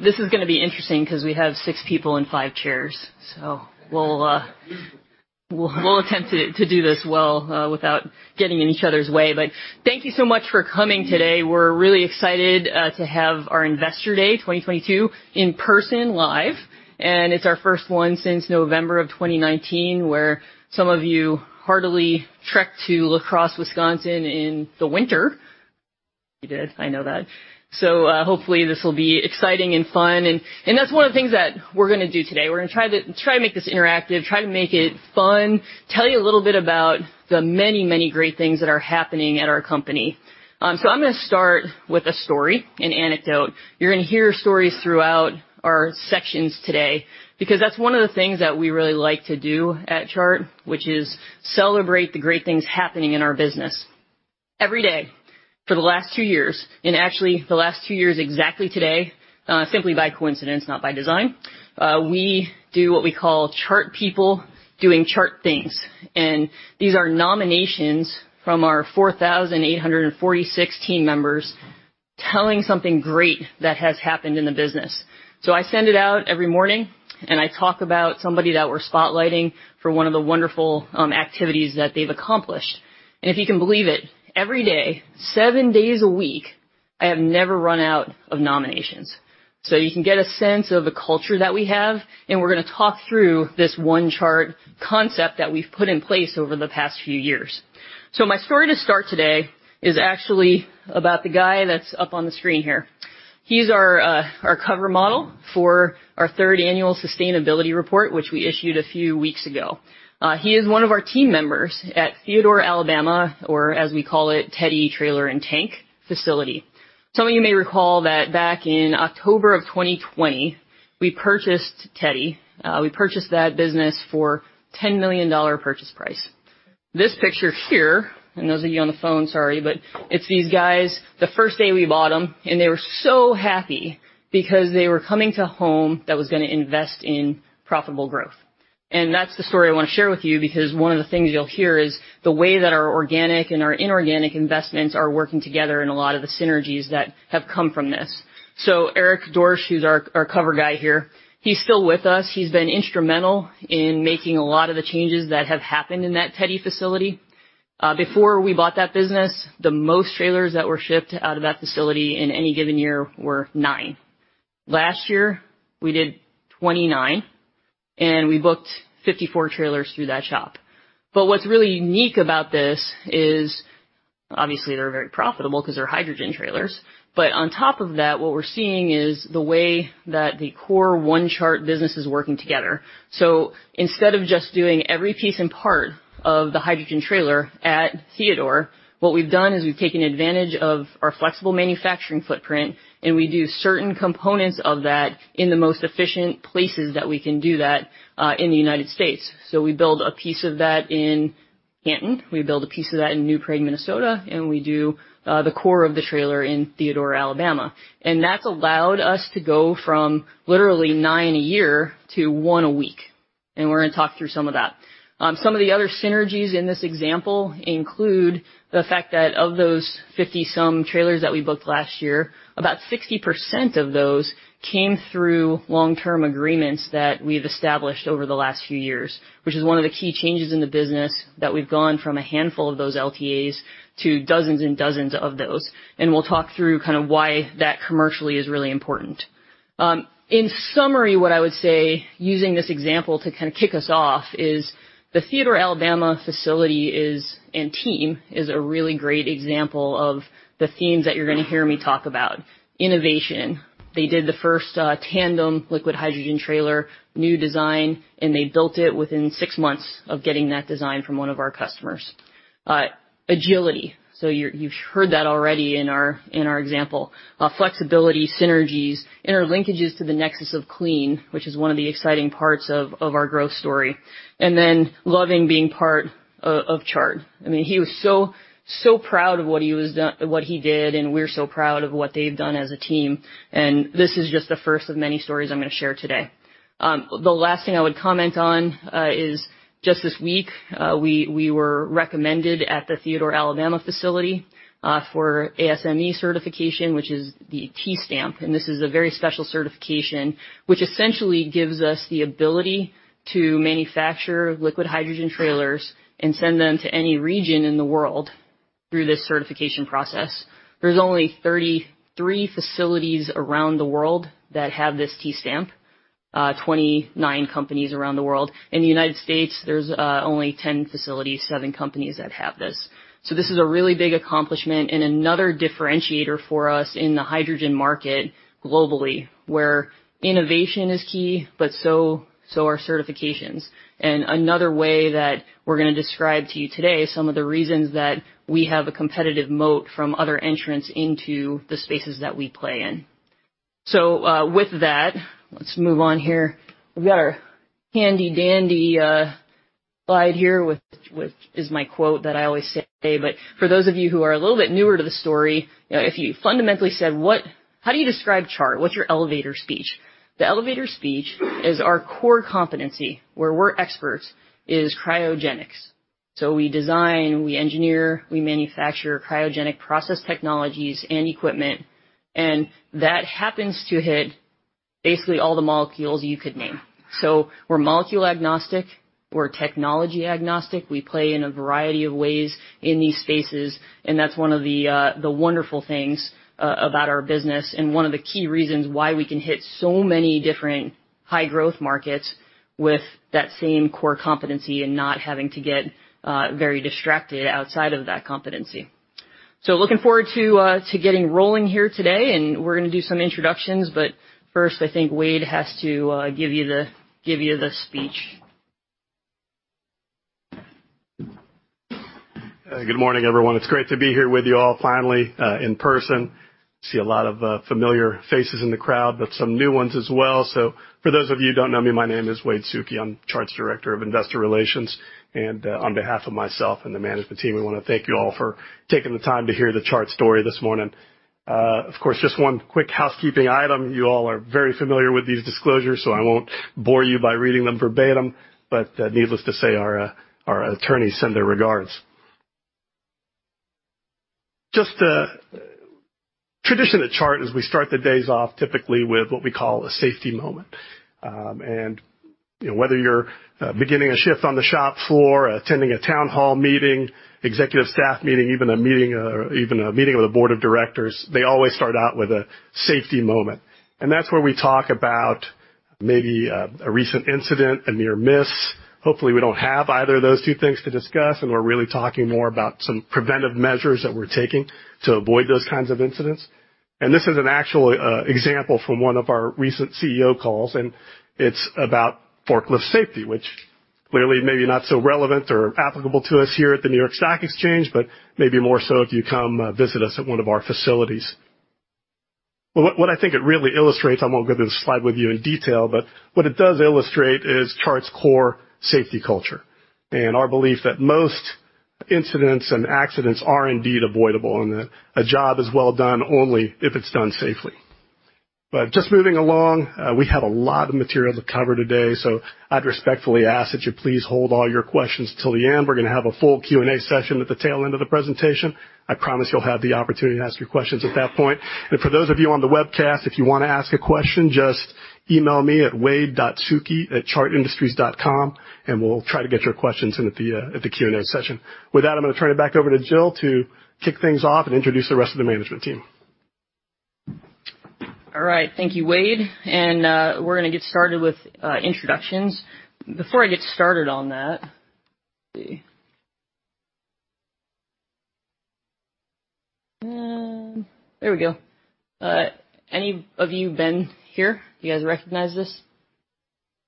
This is gonna be interesting because we have six people in five chairs. We'll attempt to do this well without getting in each other's way. Thank you so much for coming today. We're really excited to have our Investor Day 2022 in person live, and it's our first one since November of 2019, where some of you heartily trekked to La Crosse, Wisconsin, in the winter. You did. I know that. Hopefully this will be exciting and fun. That's one of the things that we're gonna do today. We're gonna try to make this interactive, try to make it fun, tell you a little bit about the many, many great things that are happening at our company. I'm gonna start with a story, an anecdote. You're gonna hear stories throughout our sections today because that's one of the things that we really like to do at Chart, which is celebrate the great things happening in our business. Every day for the last two years, and actually the last two years exactly today, simply by coincidence, not by design, we do what we call Chart people doing Chart things. These are nominations from our 4,846 team members telling something great that has happened in the business. I send it out every morning, and I talk about somebody that we're spotlighting for one of the wonderful activities that they've accomplished. If you can believe it, every day, seven days a week, I have never run out of nominations. You can get a sense of the culture that we have, and we're gonna talk through this One Chart concept that we've put in place over the past few years. My story to start today is actually about the guy that's up on the screen here. He's our cover model for our third annual sustainability report, which we issued a few weeks ago. He is one of our team members at Theodore, Alabama, or as we call it, Teddy Trailer & Tank facility. Some of you may recall that back in October of 2020, we purchased Teddy. We purchased that business for $10 million purchase price. This picture here, and those of you on the phone, sorry, but it's these guys the first day we bought them, and they were so happy because they were coming to home that was gonna invest in profitable growth. That's the story I want to share with you because one of the things you'll hear is the way that our organic and our inorganic investments are working together in a lot of the synergies that have come from this. Eric Dorsch, who's our cover guy here, he's still with us. He's been instrumental in making a lot of the changes that have happened in that Teddy facility. Before we bought that business, the most trailers that were shipped out of that facility in any given year were nine. Last year, we did 29, and we booked 54 trailers through that shop. What's really unique about this is obviously they're very profitable 'cause they're hydrogen trailers, but on top of that what we're seeing is the way that the core one Chart business is working together. Instead of just doing every piece and part of the hydrogen trailer at Theodore, what we've done is we've taken advantage of our flexible manufacturing footprint, and we do certain components of that in the most efficient places that we can do that in the United States. We build a piece of that in Canton, we build a piece of that in New Prague, Minnesota, and we do the core of the trailer in Theodore, Alabama. That's allowed us to go from literally nine a year to one a week, and we're gonna talk through some of that. Some of the other synergies in this example include the fact that of those 50-some trailers that we booked last year, about 60% of those came through long-term agreements that we've established over the last few years, which is one of the key changes in the business that we've gone from a handful of those LTAs to dozens and dozens of those. We'll talk through kind of why that commercially is really important. In summary, what I would say using this example to kind of kick us off is the Theodore, Alabama facility and team is a really great example of the themes that you're gonna hear me talk about. Innovation. They did the first tandem liquid hydrogen trailer new design, and they built it within six months of getting that design from one of our customers. Agility. You've heard that already in our example. Flexibility, synergies, interlinkages to the Nexus of Clean, which is one of the exciting parts of our growth story. Then loving being part of Chart. I mean, he was so proud of what he did, and we're so proud of what they've done as a team, and this is just the first of many stories I'm gonna share today. The last thing I would comment on is just this week, we were recommended at the Theodore, Alabama facility for ASME certification, which is the T stamp, and this is a very special certification which essentially gives us the ability to manufacture liquid hydrogen trailers and send them to any region in the world through this certification process. There's only 33 facilities around the world that have this U stamp, 29 companies around the world. In the United States, there's only 10 facilities, seven companies that have this. This is a really big accomplishment and another differentiator for us in the hydrogen market globally, where innovation is key, but so are certifications. Another way that we're gonna describe to you today some of the reasons that we have a competitive moat from other entrants into the spaces that we play in. With that, let's move on here. We've got our handy dandy slide here with, which is my quote that I always say, but for those of you who are a little bit newer to the story, you know, if you fundamentally said how do you describe Chart? What's your elevator speech? The elevator speech is our core competency where we're experts is cryogenics. We design, we engineer, we manufacture cryogenic process technologies and equipment, and that happens to hit basically all the molecules you could name. We're molecule-agnostic, we're technology-agnostic. We play in a variety of ways in these spaces, and that's one of the wonderful things about our business and one of the key reasons why we can hit so many different high growth markets with that same core competency and not having to get very distracted outside of that competency. Looking forward to getting rolling here today, and we're gonna do some introductions, but first, I think Wade has to give you the speech. Good morning, everyone. It's great to be here with you all finally, in person. See a lot of familiar faces in the crowd, but some new ones as well. So for those of you who don't know me, my name is Wade Suki. I'm Chart's Director of Investor Relations. On behalf of myself and the management team, we wanna thank you all for taking the time to hear the Chart story this morning. Of course, just one quick housekeeping item. You all are very familiar with these disclosures, so I won't bore you by reading them verbatim. But needless to say, our attorneys send their regards. Just, tradition at Chart is we start the days off typically with what we call a safety moment. You know, whether you're beginning a shift on the shop floor, attending a town hall meeting, executive staff meeting, even a meeting with a board of directors, they always start out with a safety moment. That's where we talk about maybe a recent incident, a near miss. Hopefully, we don't have either of those two things to discuss, and we're really talking more about some preventive measures that we're taking to avoid those kinds of incidents. This is an actual example from one of our recent CEO calls, and it's about forklift safety, which clearly may be not so relevant or applicable to us here at the New York Stock Exchange, but maybe more so if you come visit us at one of our facilities. What I think it really illustrates, I won't go through the slide with you in detail, but what it does illustrate is Chart's core safety culture and our belief that most incidents and accidents are indeed avoidable, and that a job is well done only if it's done safely. Just moving along, we have a lot of material to cover today, so I'd respectfully ask that you please hold all your questions till the end. We're gonna have a full Q&A session at the tail end of the presentation. I promise you'll have the opportunity to ask your questions at that point. For those of you on the webcast, if you wanna ask a question, just email me at wade.suki@chartindustries.com, and we'll try to get your questions in at the Q&A session. With that, I'm gonna turn it back over to Jill to kick things off and introduce the rest of the management team. All right. Thank you, Wade. We're gonna get started with introductions. Before I get started on that. Let's see. There we go. Any of you been here? You guys recognize this?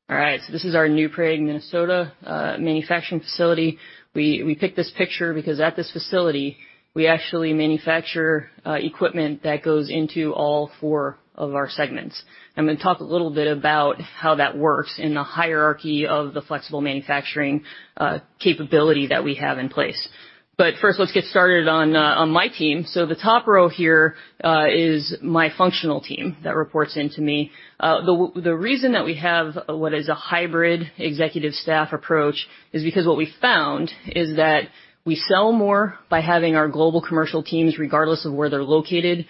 All right. So this is our New Prague, Minnesota, manufacturing facility. We picked this picture because at this facility we actually manufacture equipment that goes into all four of our segments. I'm gonna talk a little bit about how that works in the hierarchy of the flexible manufacturing capability that we have in place. First, let's get started on my team. The top row here is my functional team that reports into me. The reason that we have what is a hybrid executive staff approach is because what we found is that we sell more by having our global commercial teams, regardless of where they're located,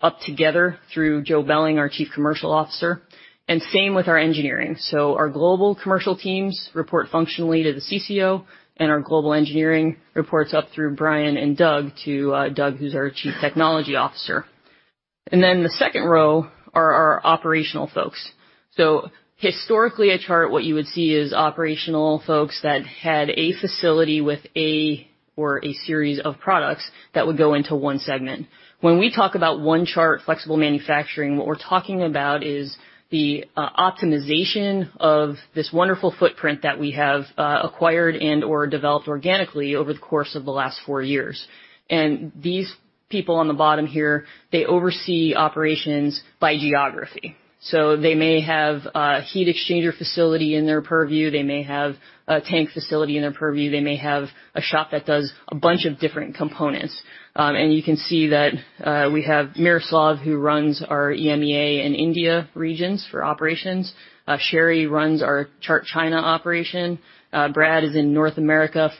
report up together through Joe Belling, our Chief Commercial Officer, and same with our engineering. Our global commercial teams report functionally to the CCO, and our global engineering reports up through Brian and Doug to Doug, who's our Chief Technology Officer. The second row are our operational folks. Historically at Chart, what you would see is operational folks that had a facility with a or a series of products that would go into one segment. When we talk about One Chart flexible manufacturing, what we're talking about is the optimization of this wonderful footprint that we have acquired and/or developed organically over the course of the last four years. These people on the bottom here, they oversee operations by geography. They may have a heat exchanger facility in their purview. They may have a tank facility in their purview. They may have a shop that does a bunch of different components. You can see that we have Miroslav, who runs our EMEA and India regions for operations. Sherry runs our Chart China operation. Brad is in North America.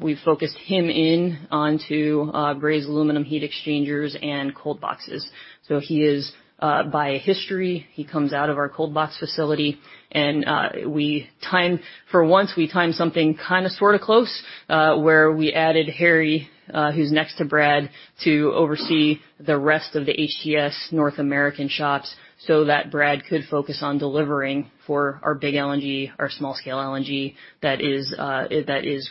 We focused him onto brazed aluminum heat exchangers and cold boxes. He is, by history, he comes out of our cold box facility. For once, we timed something kinda sorta close, where we added Harry, who's next to Brad, to oversee the rest of the HTS North American shops so that Brad could focus on delivering for our big LNG, our small scale LNG that is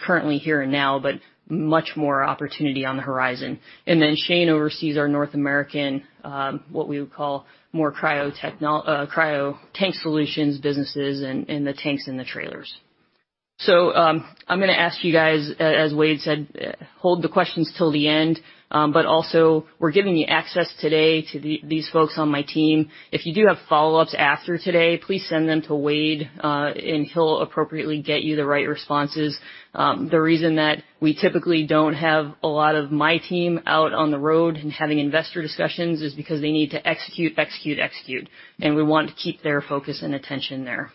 currently here and now, but much more opportunity on the horizon. Shane oversees our North American, what we would call more cryo tank solutions businesses and the tanks and the trailers. I'm gonna ask you guys, as Wade said, hold the questions till the end. We're giving you access today to these folks on my team. If you do have follow-ups after today, please send them to Wade, and he'll appropriately get you the right responses. The reason that we typically don't have a lot of my team out on the road and having investor discussions is because they need to execute, and we want to keep their focus and attention there.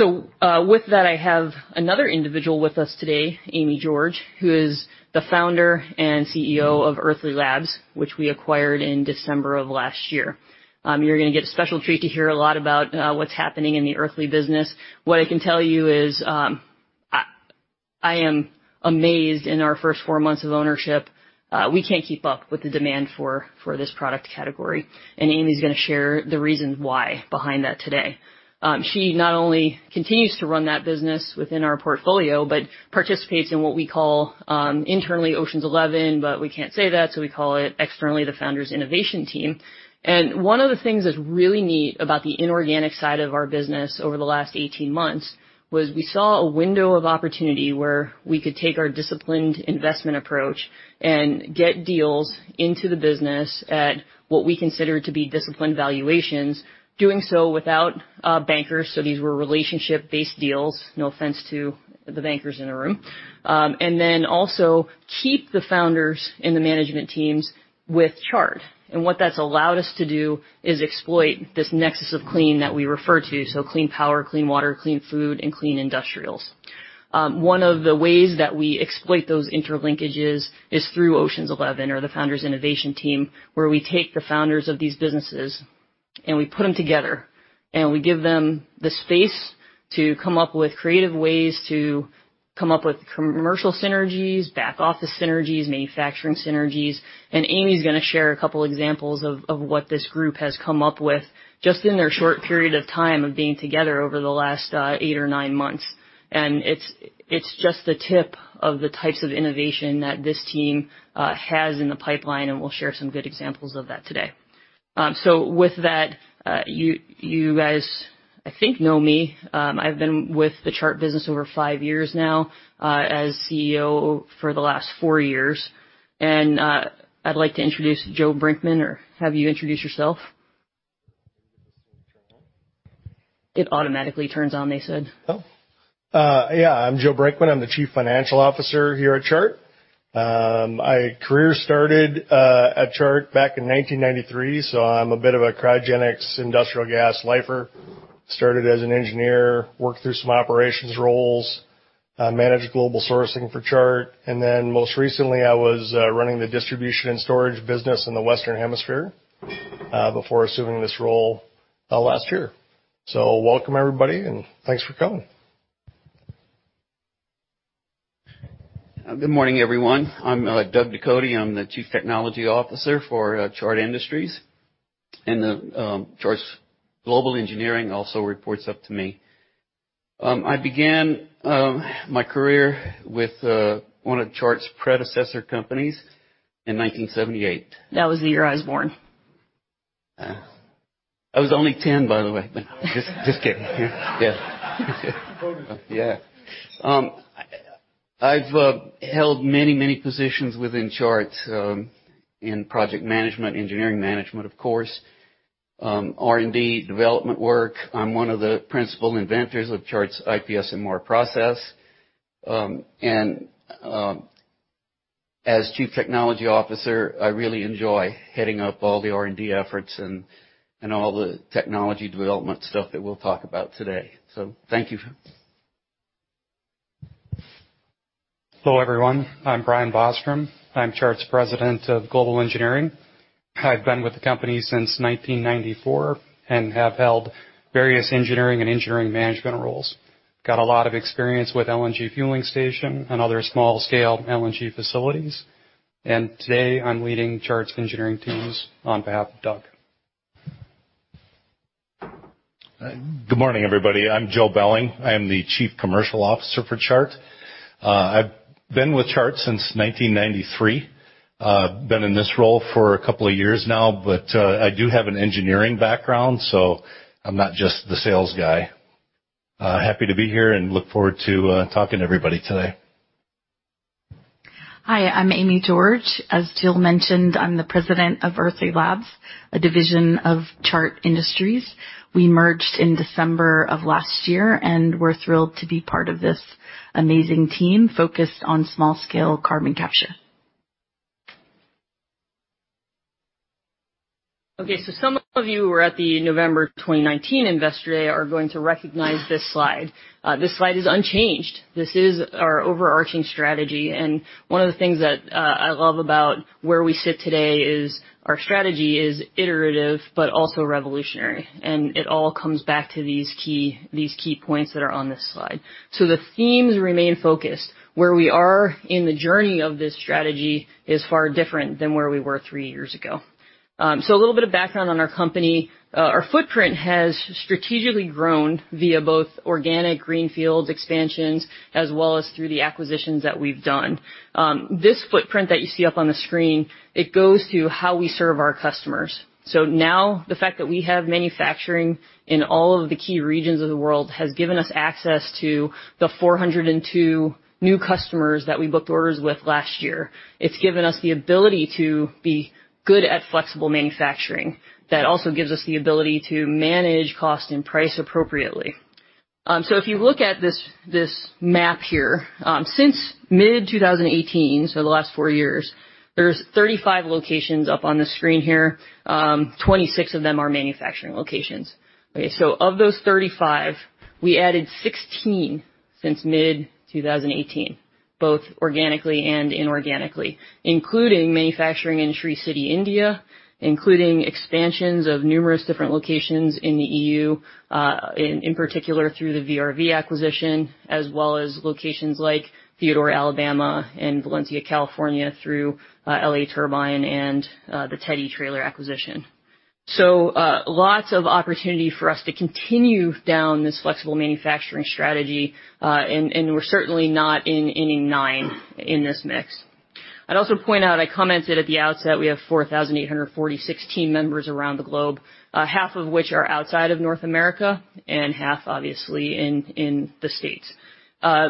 With that, I have another individual with us today, Amy George, who is the founder and CEO of Earthly Labs, which we acquired in December of last year. You're gonna get a special treat to hear a lot about what's happening in the Earthly business. What I can tell you is, I am amazed in our first four months of ownership, we can't keep up with the demand for this product category. Amy's gonna share the reasons why behind that today. She not only continues to run that business within our portfolio but participates in what we call internally Oceans Eleven, but we can't say that, so we call it externally the Founder's Innovation Team. One of the things that's really neat about the inorganic side of our business over the last 18 months was we saw a window of opportunity where we could take our disciplined investment approach and get deals into the business at what we consider to be disciplined valuations, doing so without bankers. These were relationship-based deals. No offense to the bankers in the room. Then also keep the founders and the management teams with Chart. What that's allowed us to do is exploit this Nexus of Clean that we refer to. Clean power, clean water, clean food, and clean industrials. One of the ways that we exploit those interlinkages is through Oceans Eleven or the Founder's Innovation Team, where we take the founders of these businesses and we put them together, and we give them the space to come up with creative ways to come up with commercial synergies, back office synergies, manufacturing synergies. Amy's gonna share a couple examples of what this group has come up with just in their short period of time of being together over the last eight or nine months. It's just the tip of the types of innovation that this team has in the pipeline, and we'll share some good examples of that today. With that, you guys, I think, know me. I've been with the Chart business over five years now, as CEO for the last four years. I'd like to introduce Joe Brinkman or have you introduce yourself. It automatically turns on, they said. Yeah, I'm Joe Brinkman. I'm the Chief Financial Officer here at Chart. My career started at Chart back in 1993, so I'm a bit of a cryogenics industrial gas lifer. Started as an engineer, worked through some operations roles, managed global sourcing for Chart, and then most recently I was running the distribution and storage business in the Western Hemisphere before assuming this role last year. Welcome, everybody, and thanks for coming. Good morning, everyone. I'm Douglas Ducote. I'm the Chief Technology Officer for Chart Industries, and Chart's Global Engineering also reports up to me. I began my career with one of Chart's predecessor companies in 1978. That was the year I was born. I was only ten, by the way. Just kidding. Yeah. Yeah. I've held many positions within Chart, in project management, engineering management, of course, R&D development work. I'm one of the principal inventors of Chart's IPSMR process. As Chief Technology Officer, I really enjoy heading up all the R&D efforts and all the technology development stuff that we'll talk about today. Thank you. Hello, everyone. I'm Brian Bostrom. I'm Chart's President of Global Engineering. I've been with the company since 1994 and have held various engineering and engineering management roles. Got a lot of experience with LNG fueling station and other small-scale LNG facilities. Today, I'm leading Chart's engineering teams on behalf of Doug. Good morning, everybody. I'm Joe Belling. I am the Chief Commercial Officer for Chart. I've been with Chart since 1993. Been in this role for a couple of years now, but I do have an engineering background, so I'm not just the sales guy. Happy to be here and look forward to talking to everybody today. Hi, I'm Amy George. As Jill mentioned, I'm the president of Earthly Labs, a division of Chart Industries. We merged in December of last year, and we're thrilled to be part of this amazing team focused on small-scale carbon capture. Okay. Some of you who were at the November 2019 Investor Day are going to recognize this slide. This slide is unchanged. This is our overarching strategy, and one of the things that I love about where we sit today is our strategy is iterative but also revolutionary. It all comes back to these key points that are on this slide. The themes remain focused. Where we are in the journey of this strategy is far different than where we were three years ago. A little bit of background on our company. Our footprint has strategically grown via both organic greenfield expansions as well as through the acquisitions that we've done. This footprint that you see up on the screen, it goes to how we serve our customers. Now the fact that we have manufacturing in all of the key regions of the world has given us access to the 402 new customers that we booked orders with last year. It's given us the ability to be good at flexible manufacturing. That also gives us the ability to manage cost and price appropriately. If you look at this map here, since mid-2018, the last four years, there's 35 locations up on the screen here, 26 of them are manufacturing locations. Okay. Of those 35, we added 16 since mid-2018. Both organically and inorganically, including manufacturing in Sri City, India, including expansions of numerous different locations in the EU, in particular through the VRV acquisition, as well as locations like Theodore, Alabama and Valencia, California through L.A. Turbine and the Teddy trailer acquisition. Lots of opportunity for us to continue down this flexible manufacturing strategy, and we're certainly not in inning nine in this mix. I'd also point out, I commented at the outset, we have 4,846 team members around the globe, half of which are outside of North America and half obviously in the States.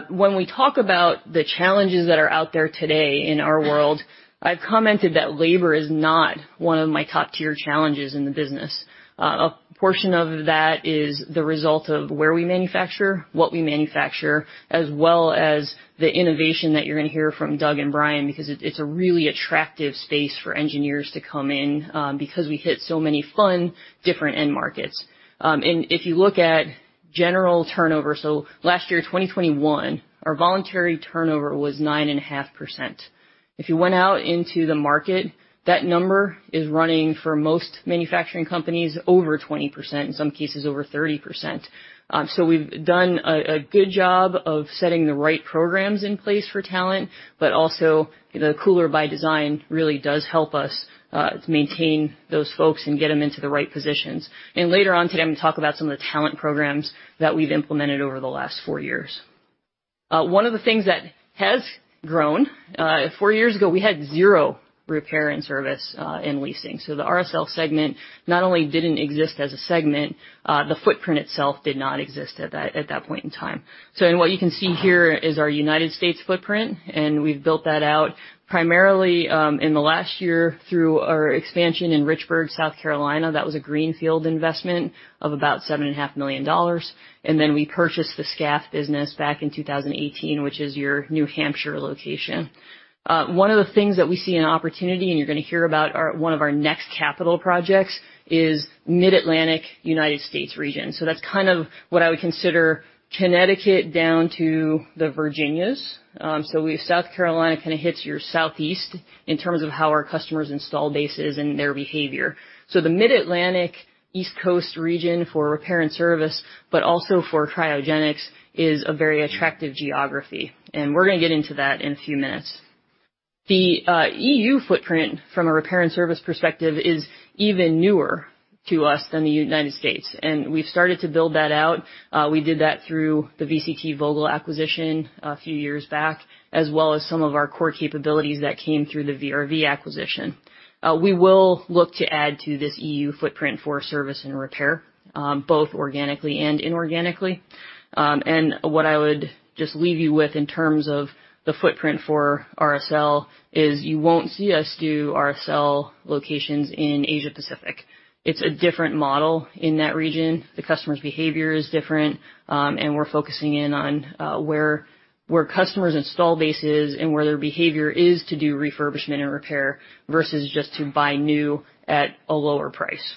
When we talk about the challenges that are out there today in our world, I've commented that labor is not one of my top-tier challenges in the business. A portion of that is the result of where we manufacture, what we manufacture, as well as the innovation that you're gonna hear from Doug and Brian, because it's a really attractive space for engineers to come in, because we hit so many fun, different end markets. If you look at general turnover, last year, 2021, our voluntary turnover was 9.5%. If you went out into the market, that number is running for most manufacturing companies over 20%, in some cases over 30%. We've done a good job of setting the right programs in place for talent, but also the Cooler by Design really does help us maintain those folks and get them into the right positions. Later on today, I'm gonna talk about some of the talent programs that we've implemented over the last four years. One of the things that has grown, four years ago, we had zero repair and service in leasing. The RSL segment not only didn't exist as a segment, the footprint itself did not exist at that point in time. What you can see here is our United States footprint, and we've built that out primarily in the last year through our expansion in Richburg, South Carolina. That was a greenfield investment of about $7.5 million. Then we purchased the Skaff business back in 2018, which is your New Hampshire location. One of the things that we see an opportunity, and you're gonna hear about one of our next capital projects is Mid-Atlantic United States region. That's kind of what I would consider Connecticut down to the Virginias. South Carolina kind of hits your southeast in terms of how our customers installed bases and their behavior. The Mid-Atlantic East Coast region for repair and service, but also for cryogenics, is a very attractive geography, and we're gonna get into that in a few minutes. The EU footprint from a repair and service perspective is even newer to us than the United States, and we've started to build that out. We did that through the VCT Vogel acquisition a few years back, as well as some of our core capabilities that came through the VRV acquisition. We will look to add to this EU footprint for service and repair, both organically and inorganically. What I would just leave you with in terms of the footprint for RSL is you won't see us do RSL locations in Asia-Pacific. It's a different model in that region. The customer's behavior is different, and we're focusing in on where customers installed bases and where their behavior is to do refurbishment and repair versus just to buy new at a lower price.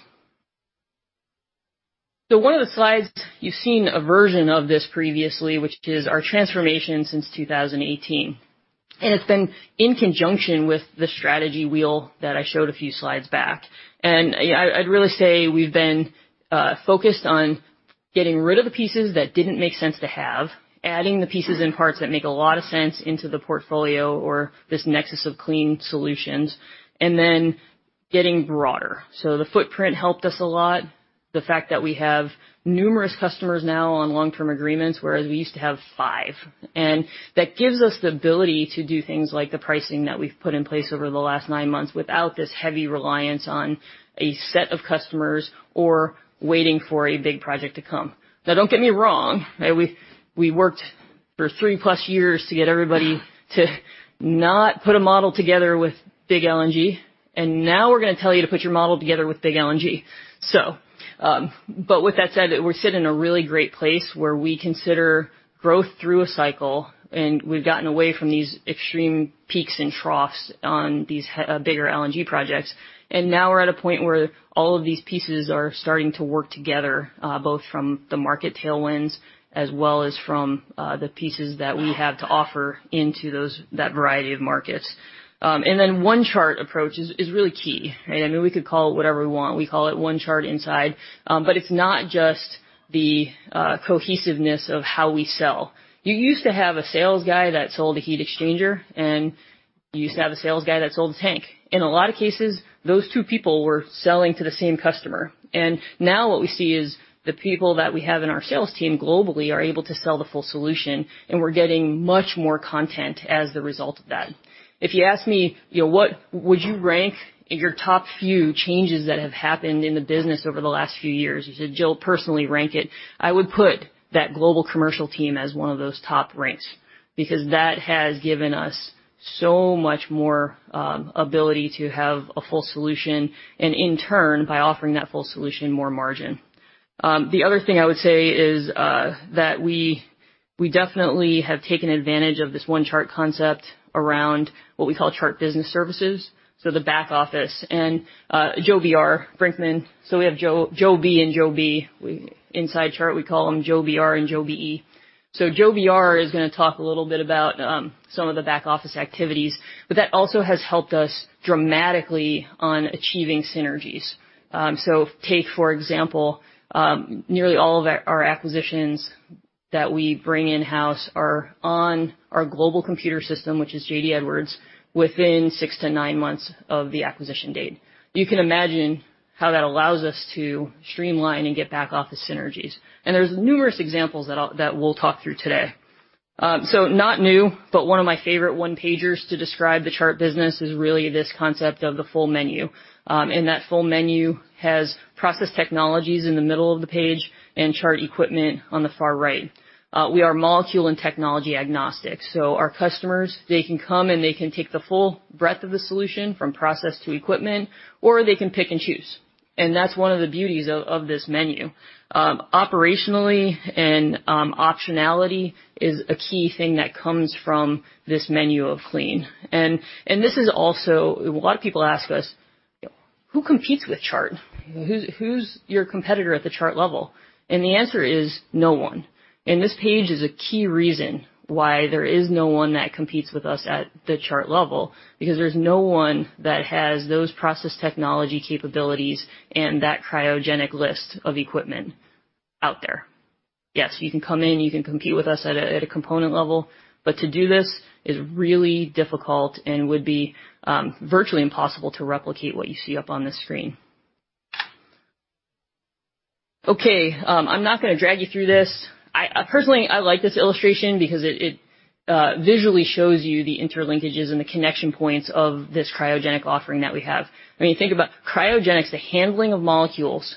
One of the slides, you've seen a version of this previously, which is our transformation since 2018. It's been in conjunction with the strategy wheel that I showed a few slides back. I'd really say we've been focused on getting rid of the piec es that didn't make sense to have, adding the pieces and parts that make a lot of sense into the portfolio or this Nexus of Clean solutions, and then getting broader. The footprint helped us a lot. The fact that we have numerous customers now on long-term agreements, whereas we used to have five. That gives us the ability to do things like the pricing that we've put in place over the last nine months without this heavy reliance on a set of customers or waiting for a big project to come. Now, don't get me wrong, right? We worked for three plus years to get everybody to not put a model together with big LNG, and now we're gonna tell you to put your model together with big LNG. But with that said, we sit in a really great place where we consider growth through a cycle, and we've gotten away from these extreme peaks and troughs on these bigger LNG projects. Now we're at a point where all of these pieces are starting to work together, both from the market tailwinds as well as from the pieces that we have to offer into those, that variety of markets. Then One Chart approach is really key, right? I mean, we could call it whatever we want. We call it One Chart inside. It's not just the cohesiveness of how we sell. You used to have a sales guy that sold a heat exchanger, and you used to have a sales guy that sold a tank. In a lot of cases, those two people were selling to the same customer. Now what we see is the people that we have in our sales team globally are able to sell the full solution, and we're getting much more content as the result of that. If you ask me, you know, what would you rank your top few changes that have happened in the business over the last few years? You said, Jill, personally rank it. I would put that global commercial team as one of those top ranks because that has given us so much more ability to have a full solution and in turn, by offering that full solution, more margin. The other thing I would say is that we definitely have taken advantage of this One Chart concept around what we call Chart Business Services, so the back office. Joe BR, Brinkman. We have Joe B and Joe BE. Inside Chart, we call him Joe BR and Joe BE. Joe BR is gonna talk a little bit about some of the back-office activities, but that also has helped us dramatically on achieving synergies. Take, for example, nearly all of our acquisitions that we bring in-house are on our global computer system, which is J.D. Edwards, within six to nine months of the acquisition date. You can imagine how that allows us to streamline and get back-office synergies. There's numerous examples that we'll talk through today. Not new, but one of my favorite one-pagers to describe the Chart business is really this concept of the full menu. That full menu has process technologies in the middle of the page and Chart equipment on the far right. We are molecule and technology agnostic, so our customers, they can come, and they can take the full breadth of the solution from process to equipment, or they can pick and choose. That's one of the beauties of this menu. Operationally and optionality is a key thing that comes from this menu of clean. This is also a lot of people ask us: Who competes with Chart? Who's your competitor at the Chart level? The answer is no one. This page is a key reason why there is no one that competes with us at the Chart level because there's no one that has those process technology capabilities and that cryogenic list of equipment out there. Yes, you can come in, you can compete with us at a component level, but to do this is really difficult and would be virtually impossible to replicate what you see up on this screen. Okay, I'm not gonna drag you through this. Personally, I like this illustration because it visually shows you the interlinkages and the connection points of this cryogenic offering that we have. When you think about cryogenics, the handling of molecules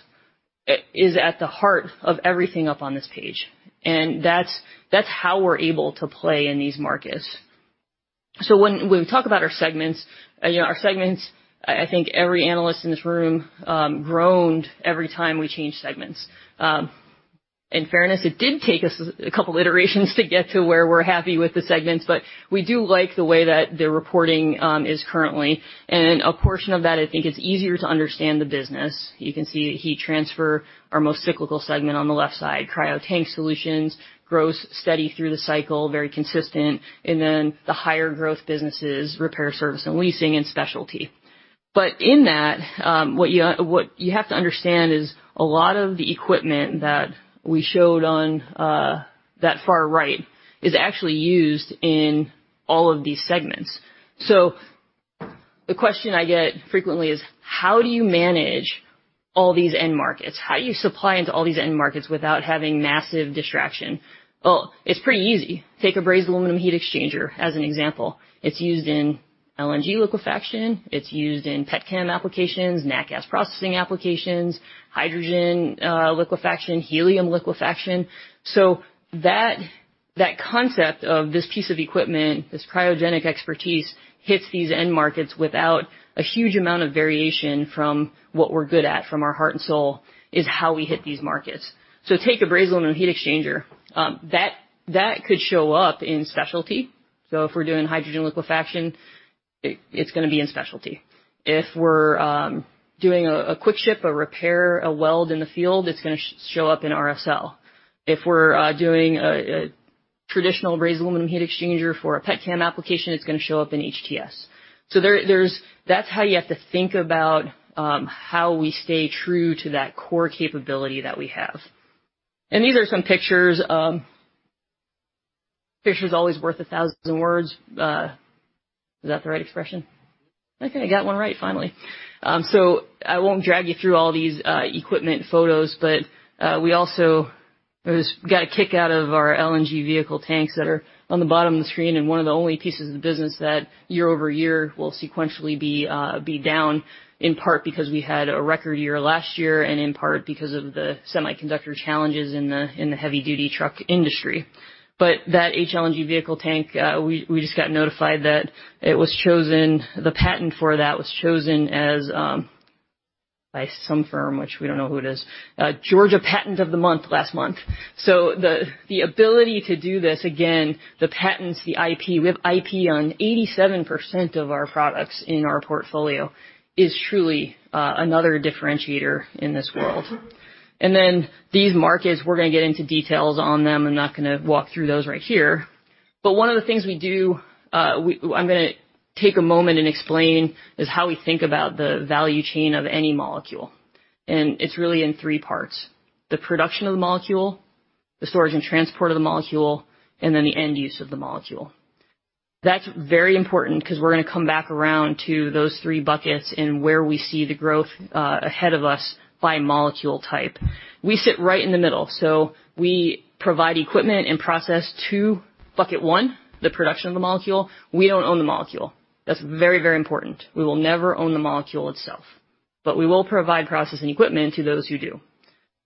is at the heart of everything up on this page, and that's how we're able to play in these markets. When we talk about our segments, you know, our segments, I think every analyst in this room groaned every time we changed segments. In fairness, it did take us a couple iterations to get to where we're happy with the segments, but we do like the way that the reporting is currently. A portion of that I think is easier to understand the business. You can see Heat Transfer, our most cyclical segment on the left side. Cryo Tank Solutions, growth steady through the cycle, very consistent. Then the higher growth businesses, Repair, Service and Leasing and Specialty. In that, what you have to understand is a lot of the equipment that we showed on that far right is actually used in all of these segments. The question I get frequently is, "How do you manage all these end markets? How do you supply into all these end markets without having massive distraction?" Well, it's pretty easy. Take a brazed aluminum heat exchanger as an example. It's used in LNG liquefaction. It's used in petchem applications, nat gas processing applications, hydrogen liquefaction, helium liquefaction. That concept of this piece of equipment, this cryogenic expertise, hits these end markets without a huge amount of variation from what we're good at, from our heart and soul, is how we hit these markets. Take a brazed aluminum heat exchanger. That could show up in specialty. If we're doing hydrogen liquefaction, it's gonna be in specialty. If we're doing a quick ship, a repair, a weld in the field, it's gonna show up in RSL. If we're doing a traditional brazed aluminum heat exchanger for a petchem application, it's gonna show up in HTS. That's how you have to think about how we stay true to that core capability that we have. These are some pictures. A picture is always worth a thousand words. Is that the right expression? Okay, I got one right, finally. I won't drag you through all these equipment photos, but we also got a kick out of our LNG vehicle tanks that are on the bottom of the screen and one of the only pieces of the business that year-over-year will sequentially be down in part because we had a record year last year and in part because of the semiconductor challenges in the heavy-duty truck industry. That HLNG vehicle tank we just got notified that it was chosen. The patent for that was chosen as by some firm which we don't know who it is, Georgia Patent of the Month last month. The ability to do this, again, the patents, the IP, we have IP on 87% of our products in our portfolio, is truly another differentiator in this world. These markets, we're gonna get into details on them. I'm not gonna walk through those right here. One of the things we do, I'm gonna take a moment and explain is how we think about the value chain of any molecule, and it's really in three parts, the production of the molecule, the storage and transport of the molecule, and then the end use of the molecule. That's very important 'cause we're gonna come back around to those three buckets and where we see the growth ahead of us by molecule type. We sit right in the middle, so we provide equipment and process to bucket one, the production of the molecule. We don't own the molecule. That's very, very important. We will never own the molecule itself, but we will provide processing equipment to those who do.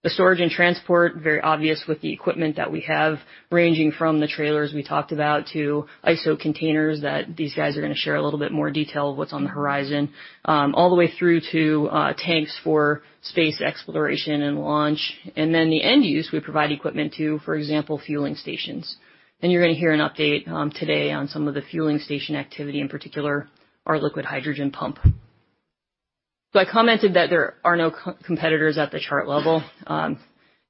The storage and transport, very obvious with the equipment that we have, ranging from the trailers we talked about to ISO containers, that these guys are gonna share a little bit more detail of what's on the horizon, all the way through to tanks for space exploration and launch. The end use, we provide equipment to, for example, fueling stations. You're gonna hear an update today on some of the fueling station activity, in particular our liquid hydrogen pump. I commented that there are no competitors at the Chart level.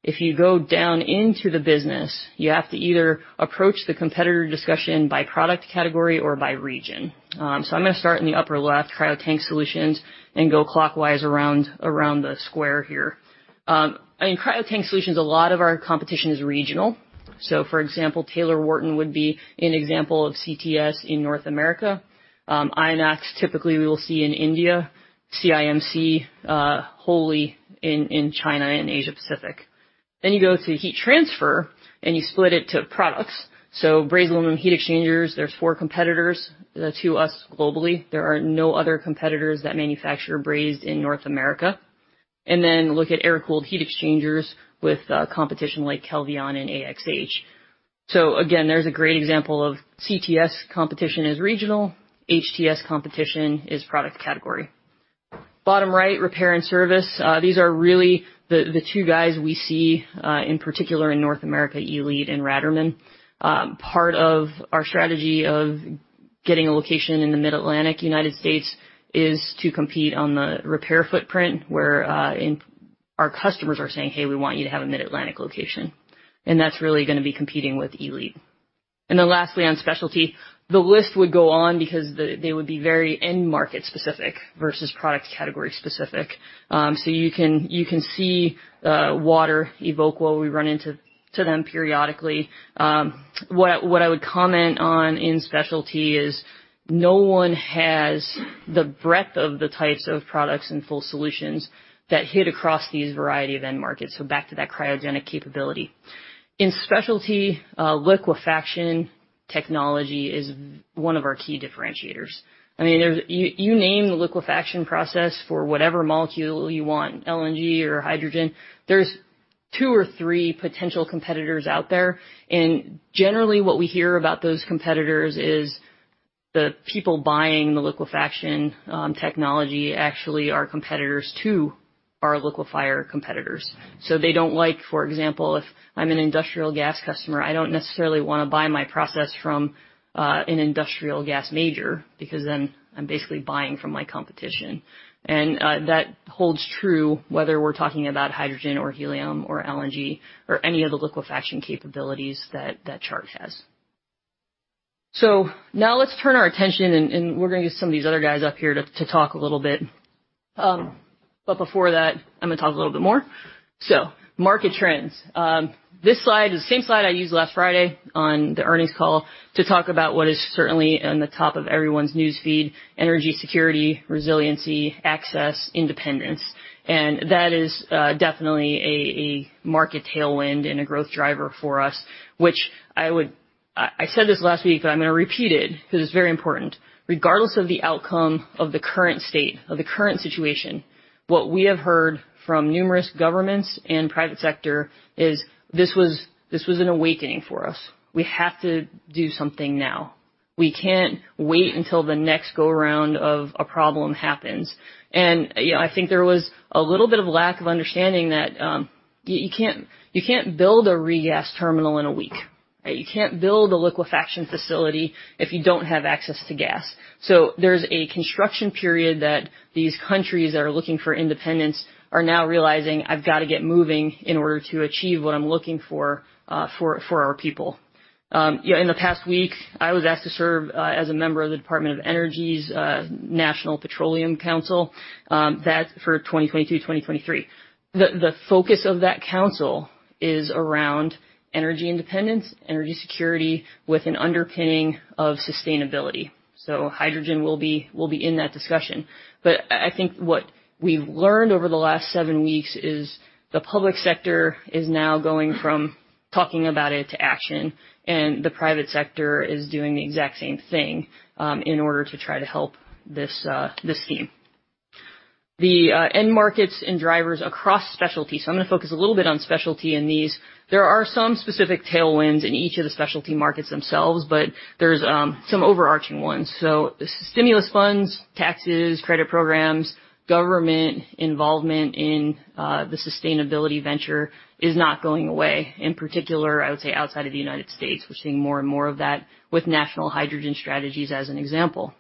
If you go down into the business, you have to either approach the competitor discussion by product category or by region. I'm gonna start in the upper left, CryoTank Solutions, and go clockwise around the square here. In CryoTank Solutions, a lot of our competition is regional. For example, Taylor-Wharton would be an example of CTS in North America. INOX typically we will see in India, CIMC wholly in China and Asia-Pacific. You go to heat transfer, and you split it to products. Brazed aluminum heat exchangers, there's four competitors to us globally. There are no other competitors that manufacture brazed in North America. Look at air-cooled heat exchangers with competition like Kelvion and AXH. There's a great example of CTS competition is regional, HTS competition is product category. Bottom right, repair and service. These are really the two guys we see in particular in North America, Eleet and Ratermann. Part of our strategy of getting a location in the Mid-Atlantic United States is to compete on the repair footprint, where our customers are saying, "Hey, we want you to have a Mid-Atlantic location." That's really gonna be competing with Eleet. Lastly, on specialty, the list would go on because they would be very end market specific versus product category specific. You can see water Evoqua, we run into them periodically. What I would comment on in specialty is no one has the breadth of the types of products and full solutions that hit across these variety of end markets, so back to that cryogenic capability. In specialty, liquefaction technology is one of our key differentiators. I mean, you name the liquefaction process for whatever molecule you want, LNG or hydrogen. There's two or three potential competitors out there. Generally what we hear about those competitors is the people buying the liquefaction technology actually are competitors to our liquefier competitors. They don't like. For example, if I'm an industrial gas customer, I don't necessarily wanna buy my process from an industrial gas major because then I'm basically buying from my competition. That holds true whether we're talking about hydrogen or helium or LNG or any of the liquefaction capabilities that Chart has. Now let's turn our attention, and we're gonna get some of these other guys up here to talk a little bit. Before that, I'm gonna talk a little bit more. Market trends. This slide is the same slide I used last Friday on the earnings call to talk about what is certainly on the top of everyone's news feed, energy security, resiliency, access, independence. That is definitely a market tailwind and a growth driver for us, which I would. I said this last week, but I'm gonna repeat it because it's very important. Regardless of the outcome of the current state of the current situation, what we have heard from numerous governments and private sector is this was an awakening for us. We have to do something now. We can't wait until the next go-around of a problem happens. Yeah, I think there was a little bit of lack of understanding that you can't build a regas terminal in a week, right? You can't build a liquefaction facility if you don't have access to gas. There's a construction period that these countries that are looking for independence are now realizing, "I've got to get moving in order to achieve what I'm looking for our people." In the past week, I was asked to serve as a member of the Department of Energy's National Petroleum Council that for 2022, 2023. The focus of that council is around energy independence, energy security with an underpinning of sustainability. Hydrogen will be in that discussion. But I think what we've learned over the last seven weeks is the public sector is now going from talking about it to action, and the private sector is doing the exact same thing, in order to try to help this scheme. The end markets and drivers across specialty. I'm gonna focus a little bit on specialty in these. There are some specific tailwinds in each of the specialty markets themselves, but there's some overarching ones. Stimulus funds, taxes, credit programs, government involvement in the sustainability venture is not going away. In particular, I would say outside of the United States, we're seeing more and more of that with national hydrogen strategies as an example.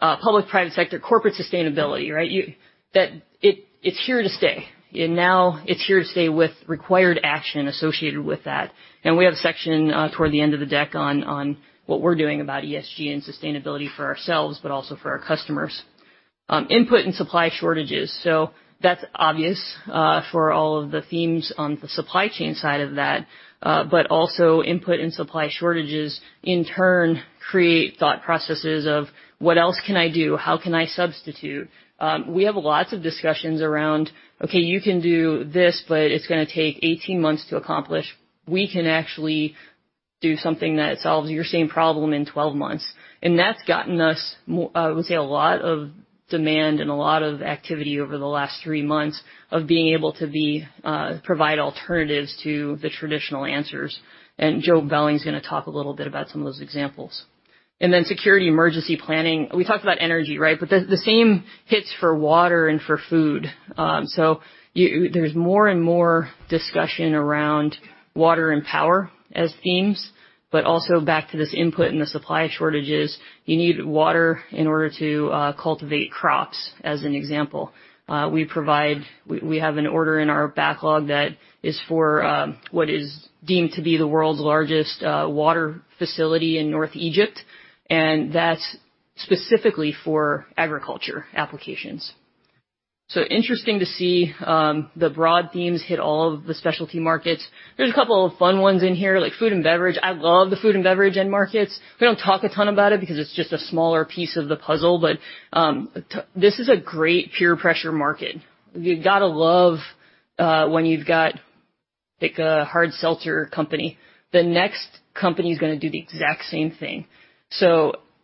Public-private sector, corporate sustainability, right? That it's here to stay, and now it's here to stay with required action associated with that. We have a section toward the end of the deck on what we're doing about ESG and sustainability for ourselves, but also for our customers. Input and supply shortages. That's obvious for all of the themes on the supply chain side of that, but also input and supply shortages in turn create thought processes of what else can I do? How can I substitute? We have lots of discussions around, okay, you can do this, but it's gonna take 18 months to accomplish. We can actually do something that solves your same problem in 12 months. That's gotten us, I would say a lot of demand and a lot of activity over the last three months of being able to provide alternatives to the traditional answers. Joe Belling's gonna talk a little bit about some of those examples. Then security emergency planning. We talked about energy, right? The same hits for water and for food. There's more and more discussion around water and power as themes, but also back to this input and the supply shortages. You need water in order to cultivate crops, as an example. We have an order in our backlog that is for what is deemed to be the world's largest water facility in north Egypt, and that's specifically for agriculture applications. Interesting to see the broad themes hit all of the specialty markets. There's a couple of fun ones in here like food and beverage. I love the food and beverage end markets. We don't talk a ton about it because it's just a smaller piece of the puzzle, but this is a great peer pressure market. You got to love when you've got like a hard seltzer company. The next company is gonna do the exact same thing.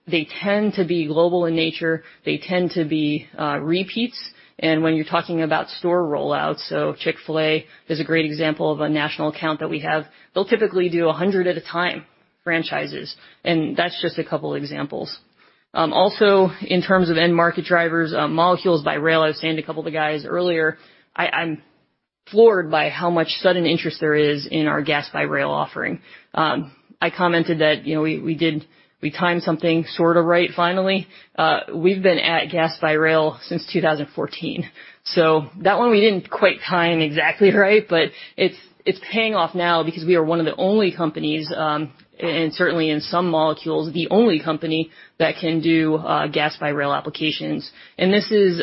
They tend to be global in nature. They tend to be repeats. When you're talking about store rollouts, Chick-fil-A is a great example of a national account that we have. They'll typically do 100 at a time, franchises, and that's just a couple examples. Also in terms of end market drivers, molecules by rail. I was saying to a couple of the guys earlier, I'm floored by how much sudden interest there is in our gas by rail offering. I commented that, you know, we timed something sort of right finally. We've been at gas by rail since 2014. That one we didn't quite time exactly right, but it's paying off now because we are one of the only companies, and certainly in some molecules, the only company that can do gas by rail applications. This is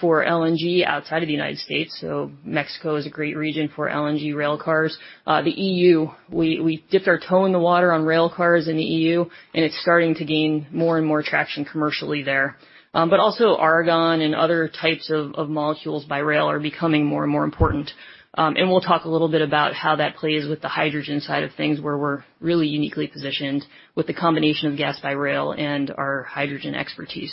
for LNG outside of the United States, so Mexico is a great region for LNG railcars. The EU, we dipped our toe in the water on railcars in the EU, and it's starting to gain more and more traction commercially there. Argon and other types of molecules by rail are becoming more and more important. We'll talk a little bit about how that plays with the hydrogen side of things, where we're really uniquely positioned with the combination of gas by rail and our hydrogen expertise.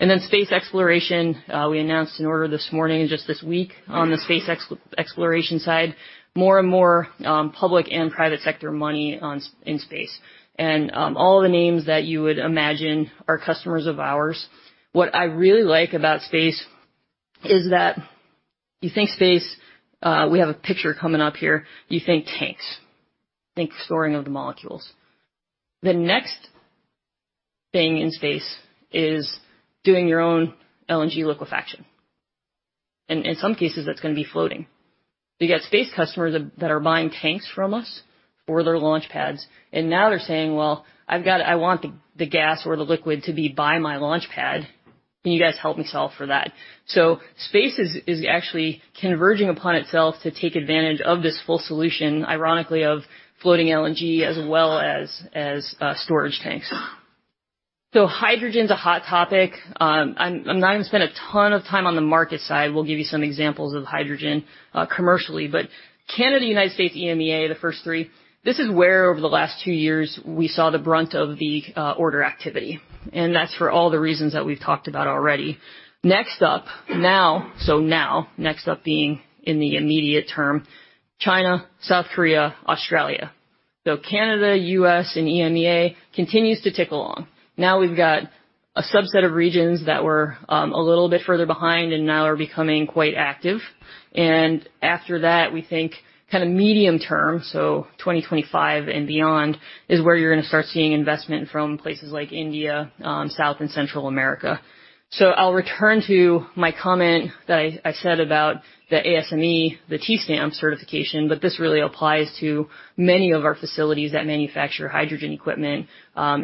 Space exploration, we announced an order this morning and just this week on the space exploration side, more and more public and private sector money in space. All the names that you would imagine are customers of ours. What I really like about space is that you think space, we have a picture coming up here. You think tanks. Think storing of the molecules. The next thing in space is doing your own LNG liquefaction. In some cases, that's gonna be floating. You get space customers that are buying tanks from us for their launch pads, and now they're saying, "Well, I want the gas or the liquid to be by my launch pad. Can you guys help me solve for that?" Space is actually converging upon itself to take advantage of this full solution, ironically of floating LNG as well as storage tanks. Hydrogen's a hot topic. I'm not gonna spend a ton of time on the market side. We'll give you some examples of hydrogen commercially. Canada, United States, EMEA, the first three, this is where over the last two years we saw the brunt of the order activity, and that's for all the reasons that we've talked about already. Next up being in the immediate term, China, South Korea, Australia. Canada, US and EMEA continues to tick along. Now we've got a subset of regions that were a little bit further behind and now are becoming quite active. After that, we think kind of medium term, so 2025 and beyond, is where you're gonna start seeing investment from places like India, South and Central America. I'll return to my comment that I said about the ASME, the U stamp certification, but this really applies to many of our facilities that manufacture hydrogen equipment,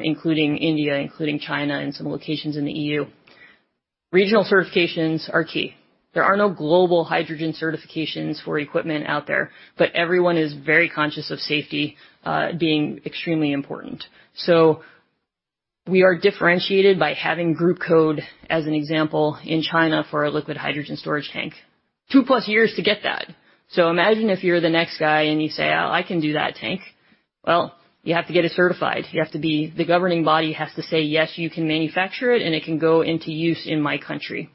including India, including China and some locations in the EU. Regional certifications are key. There are no global hydrogen certifications for equipment out there, everyone is very conscious of safety being extremely important. We are differentiated by having GB code as an example in China for a liquid hydrogen storage tank. Two plus years to get that. Imagine if you're the next guy and you say, "Oh, I can do that tank." Well, you have to get it certified. The governing body has to say, "Yes, you can manufacture it, and it can go into use in my country."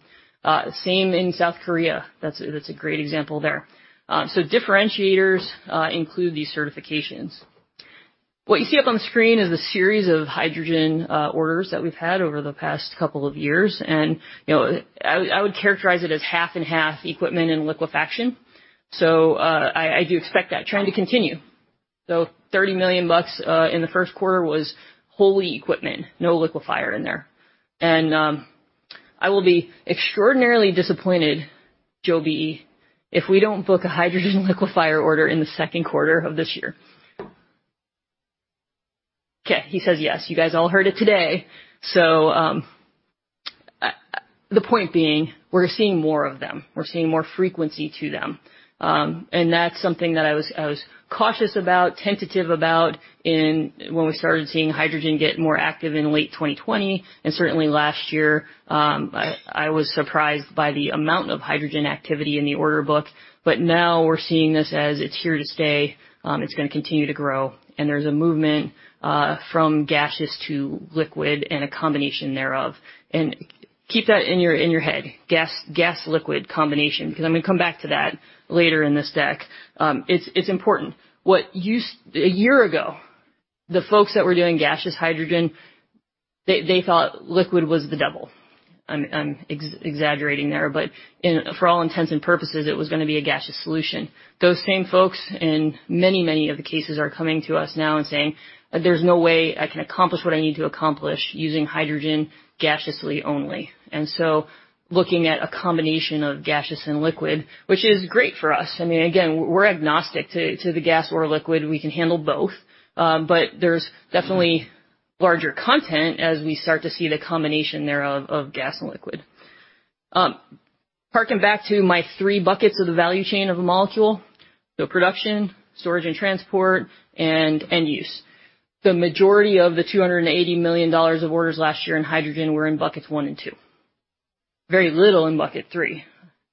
Same in South Korea. That's a great example there. So differentiators include these certifications. What you see up on the screen is a series of hydrogen orders that we've had over the past couple of years. You know, I would characterize it as half and half equipment and liquefaction. I do expect that trend to continue. $30 million in the Q1 was wholly equipment, no liquefier in there. I will be extraordinarily disappointed, Joby, if we don't book a hydrogen liquefier order in the Q2 of this year. Okay, he says, "Yes." You guys all heard it today. The point being, we're seeing more of them. We're seeing more frequency to them. That's something that I was cautious about, tentative about when we started seeing hydrogen get more active in late 2020 and certainly last year. I was surprised by the amount of hydrogen activity in the order book. Now we're seeing this as it's here to stay. It's gonna continue to grow, and there's a movement from gaseous to liquid and a combination thereof. Keep that in your head, gas-liquid combination, because I'm gonna come back to that later in this deck. It's important. A year ago, the folks that were doing gaseous hydrogen, they thought liquid was the devil. I'm exaggerating there, but in for all intents and purposes, it was gonna be a gaseous solution. Those same folks in many, many of the cases are coming to us now and saying, "There's no way I can accomplish what I need to accomplish using hydrogen gasously only." Looking at a combination of gaseous and liquid, which is great for us. I mean, again, we're agnostic to the gas or liquid. We can handle both. But there's definitely larger content as we start to see the combination there of gas and liquid. Harking back to my three buckets of the value chain of a molecule, so production, storage, and transport and end use. The majority of the $280 million of orders last year in hydrogen were in buckets one and two. Very little in bucket three.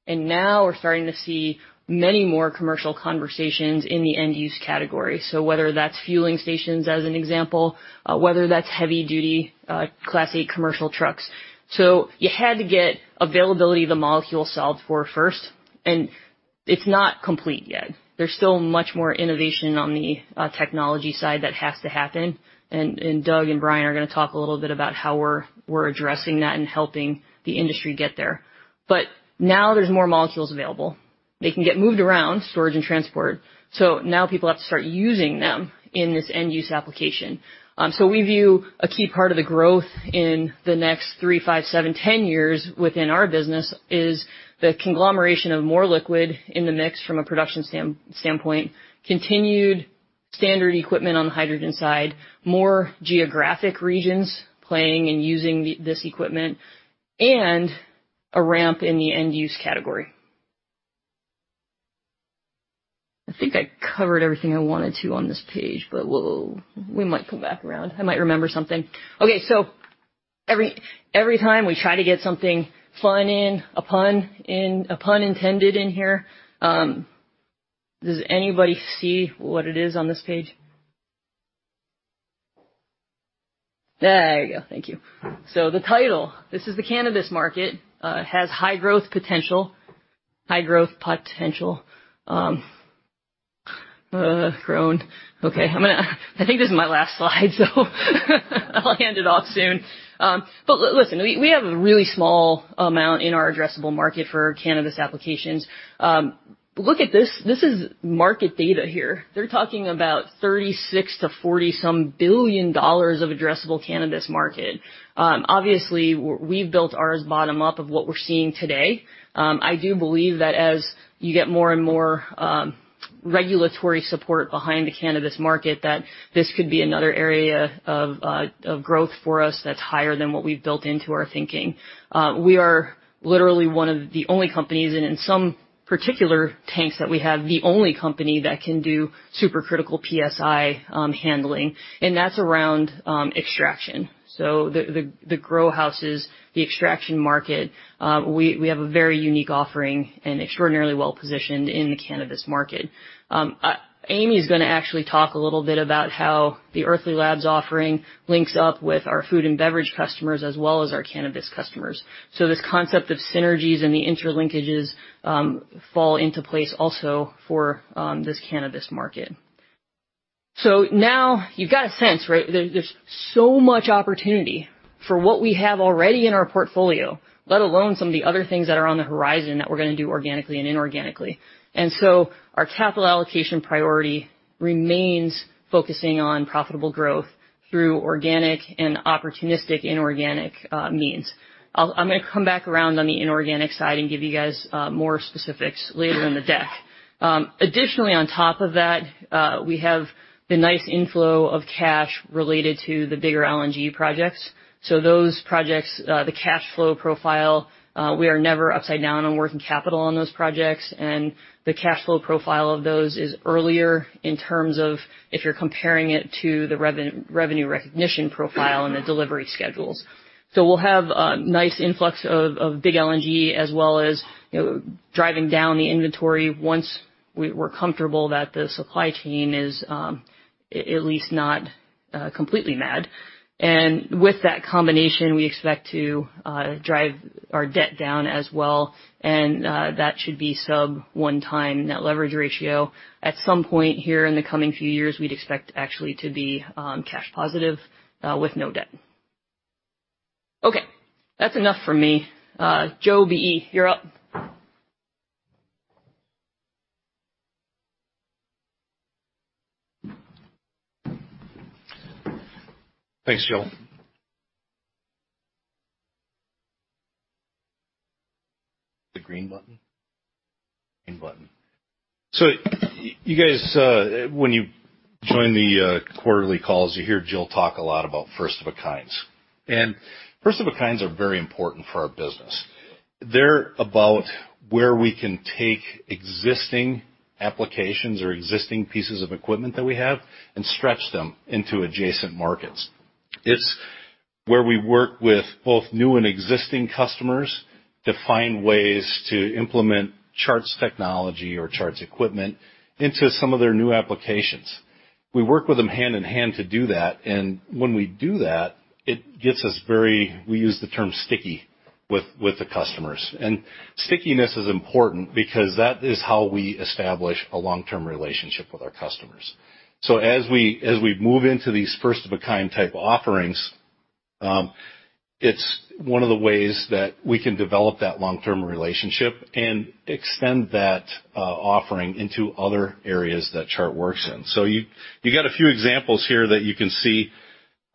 Now we're starting to see many more commercial conversations in the end use category. Whether that's fueling stations as an example, whether that's heavy-duty class A commercial trucks. You had to get availability of the molecule solved for first, and it's not complete yet. There's still much more innovation on the technology side that has to happen. Doug and Brian are gonna talk a little bit about how we're addressing that and helping the industry get there. Now there's more molecules available. They can get moved around, storage and transport. Now people have to start using them in this end-use application. We view a key part of the growth in the next three, five, seven, 10 years within our business is the conglomeration of more liquid in the mix from a production standpoint, continued standard equipment on the hydrogen side, more geographic regions playing and using this equipment, and a ramp in the end-use category. I think I covered everything I wanted to on this page, but we'll we might come back around. I might remember something. Okay, every time we try to get something fun in, a pun in, a pun intended in here, does anybody see what it is on this page? There you go. Thank you. The title, this is the cannabis market, has high growth potential. High growth potential. Okay, I think this is my last slide, so I'll hand it off soon. Listen, we have a really small amount in our addressable market for cannabis applications. Look at this. This is market data here. They're talking about $36 billion-$40-some billion of addressable cannabis market. Obviously we've built ours bottom up of what we're seeing today. I do believe that as you get more and more regulatory support behind the cannabis market, that this could be another area of growth for us that's higher than what we've built into our thinking. We are literally one of the only companies, and in some particular tanks that we have, the only company that can do supercritical psi handling, and that's around extraction. The grow houses, the extraction market, we have a very unique offering and extraordinarily well-positioned in the cannabis market. Amy is gonna actually talk a little bit about how the Earthly Labs offering links up with our food and beverage customers as well as our cannabis customers. This concept of synergies and the interlinkages fall into place also for this cannabis market. Now you've got a sense, right? There's so much opportunity for what we have already in our portfolio, let alone some of the other things that are on the horizon that we're gonna do organically and inorganically. Our capital allocation priority remains focusing on profitable growth through organic and opportunistic inorganic means. I'm gonna come back around on the inorganic side and give you guys more specifics later in the deck. Additionally, on top of that, we have the nice inflow of cash related to the bigger LNG projects. Those projects, the cash flow profile, we are never upside down on working capital on those projects, and the cash flow profile of those is earlier in terms of if you're comparing it to the revenue recognition profile and the delivery schedules. We'll have a nice influx of big LNG as well as, you know, driving down the inventory once we're comfortable that the supply chain is at least not completely mad. With that combination, we expect to drive our debt down as well, and that should be sub 1x net leverage ratio. At some point here in the coming few years, we'd expect actually to be cash positive with no debt. Okay, that's enough for me. Joe BE, you're up. Thanks, Jill. The green button? Green button. You guys, when you join the quarterly calls, you hear Jill talk a lot about first of a kinds. First of a kinds are very important for our business. They're about where we can take existing applications or existing pieces of equipment that we have and stretch them into adjacent markets. It's where we work with both new and existing customers to find ways to implement Chart's technology or Chart's equipment into some of their new applications. We work with them hand in hand to do that. When we do that, it gets us very, we use the term sticky with the customers. Stickiness is important because that is how we establish a long-term relationship with our customers. As we move into these first of a kind type offerings, it's one of the ways that we can develop that long-term relationship and extend that offering into other areas that Chart works in. You got a few examples here that you can see.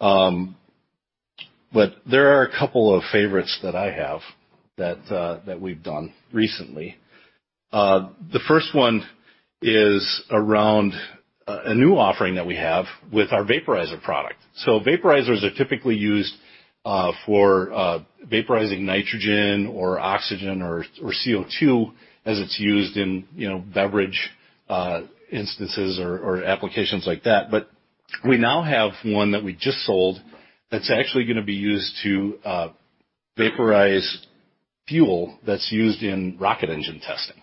There are a couple of favorites that I have that we've done recently. The first one is around a new offering that we have with our vaporizer product. Vaporizers are typically used for vaporizing nitrogen or oxygen or CO₂ as it's used in, you know, beverage instances or applications like that. We now have one that we just sold that's actually gonna be used to vaporize fuel that's used in rocket engine testing.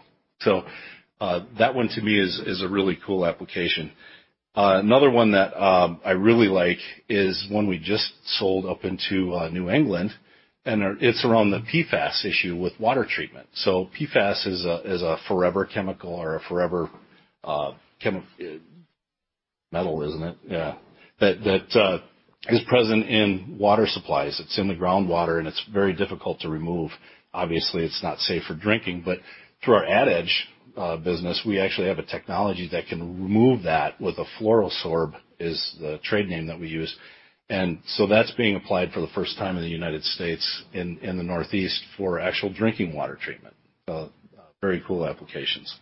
That one to me is a really cool application. Another one that I really like is one we just sold up into New England, and it's around the PFAS issue with water treatment. PFAS is a forever chemical or a forever metal, isn't it? Yeah. That is present in water supplies. It's in the groundwater, and it's very difficult to remove. Obviously, it's not safe for drinking. Through our AdEdge business, we actually have a technology that can remove that with a FluoroSorb, is the trade name that we use. That's being applied for the first time in the United States in the Northeast for actual drinking water treatment. Very cool applications.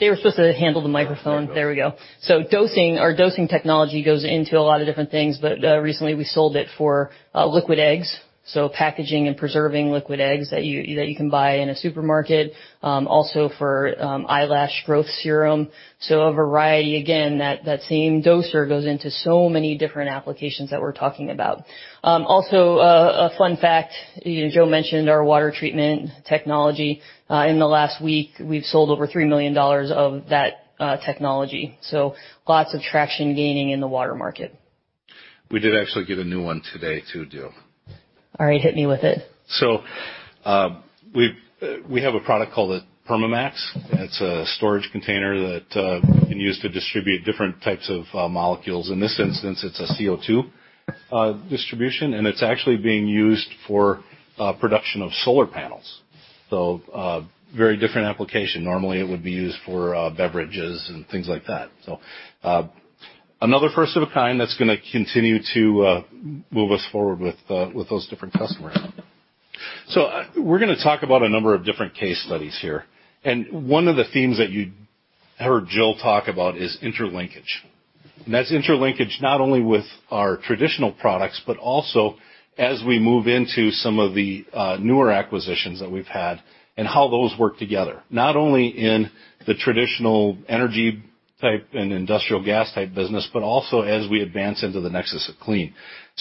They were supposed to handle the microphone. There we go. Dosing, our dosing technology goes into a lot of different things, but recently we sold it for liquid eggs, so packaging and preserving liquid eggs that you can buy in a supermarket. Also for eyelash growth serum. A variety, again, that same doser goes into so many different applications that we're talking about. Also, a fun fact, Joe mentioned our water treatment technology. In the last week, we've sold over $3 million of that technology. Lots of traction gaining in the water market. We did actually get a new one today too, Jill. All right. Hit me with it. We have a product called the PermaMax. It's a storage container that can be used to distribute different types of molecules. In this instance, it's a CO₂ distribution, and it's actually being used for production of solar panels. Very different application. Normally, it would be used for beverages and things like that. Another first of a kind that's gonna continue to move us forward with those different customers. We're gonna talk about a number of different case studies here. One of the themes that you heard Jill talk about is interlinkage. That's interlinkage not only with our traditional products, but also as we move into some of the newer acquisitions that we've had and how those work together, not only in the traditional energy type and industrial gas type business, but also as we advance into the Nexus of Clean.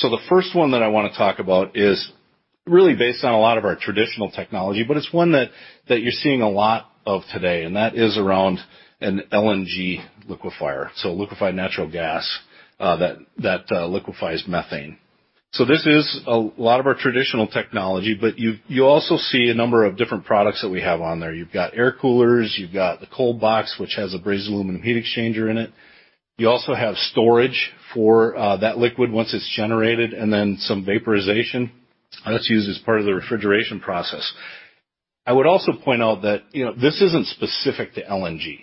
The first one that I wanna talk about is really based on a lot of our traditional technology, but it's one that you're seeing a lot of today, and that is around an LNG liquefier, liquefied natural gas, that liquefies methane. This is a lot of our traditional technology, but you also see a number of different products that we have on there. You've got air coolers, you've got the cold box, which has a brazed aluminum heat exchanger in it. You also have storage for that liquid once it's generated, and then some vaporization that's used as part of the refrigeration process. I would also point out that, you know, this isn't specific to LNG.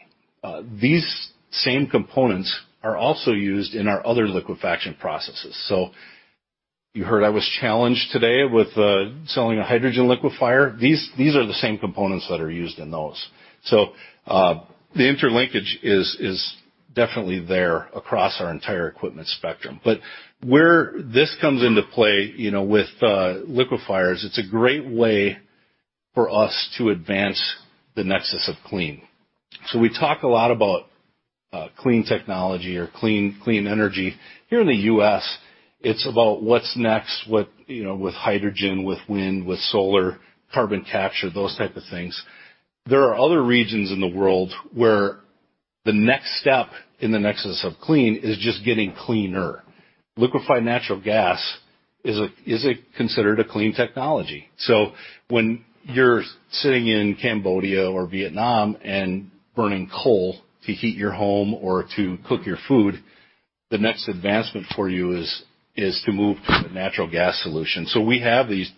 These same components are also used in our other liquefaction processes. You heard I was challenged today with selling a hydrogen liquefier. These are the same components that are used in those. The interlinkage is definitely there across our entire equipment spectrum. Where this comes into play, you know, with liquefiers, it's a great way for us to advance the Nexus of Clean. We talk a lot about clean technology or clean energy. Here in the U.S., it's about what's next with, you know, with hydrogen, with wind, with solar, carbon capture, those type of things. There are other regions in the world where the next step in the Nexus of Clean is just getting cleaner. Liquefied natural gas is considered a clean technology. When you're sitting in Cambodia or Vietnam and burning coal to heat your home or to cook your food, the next advancement for you is to move to a natural gas solution. We have these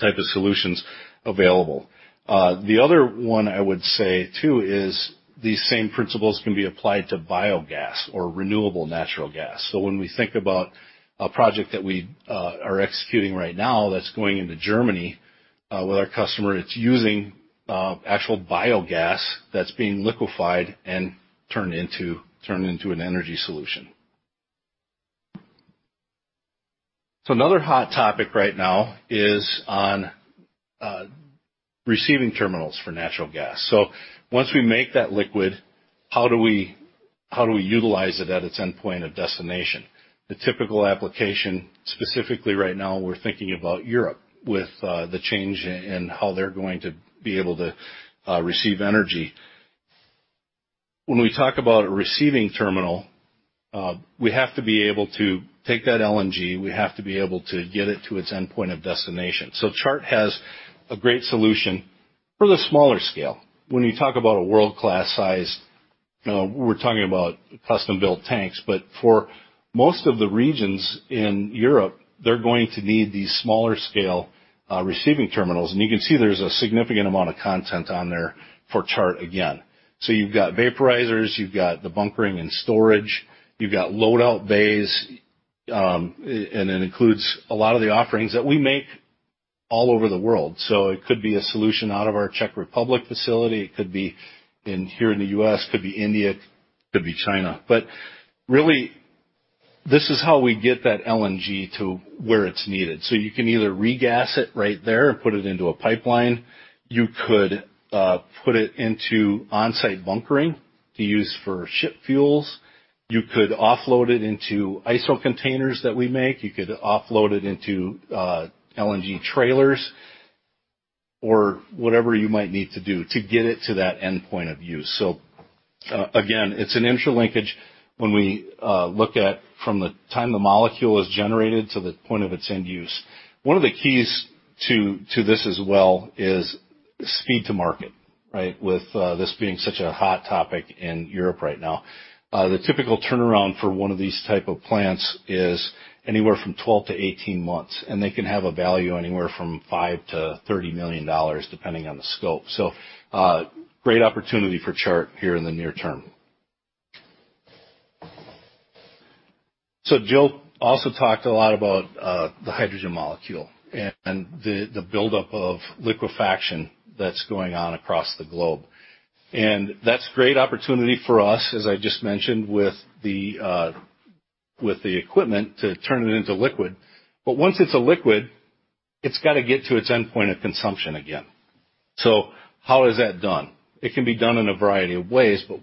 type of solutions available. The other one I would say, too, is these same principles can be applied to biogas or renewable natural gas. When we think about a project that we are executing right now that's going into Germany with our customer, it's using actual biogas that's being liquefied and turned into an energy solution. Another hot topic right now is on receiving terminals for natural gas. Once we make that liquid, how do we utilize it at its endpoint of destination? The typical application, specifically right now, we're thinking about Europe with the change in how they're going to be able to receive energy. When we talk about a receiving terminal, we have to be able to take that LNG, we have to be able to get it to its endpoint of destination. Chart has a great solution for the smaller scale. When you talk about a world-class sized, we're talking about custom-built tanks, but for most of the regions in Europe, they're going to need these smaller scale receiving terminals. You can see there's a significant amount of content on there for Chart again. You've got vaporizers, you've got the bunkering and storage, you've got load out bays, and it includes a lot of the offerings that we make all over the world. It could be a solution out of our Czech Republic facility, it could be in here in the U.S., could be India, could be China. Really this is how we get that LNG to where it's needed. You can either regas it right there and put it into a pipeline. You could put it into on-site bunkering to use for ship fuels. You could offload it into ISO containers that we make. You could offload it into LNG trailers or whatever you might need to do to get it to that endpoint of use. Again, it's an interlinkage when we look at from the time the molecule is generated to the point of its end use. One of the keys to this as well is speed to market, right? With this being such a hot topic in Europe right now. The typical turnaround for one of these type of plants is anywhere from 12-18 months, and they can have a value anywhere from $5 million-$30 million depending on the scope. Great opportunity for Chart here in the near term. Jill also talked a lot about the hydrogen molecule and the buildup of liquefaction that's going on across the globe. That's great opportunity for us, as I just mentioned, with the equipment to turn it into liquid. Once it's a liquid, it's gotta get to its endpoint of consumption again. How is that done? It can be done in a variety of ways, but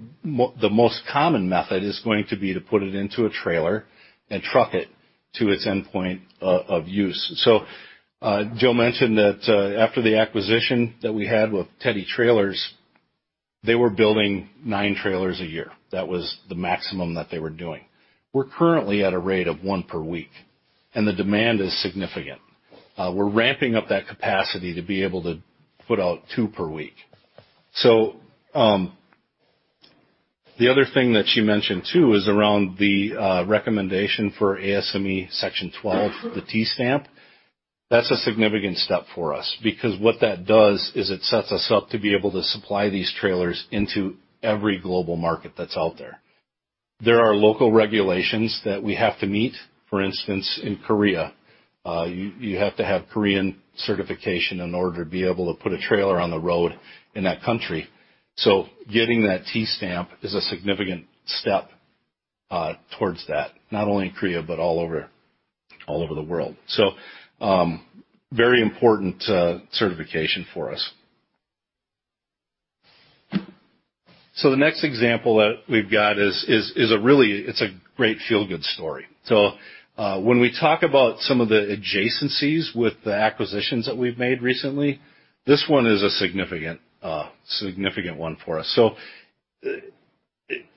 the most common method is going to be to put it into a trailer and truck it to its endpoint of use. Jill mentioned that, after the acquisition that we had with Teddy Trailers, they were building nine trailers a year. That was the maximum that they were doing. We're currently at a rate of one per week, and the demand is significant. We're ramping up that capacity to be able to put out two per week. The other thing that she mentioned too is around the recommendation for ASME Section XII, the U stamp. That's a significant step for us because what that does is it sets us up to be able to supply these trailers into every global market that's out there. There are local regulations that we have to meet. For instance, in Korea, you have to have Korean certification in order to be able to put a trailer on the road in that country. Getting that U stamp is a significant step towards that, not only in Korea, but all over the world. Very important certification for us. The next example that we've got is a really great feel-good story. When we talk about some of the adjacencies with the acquisitions that we've made recently, this one is a significant one for us.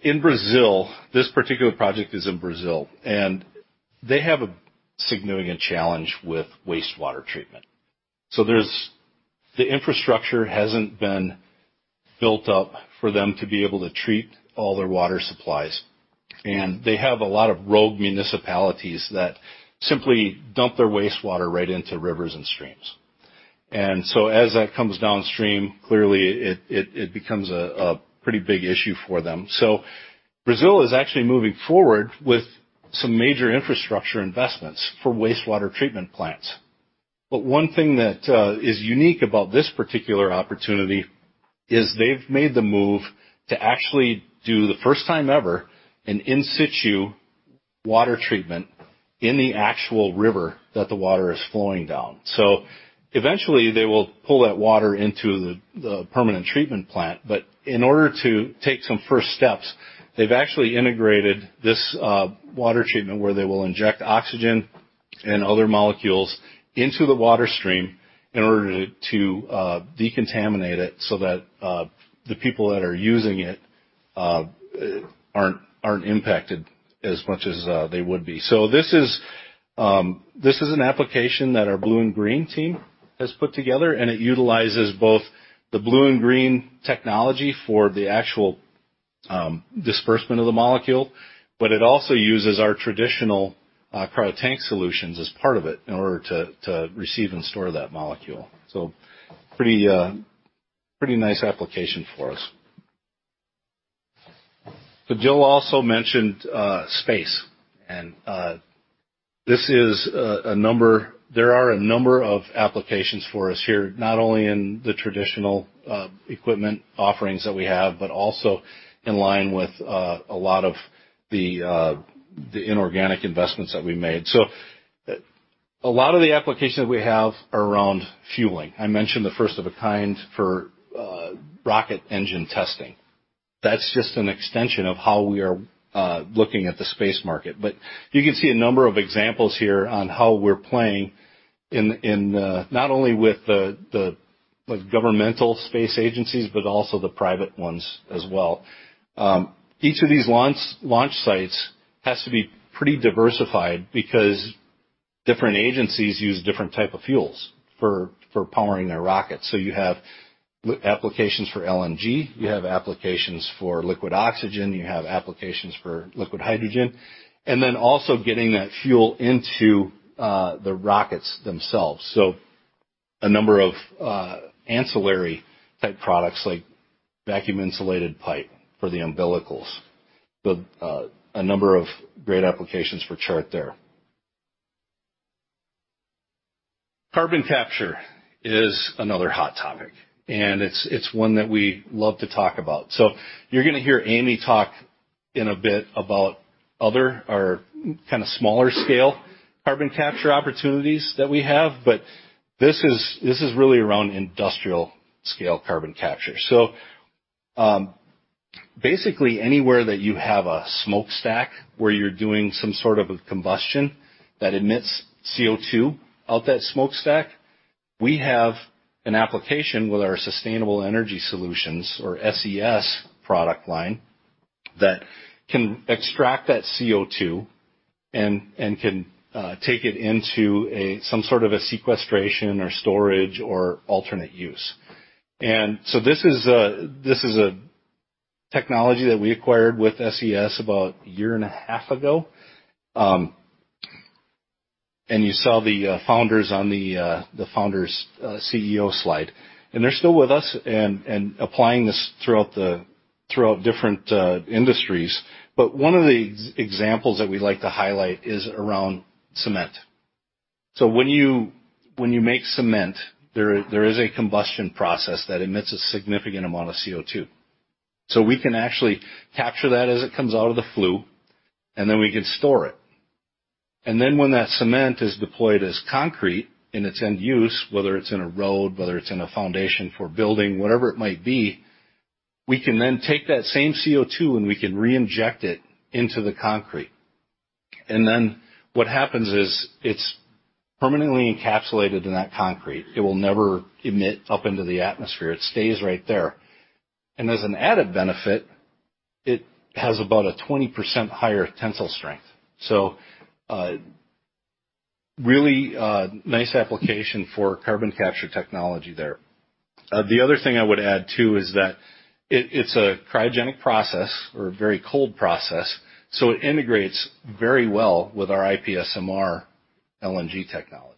In Brazil, this particular project is in Brazil, and they have a significant challenge with wastewater treatment. The infrastructure hasn't been built up for them to be able to treat all their water supplies, and they have a lot of rogue municipalities that simply dump their wastewater right into rivers and streams. As that comes downstream, clearly it becomes a pretty big issue for them. Brazil is actually moving forward with some major infrastructure investments for wastewater treatment plants. One thing that is unique about this particular opportunity is they've made the move to actually do the first time ever, an in situ water treatment in the actual river that the water is flowing down. Eventually, they will pull that water into the permanent treatment plant. In order to take some first steps, they've actually integrated this water treatment where they will inject oxygen and other molecules into the water stream in order to decontaminate it so that the people that are using it aren't impacted as much as they would be. This is an application that our BlueInGreen team has put together, and it utilizes both the BlueInGreen technology for the actual dispersion of the molecule, but it also uses our traditional cryotank solutions as part of it in order to receive and store that molecule. Pretty nice application for us. Jill also mentioned space and there are a number of applications for us here, not only in the traditional equipment offerings that we have, but also in line with a lot of the inorganic investments that we made. A lot of the applications we have are around fueling. I mentioned the first of a kind for rocket engine testing. That's just an extension of how we are looking at the space market. You can see a number of examples here on how we're playing in not only with the governmental space agencies, but also the private ones as well. Each of these launch sites has to be pretty diversified because different agencies use different type of fuels for powering their rockets. You have applications for LNG, you have applications for liquid oxygen, you have applications for liquid hydrogen, and then also getting that fuel into the rockets themselves. A number of ancillary type products like vacuum insulated pipe for the umbilicals. A number of great applications for Chart there. Carbon capture is another hot topic, and it's one that we love to talk about. You're gonna hear Amy talk in a bit about other or kinda smaller scale carbon capture opportunities that we have. This is really around industrial scale carbon capture. Basically anywhere that you have a smokestack where you're doing some sort of a combustion that emits CO₂ out that smokestack, we have an application with our Sustainable Energy Solutions or SES product line that can extract that CO₂ and can take it into some sort of a sequestration or storage or alternate use. This is a technology that we acquired with SES about a year and a half ago. You saw the founders on the founders' CEO slide. They're still with us and applying this throughout different industries. One of the examples that we like to highlight is around cement. When you make cement, there is a combustion process that emits a significant amount of CO₂. We can actually capture that as it comes out of the flue, and then we can store it. When that cement is deployed as concrete in its end use, whether it's in a road, whether it's in a foundation for building, whatever it might be, we can then take that same CO₂, and we can reinject it into the concrete. What happens is it's permanently encapsulated in that concrete. It will never emit up into the atmosphere. It stays right there. As an added benefit, it has about a 20% higher tensile strength. Really, nice application for carbon capture technology there. The other thing I would add too is that it's a cryogenic process or a very cold process, so it integrates very well with our IPSMR LNG technology.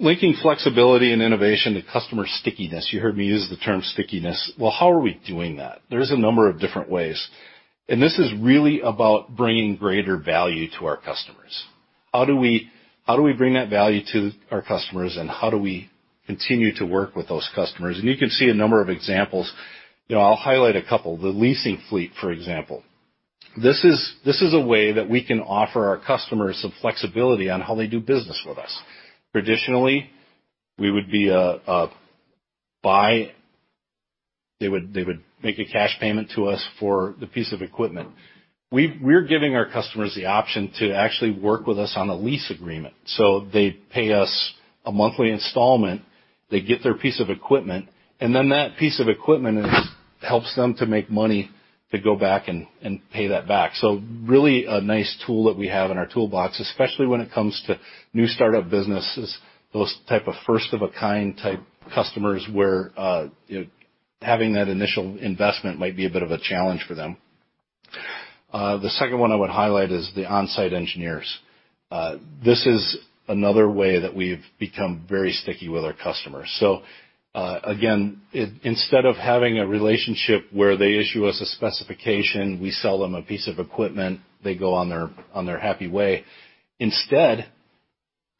Linking flexibility and innovation to customer stickiness. You heard me use the term stickiness. Well, how are we doing that? There's a number of different ways, and this is really about bringing greater value to our customers. How do we bring that value to our customers, and how do we continue to work with those customers? You can see a number of examples. You know, I'll highlight a couple. The leasing fleet, for example. This is a way that we can offer our customers some flexibility on how they do business with us. Traditionally, we would be a buy. They would make a cash payment to us for the piece of equipment. We're giving our customers the option to actually work with us on a lease agreement. They pay us a monthly installment, they get their piece of equipment, and then that piece of equipment helps them to make money to go back and pay that back. Really a nice tool that we have in our toolbox, especially when it comes to new startup businesses, those type of first of a kind type customers where having that initial investment might be a bit of a challenge for them. The second one I would highlight is the on-site engineers. This is another way that we've become very sticky with our customers. Again, instead of having a relationship where they issue us a specification, we sell them a piece of equipment, they go on their happy way. Instead,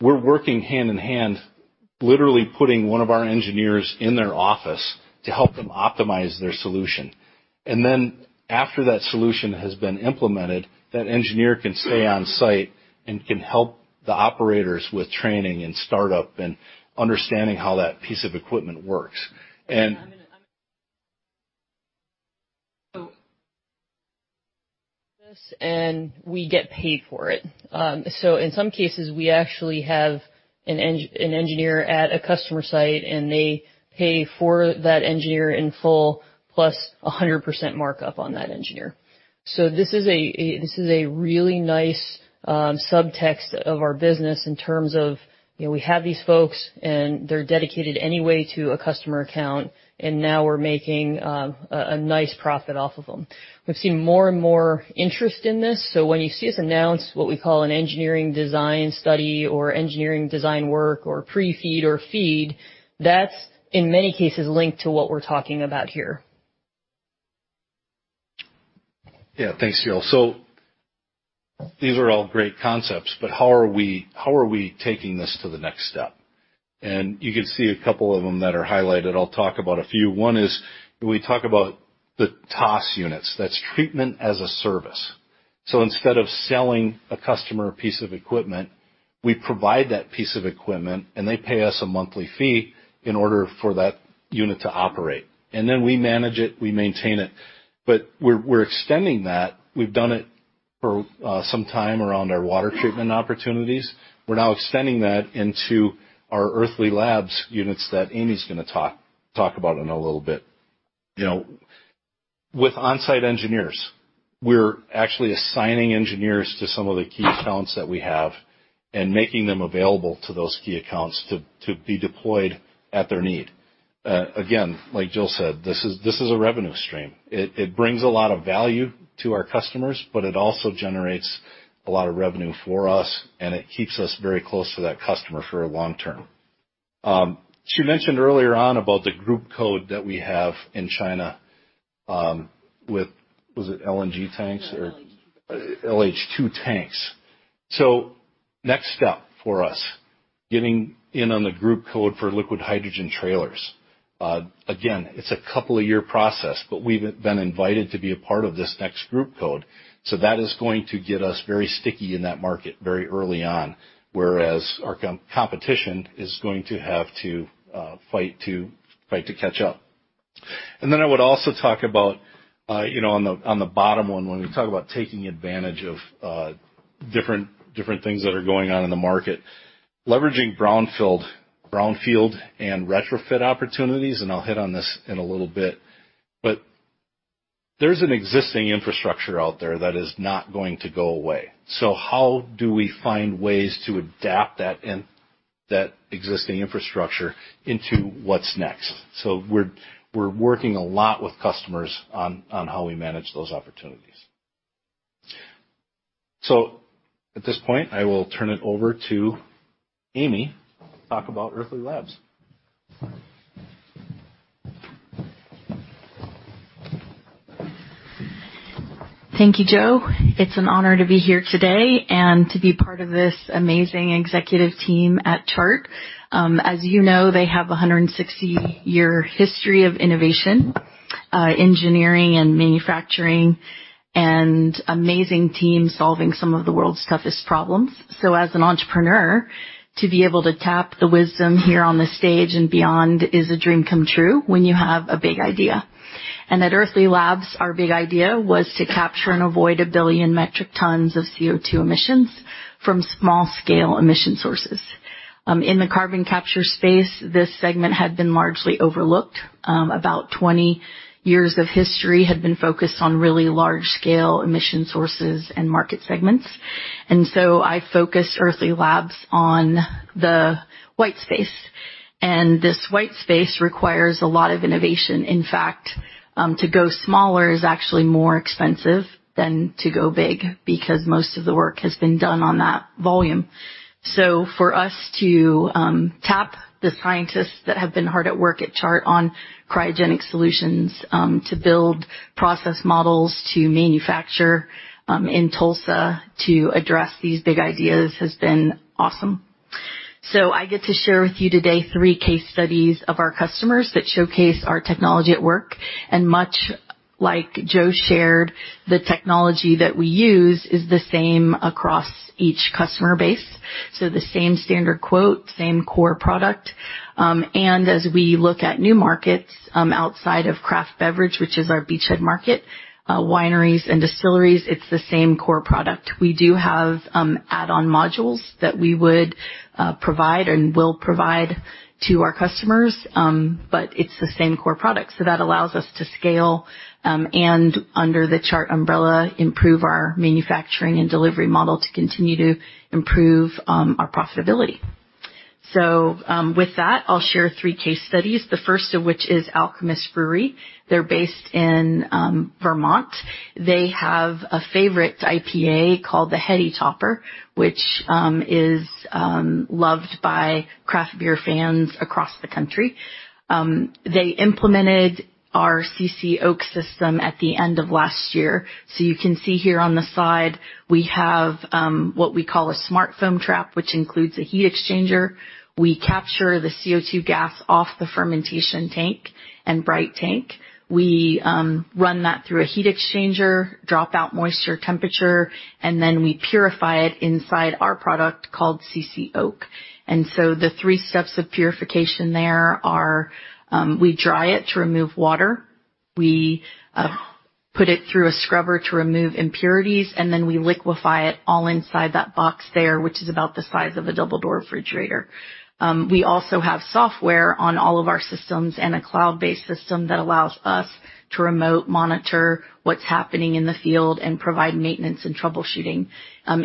we're working hand in hand, literally putting one of our engineers in their office to help them optimize their solution. After that solution has been implemented, that engineer can stay on-site and can help the operators with training and startup and understanding how that piece of equipment works. We get paid for it. In some cases, we actually have an engineer at a customer site, and they pay for that engineer in full, plus 100% markup on that engineer. This is a really nice subtext of our business in terms of, you know, we have these folks, and they're dedicated anyway to a customer account, and now we're making a nice profit off of them. We've seen more and more interest in this. When you see us announce what we call an engineering design study or engineering design work or pre-FEED or FEED, that's in many cases linked to what we're talking about here. Yeah. Thanks, Jill. These are all great concepts, but how are we taking this to the next step? You can see a couple of them that are highlighted. I'll talk about a few. One is we talk about the TaaS units. That's treatment as a service. Instead of selling a customer a piece of equipment, we provide that piece of equipment, and they pay us a monthly fee in order for that unit to operate. Then we manage it, we maintain it. We're extending that. We've done it some time around our water treatment opportunities. We're now extending that into our Earthly Labs units that Amy's gonna talk about in a little bit. You know, with on-site engineers, we're actually assigning engineers to some of the key accounts that we have and making them available to those key accounts to be deployed at their need. Again, like Jill said, this is a revenue stream. It brings a lot of value to our customers, but it also generates a lot of revenue for us, and it keeps us very close to that customer for a long term. She mentioned earlier on about the GB code that we have in China. LH2. LH2 tanks. Next step for us, getting in on the group code for liquid hydrogen trailers. Again, it's a couple of year process, but we've been invited to be a part of this next group code, so that is going to get us very sticky in that market very early on, whereas our competition is going to have to fight to catch up. Then I would also talk about on the bottom one, when we talk about taking advantage of different things that are going on in the market. Leveraging brownfield and retrofit opportunities, and I'll hit on this in a little bit. There's an existing infrastructure out there that is not going to go away. How do we find ways to adapt that existing infrastructure into what's next? We're working a lot with customers on how we manage those opportunities. At this point, I will turn it over to Amy to talk about Earthly Labs. Thank you, Joe. It's an honor to be here today and to be part of this amazing executive team at Chart. As you know, they have a 160-year history of innovation, engineering and manufacturing, and amazing team solving some of the world's toughest problems. As an entrepreneur, to be able to tap the wisdom here on the stage and beyond is a dream come true when you have a big idea. And at Earthly Labs, our big idea was to capture and avoid a billion metric tons of CO₂ emissions from small-scale emission sources. In the carbon capture space, this segment had been largely overlooked. About 20 years of history had been focused on really large-scale emission sources and market segments. I focused Earthly Labs on the white space, and this white space requires a lot of innovation. In fact, to go smaller is actually more expensive than to go big because most of the work has been done on that volume. For us to tap the scientists that have been hard at work at Chart on cryogenic solutions, to build process models to manufacture in Tulsa to address these big ideas has been awesome. I get to share with you today three case studies of our customers that showcase our technology at work. Much like Joe shared, the technology that we use is the same across each customer base, so the same standard quote, same core product. As we look at new markets outside of craft beverage, which is our beachhead market, wineries and distilleries, it is the same core product. We do have add-on modules that we would provide and will provide to our customers. It's the same core product. That allows us to scale and under the Chart umbrella, improve our manufacturing and delivery model to continue to improve our profitability. With that, I'll share three case studies, the first of which is The Alchemist. They're based in Vermont. They have a favorite IPA called the Heady Topper, which is loved by craft beer fans across the country. They implemented our CiCi Oak system at the end of last year. You can see here on the side, we have what we call a Smart Foam Trap, which includes a heat exchanger. We capture the CO₂ gas off the fermentation tank and bright tank. We run that through a heat exchanger, drop out moisture temperature, and then we purify it inside our product called CiCi Oak. The three steps of purification there are, we dry it to remove water, we put it through a scrubber to remove impurities, and then we liquefy it all inside that box there, which is about the size of a double door refrigerator. We also have software on all of our systems and a cloud-based system that allows us to remote monitor what's happening in the field and provide maintenance and troubleshooting.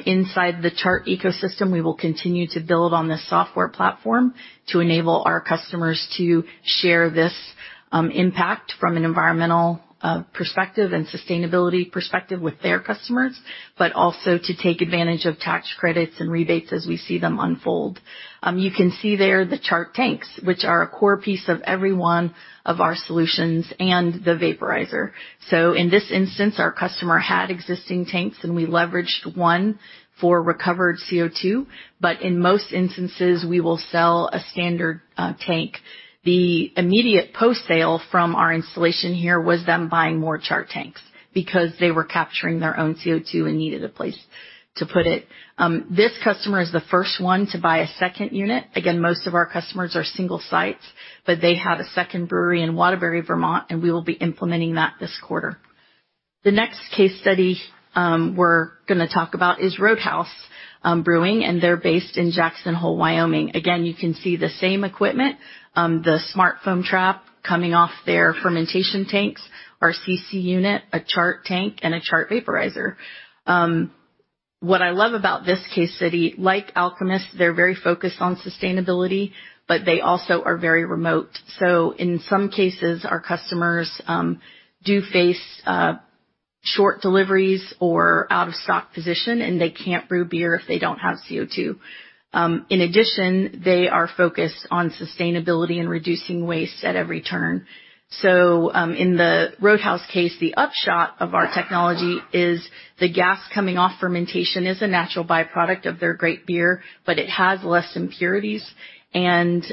Inside the Chart ecosystem, we will continue to build on this software platform to enable our customers to share this impact from an environmental perspective and sustainability perspective with their customers, but also to take advantage of tax credits and rebates as we see them unfold. You can see there the Chart tanks, which are a core piece of every one of our solutions and the vaporizer. In this instance, our customer had existing tanks, and we leveraged one for recovered CO₂, but in most instances, we will sell a standard tank. The immediate post-sale from our installation here was them buying more Chart tanks because they were capturing their own CO₂ and needed a place to store it, to put it. This customer is the first one to buy a second unit. Again, most of our customers are single sites, but they have a second brewery in Waterbury, Vermont, and we will be implementing that this quarter. The next case study, we're gonna talk about is Roadhouse Brewing, and they're based in Jackson Hole, Wyoming. Again, you can see the same equipment, the Smart Foam Trap coming off their fermentation tanks, our CiCi unit, a Chart tank and a Chart vaporizer. What I love about this case study, like the Alchemist, they're very focused on sustainability, but they also are very remote. In some cases, our customers do face short deliveries or out-of-stock position, and they can't brew beer if they don't have CO₂. In addition, they are focused on sustainability and reducing waste at every turn. In the Roadhouse case, the upshot of our technology is the gas coming off fermentation is a natural byproduct of their great beer, but it has less impurities and,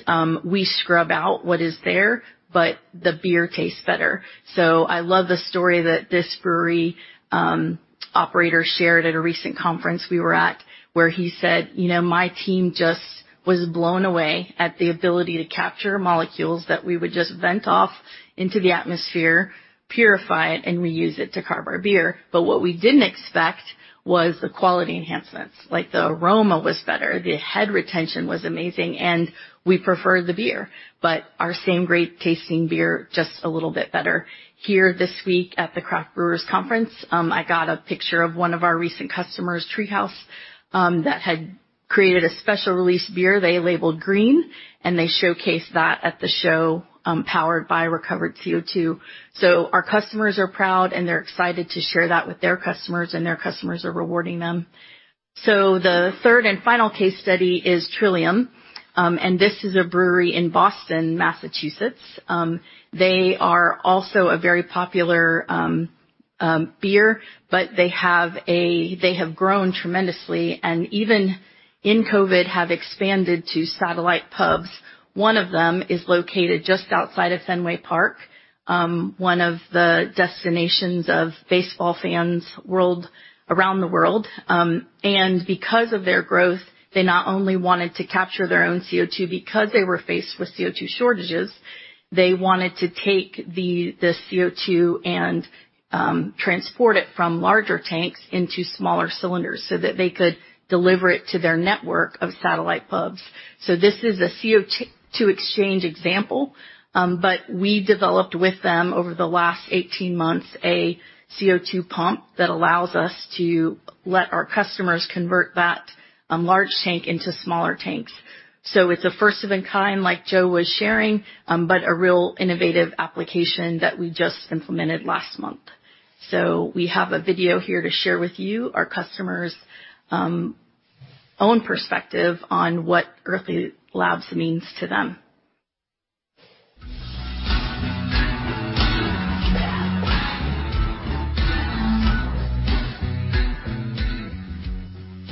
we scrub out what is there, but the beer tastes better. I love the story that this brewery operator shared at a recent conference we were at, where he said, "You know, my team just was blown away at the ability to capture molecules that we would just vent off into the atmosphere, purify it, and reuse it to carb our beer. But what we didn't expect was the quality enhancements. Like, the aroma was better, the head retention was amazing, and we prefer the beer, but our same great-tasting beer just a little bit better." Here this week at the Craft Brewers Conference, I got a picture of one of our recent customers, Tree House, that had created a special release beer they labeled Green, and they showcased that at the show, powered by recovered CO₂. Our customers are proud, and they're excited to share that with their customers, and their customers are rewarding them. The third and final case study is Trillium. This is a brewery in Boston, Massachusetts. They are also a very popular beer, but they have grown tremendously and even in COVID have expanded to satellite pubs. One of them is located just outside of Fenway Park, one of the destinations of baseball fans around the world. Because of their growth, they not only wanted to capture their own CO₂ because they were faced with CO₂ shortages, they wanted to take the CO₂ and transport it from larger tanks into smaller cylinders so that they could deliver it to their network of satellite pubs. This is a CO₂ exchange example. We developed with them over the last 18 months a CO₂ pump that allows us to let our customers convert that large tank into smaller tanks. It's a first of its kind, like Joe was sharing, but a real innovative application that we just implemented last month. We have a video here to share with you our customers' own perspective on what Earthly Labs means to them.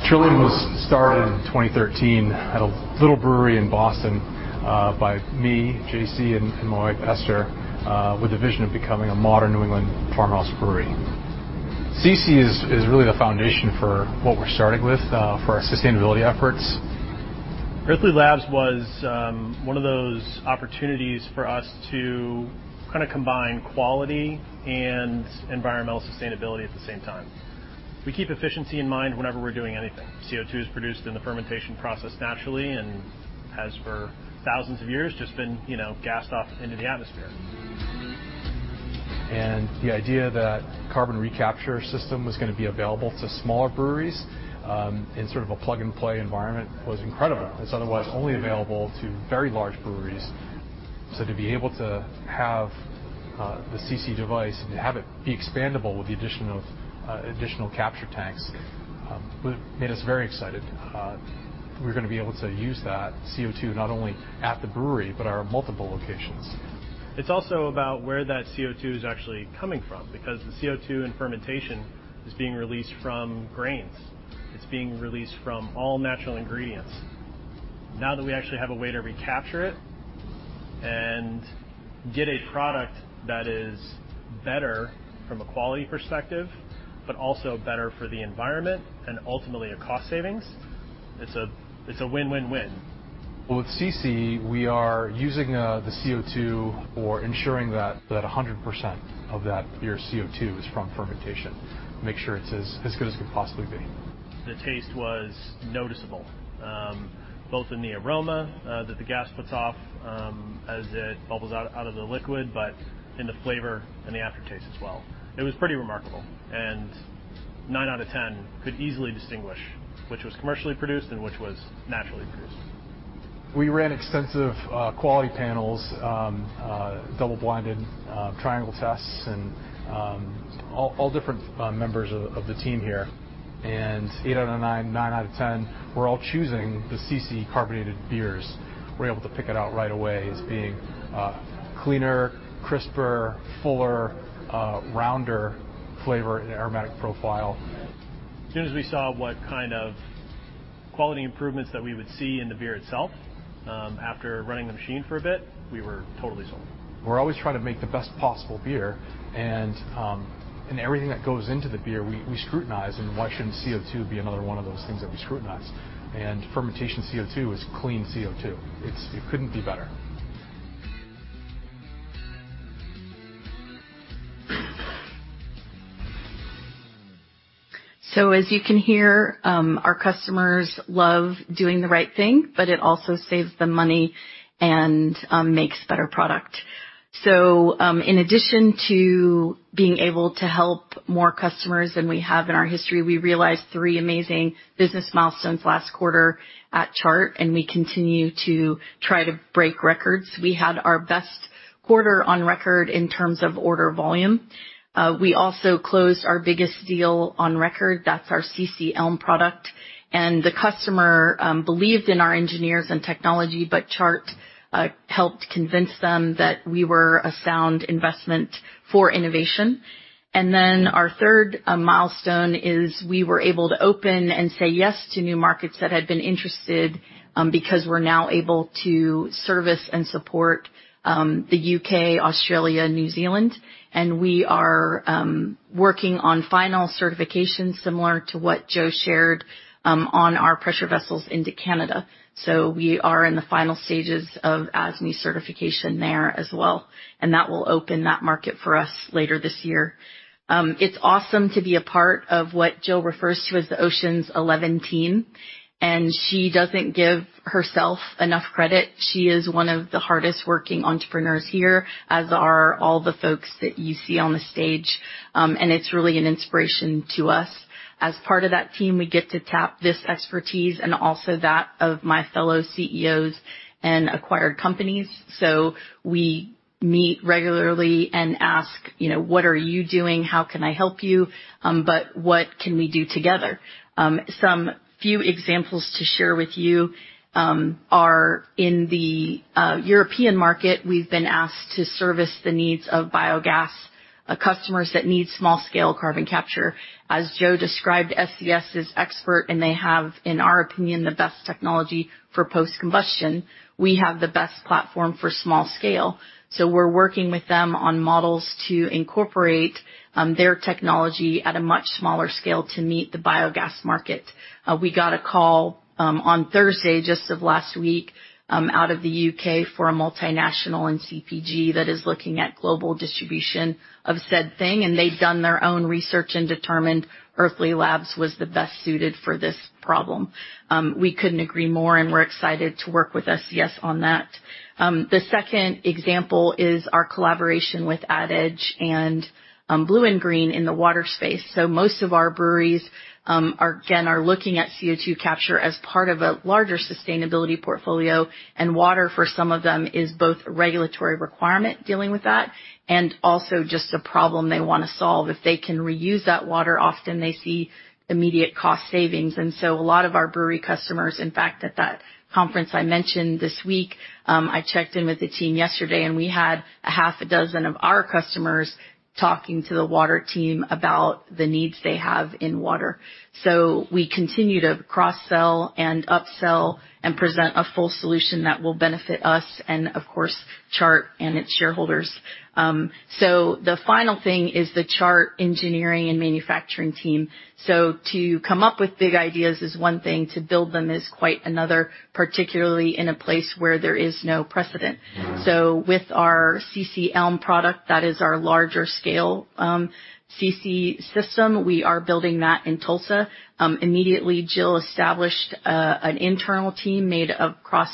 Trillium was started in 2013 at a little brewery in Boston by me, J.C., and my wife, Esther, with the vision of becoming a modern New England farmhouse brewery. CiCi is really the foundation for what we're starting with for our sustainability efforts. Earthly Labs was one of those opportunities for us to kinda combine quality and environmental sustainability at the same time. We keep efficiency in mind whenever we're doing anything. CO₂ is produced in the fermentation process naturally and has for thousands of years just been, you know, gassed off into the atmosphere. The idea that carbon capture system was gonna be available to smaller breweries, in sort of a plug-and-play environment was incredible. It's otherwise only available to very large breweries. To be able to have the CiCi device and to have it be expandable with the addition of additional capture tanks made us very excited. We're gonna be able to use that CO₂ not only at the brewery but our multiple locations. It's also about where that CO₂ is actually coming from because the CO₂ in fermentation is being released from grains. It's being released from all natural ingredients. Now that we actually have a way to recapture it and get a product that is better from a quality perspective but also better for the environment and ultimately a cost savings, it's a win-win-win. With CiCi, we are using the CO₂ or ensuring that 100% of that beer's CO₂ is from fermentation, make sure it's as good as can possibly be. The taste was noticeable both in the aroma that the gas puts off as it bubbles out of the liquid, but in the flavor and the aftertaste as well. It was pretty remarkable. Nine out of ten could easily distinguish which was commercially produced and which was naturally produced. We ran extensive quality panels, double-blinded triangle tests and all different members of the team here. Eight out of nine, nine out of 10 were all choosing the CiCi carbonated beers, were able to pick it out right away as being a cleaner, crisper, fuller rounder flavor and aromatic profile. As soon as we saw what kind of quality improvements that we would see in the beer itself, after running the machine for a bit, we were totally sold. We're always trying to make the best possible beer, and everything that goes into the beer, we scrutinize. Why shouldn't CO₂ be another one of those things that we scrutinize? Fermentation CO₂ is clean CO₂. It couldn't be better. As you can hear, our customers love doing the right thing, but it also saves them money and makes better product. In addition to being able to help more customers than we have in our history, we realized three amazing business milestones last quarter at Chart, and we continue to try to break records. We had our best quarter on record in terms of order volume. We also closed our biggest deal on record. That's our CiCi Elm product. The customer believed in our engineers and technology, but Chart helped convince them that we were a sound investment for innovation. Our third milestone is we were able to open and say yes to new markets that had been interested because we're now able to service and support the U.K., Australia, and New Zealand. We are working on final certification similar to what Joe shared on our pressure vessels into Canada. We are in the final stages of ASME certification there as well, and that will open that market for us later this year. It's awesome to be a part of what Jill refers to as the Oceans Eleven team, and she doesn't give herself enough credit. She is one of the hardest working entrepreneurs here, as are all the folks that you see on the stage. It's really an inspiration to us. As part of that team, we get to tap this expertise and also that of my fellow CEOs and acquired companies. We meet regularly and ask, you know, "What are you doing? How can I help you? What can we do together?" Some few examples to share with you are in the European market. We've been asked to service the needs of biogas customers that need small scale carbon capture. As Joe described, SCS is expert, and they have, in our opinion, the best technology for post combustion. We have the best platform for small scale, so we're working with them on models to incorporate their technology at a much smaller scale to meet the biogas market. We got a call on Thursday, just of last week, out of the UK for a multinational and CPG that is looking at global distribution of said thing, and they've done their own research and determined Earthly Labs was the best suited for this problem. We couldn't agree more, and we're excited to work with SCS on that. The second example is our collaboration with AdEdge and BlueInGreen in the water space. Most of our breweries are looking at CO₂ capture as part of a larger sustainability portfolio. Water, for some of them, is both a regulatory requirement dealing with that and also just a problem they wanna solve. If they can reuse that water, often they see immediate cost savings. A lot of our brewery customers, in fact, at that conference I mentioned this week, I checked in with the team yesterday, and we had half a dozen of our customers talking to the water team about the needs they have in water. We continue to cross-sell and upsell and present a full solution that will benefit us and of course, Chart and its shareholders. The final thing is the Chart engineering and manufacturing team. To come up with big ideas is one thing. To build them is quite another, particularly in a place where there is no precedent. With our CiCi Elm product, that is our larger scale CiCi system, we are building that in Tulsa. Immediately, Jill established an internal team made of cross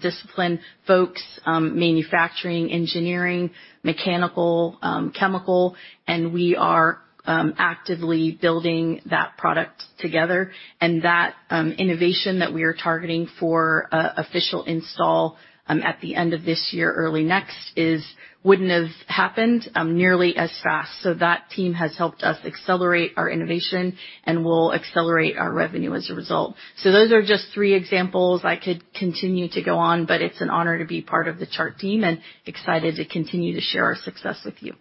discipline folks, manufacturing, engineering, mechanical, chemical, and we are actively building that product together. That innovation that we are targeting for official install at the end of this year, early next, is wouldn't have happened nearly as fast. That team has helped us accelerate our innovation and will accelerate our revenue as a result. Those are just three examples. I could continue to go on, but it's an honor to be part of the Chart team and excited to continue to share our success with you.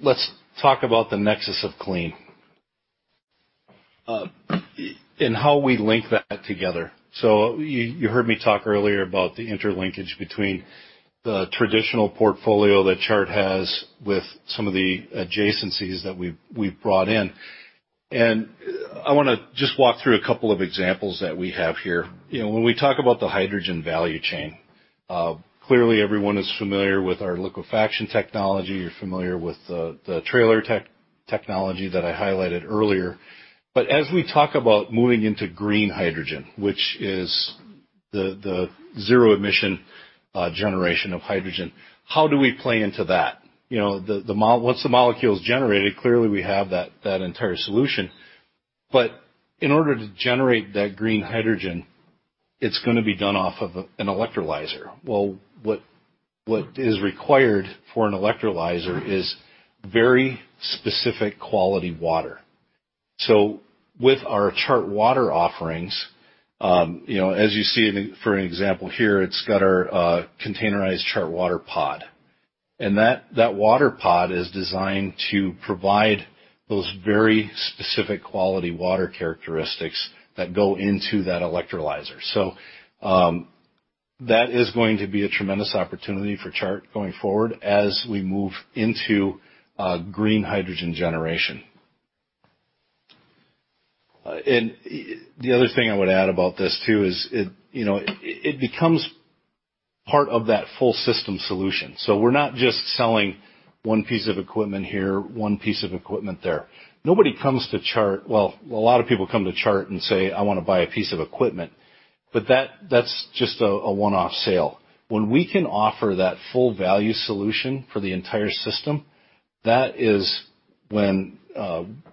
Let's talk about the Nexus of Clean and how we link that together. You heard me talk earlier about the interlinkage between the traditional portfolio that Chart has with some of the adjacencies that we've brought in. I wanna just walk through a couple of examples that we have here. You know, when we talk about the hydrogen value chain, clearly everyone is familiar with our liquefaction technology. You're familiar with the trailer technology that I highlighted earlier. As we talk about moving into green hydrogen, which is the zero emission generation of hydrogen, how do we play into that? You know, once the molecule is generated, clearly we have that entire solution. In order to generate that green hydrogen, it's gonna be done off of an electrolyzer. Well, what is required for an electrolyzer is very specific quality water. With our ChartWater offerings, you know, as you see in, for example here, it's got our containerized ChartWater POD. That water pod is designed to provide those very specific quality water characteristics that go into that electrolyzer. That is going to be a tremendous opportunity for Chart going forward as we move into green hydrogen generation. The other thing I would add about this too is it you know it becomes part of that full system solution. We're not just selling one piece of equipment here, one piece of equipment there. Nobody comes to Chart. Well, a lot of people come to Chart and say, "I wanna buy a piece of equipment," but that's just a one-off sale. When we can offer that full value solution for the entire system, that is when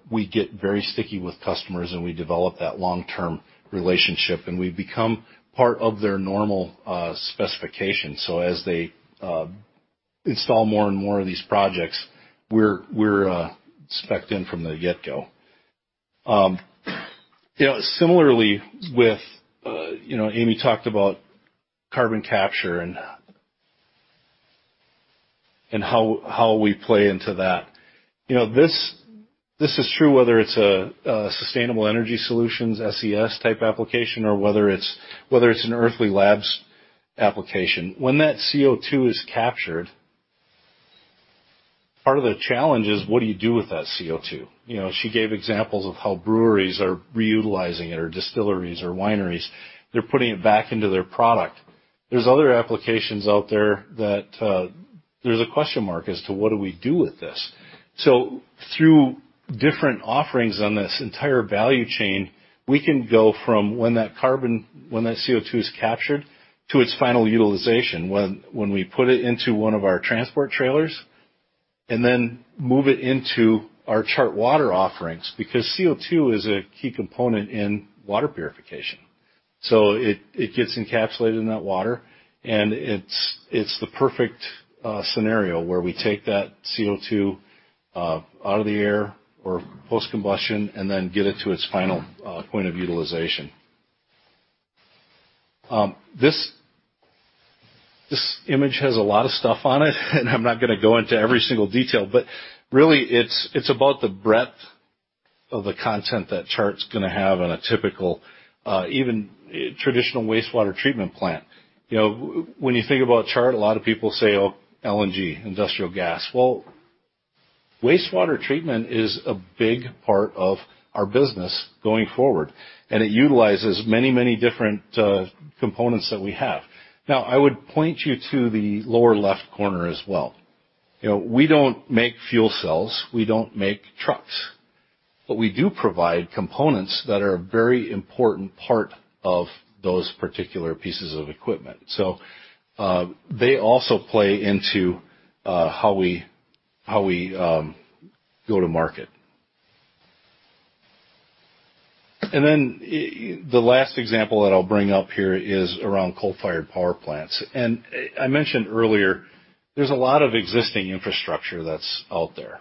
we get very sticky with customers, and we develop that long-term relationship, and we become part of their normal specification. As they install more and more of these projects, we're specced in from the get-go. You know, similarly with you know, Amy talked about carbon capture and how we play into that. You know, this is true whether it's a Sustainable Energy Solutions, SES type application, or whether it's an Earthly Labs application. When that CO₂ is captured, part of the challenge is what do you do with that CO₂? You know, she gave examples of how breweries are reutilizing it or distilleries or wineries. They're putting it back into their product. There's other applications out there that there's a question mark as to what do we do with this. Through different offerings on this entire value chain, we can go from when that carbon, when that CO₂ is captured, to its final utilization when we put it into one of our transport trailers and then move it into our ChartWater offerings, because CO₂ is a key component in water purification. It gets encapsulated in that water, and it's the perfect scenario where we take that CO₂ out of the air or post combustion and then get it to its final point of utilization. This image has a lot of stuff on it, and I'm not gonna go into every single detail, but really it's about the breadth of the content that Chart's gonna have on a typical, even traditional wastewater treatment plant. You know, when you think about Chart, a lot of people say, "Oh, LNG, industrial gas." Well, wastewater treatment is a big part of our business going forward, and it utilizes many different components that we have. Now, I would point you to the lower left corner as well. You know, we don't make fuel cells. We don't make trucks. But we do provide components that are a very important part of those particular pieces of equipment. They also play into how we go to market. The last example that I'll bring up here is around coal-fired power plants. I mentioned earlier there's a lot of existing infrastructure that's out there.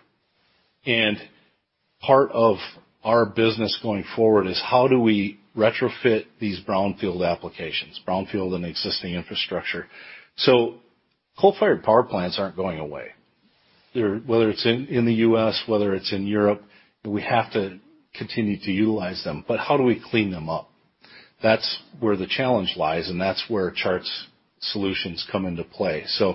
Part of our business going forward is how do we retrofit these brownfield applications and existing infrastructure. Coal-fired power plants aren't going away. Whether it's in the U.S., whether it's in Europe, we have to continue to utilize them. How do we clean them up? That's where the challenge lies, and that's where Chart's solutions come into play. From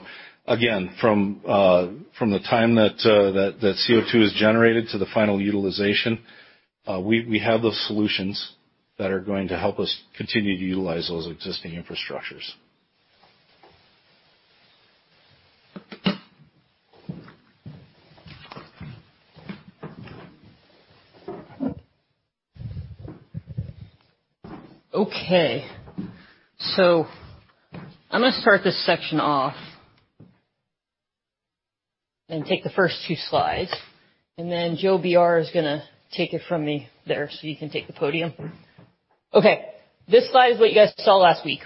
the time that CO₂ is generated to the final utilization, we have those solutions that are going to help us continue to utilize those existing infrastructures. Okay. I'm gonna start this section off and take the first two slides, and then Joe Brinkman is gonna take it from me there, so you can take the podium. Okay. This slide is what you guys saw last week.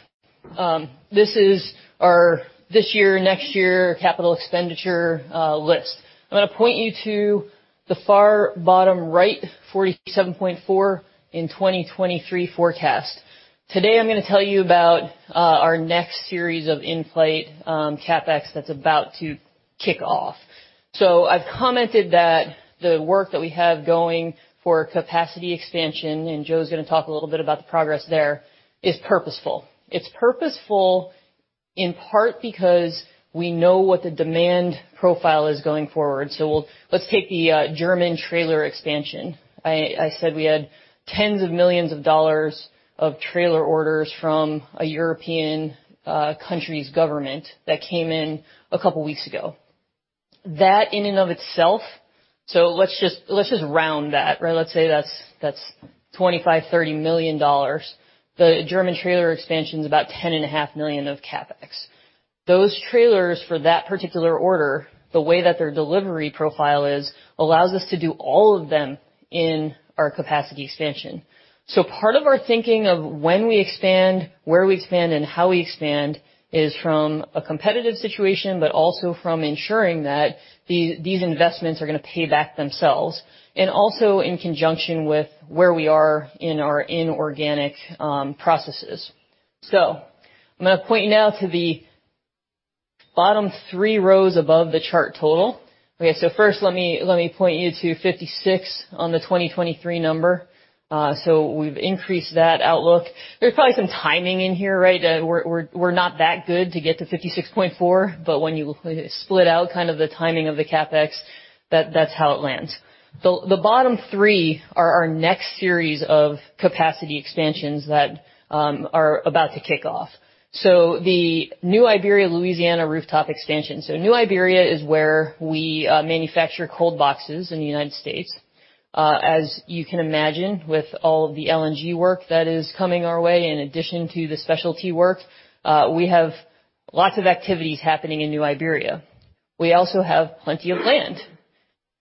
This is our this year, next year capital expenditure list. I'm gonna point you to the far bottom right, $47.4 in 2023 forecast. Today, I'm gonna tell you about our next series of in-flight CapEx that's about to kick off. I've commented that the work that we have going for capacity expansion, and Joe's gonna talk a little bit about the progress there, is purposeful. It's purposeful in part because we know what the demand profile is going forward. Let's take the German trailer expansion. I said we had tens of millions of dollars of trailer orders from a European country's government that came in a couple weeks ago. That in and of itself. Let's just round that, right? Let's say that's $25 million-$30 million. The German trailer expansion is about $10.5 million of CapEx. Those trailers for that particular order, the way that their delivery profile is, allows us to do all of them in our capacity expansion. Part of our thinking of when we expand, where we expand, and how we expand is from a competitive situation, but also from ensuring that these investments are gonna pay back themselves, and also in conjunction with where we are in our inorganic processes. I'm gonna point now to the bottom three rows above the chart total. Okay. First, let me point you to 56 on the 2023 number. We've increased that outlook. There's probably some timing in here, right? We're not that good to get to 56.4, but when you split out kind of the timing of the CapEx, that's how it lands. The bottom three are our next series of capacity expansions that are about to kick off. The New Iberia, Louisiana, rooftop expansion. New Iberia is where we manufacture cold boxes in the United States. As you can imagine, with all of the LNG work that is coming our way, in addition to the specialty work, we have lots of activities happening in New Iberia. We also have plenty of land.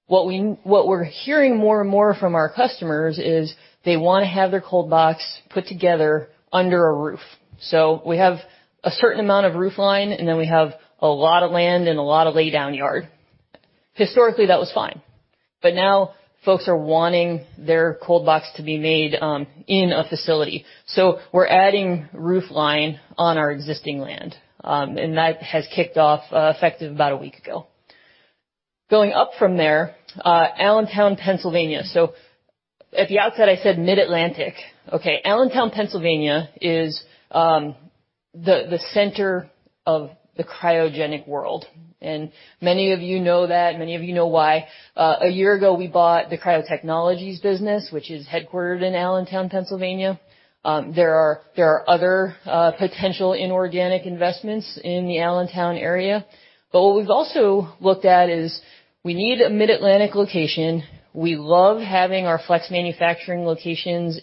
What we're hearing more and more from our customers is they wanna have their cold box put together under a roof. We have a certain amount of roof line, and then we have a lot of land and a lot of lay down yard. Historically, that was fine, but now folks are wanting their cold box to be made in a facility. We're adding roof line on our existing land, and that has kicked off effective about a week ago. Going up from there, Allentown, Pennsylvania. At the outset, I said Mid-Atlantic. Okay. Allentown, Pennsylvania, is the center of the cryogenic world. Many of you know that, many of you know why. A year ago, we bought the Cryo Technologies business, which is headquartered in Allentown, Pennsylvania. There are other potential inorganic investments in the Allentown area. What we've also looked at is we need a Mid-Atlantic location. We love having our flex manufacturing locations.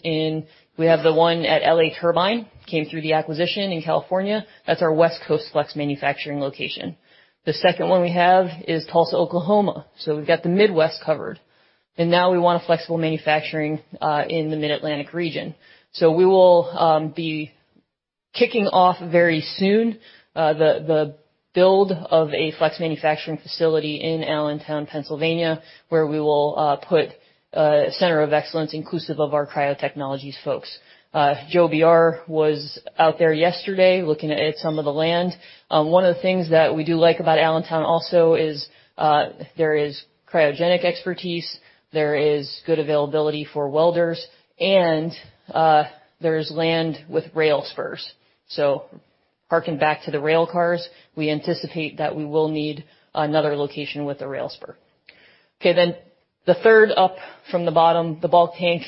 We have the one at L.A. Turbine, came through the acquisition in California. That's our West Coast flex manufacturing location. The second one we have is Tulsa, Oklahoma, so we've got the Midwest covered. Now we want a flexible manufacturing in the Mid-Atlantic region. We will be kicking off very soon the build of a flex manufacturing facility in Allentown, Pennsylvania, where we will put a center of excellence inclusive of our Cryo Technologies folks. Joe Brinkman was out there yesterday looking at some of the land. One of the things that we do like about Allentown also is, there is cryogenic expertise, there is good availability for welders, and, there's land with rail spurs. Hearken back to the rail cars, we anticipate that we will need another location with a rail spur. Okay. The third up from the bottom, the bulk tank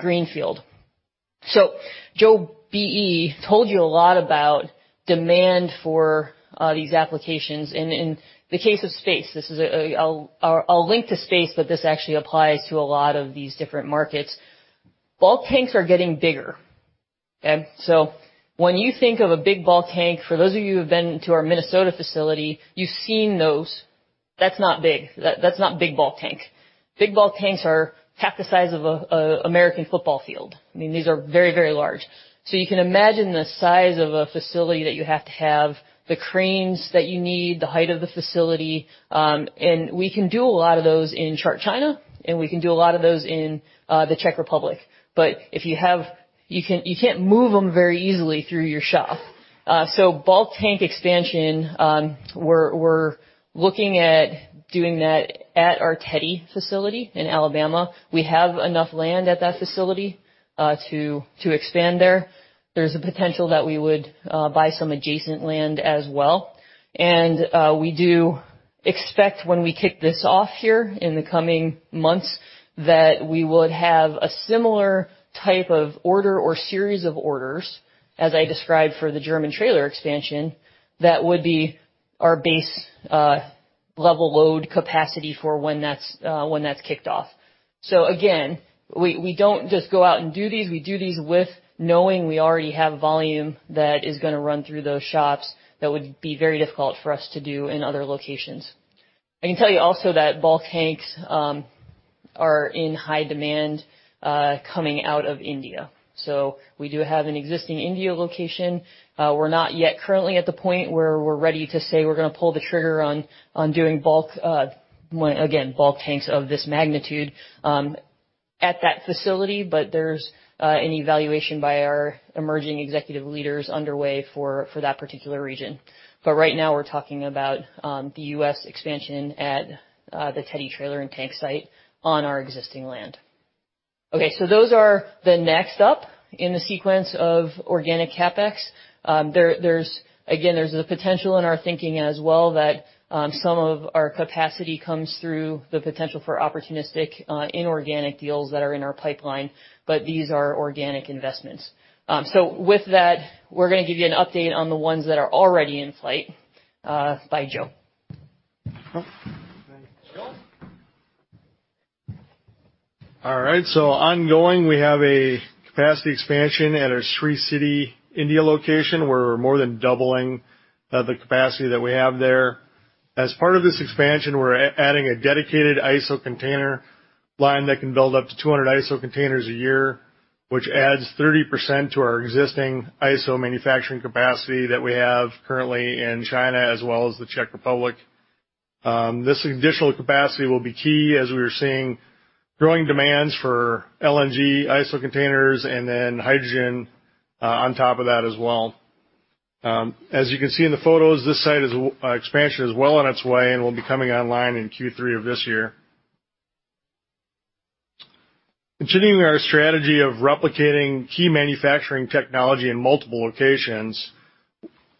greenfield. Joe BE told you a lot about demand for these applications. In the case of space, this is a, I'll link to space, but this actually applies to a lot of these different markets. Bulk tanks are getting bigger. Okay? When you think of a big bulk tank, for those of you who've been to our Minnesota facility, you've seen those. That's not big. That's not big bulk tank. Big bulk tanks are half the size of a American football field. I mean, these are very, very large. You can imagine the size of a facility that you have to have, the cranes that you need, the height of the facility. We can do a lot of those in Chart China, and we can do a lot of those in the Czech Republic. But you can't move them very easily through your shop. Bulk tank expansion, we're looking at doing that at our Theodore facility in Alabama. We have enough land at that facility to expand there. There's a potential that we would buy some adjacent land as well. We do expect when we kick this off here in the coming months that we would have a similar type of order or series of orders, as I described for the German trailer expansion. That would be our base level load capacity for when that's kicked off. Again, we don't just go out and do these. We do these with knowing we already have volume that is gonna run through those shops that would be very difficult for us to do in other locations. I can tell you also that bulk tanks are in high demand coming out of India. We do have an existing India location. We're not yet currently at the point where we're ready to say we're gonna pull the trigger on doing bulk tanks of this magnitude at that facility, but there's an evaluation by our emerging executive leaders underway for that particular region. Right now we're talking about the U.S. expansion at the Teddy trailer and tank site on our existing land. Okay, those are the next up in the sequence of organic CapEx. There's the potential in our thinking as well that some of our capacity comes through the potential for opportunistic inorganic deals that are in our pipeline, but these are organic investments. With that, we're gonna give you an update on the ones that are already in flight by Joe. All right. Ongoing, we have a capacity expansion at our Sri City, India location, where we're more than doubling the capacity that we have there. As part of this expansion, we're adding a dedicated ISO container line that can build up to 200 ISO containers a year, which adds 30% to our existing ISO manufacturing capacity that we have currently in China as well as the Czech Republic. This additional capacity will be key as we are seeing growing demands for LNG ISO containers and then hydrogen on top of that as well. As you can see in the photos, this site's expansion is well on its way and will be coming online in Q3 of this year. Continuing our strategy of replicating key manufacturing technology in multiple locations,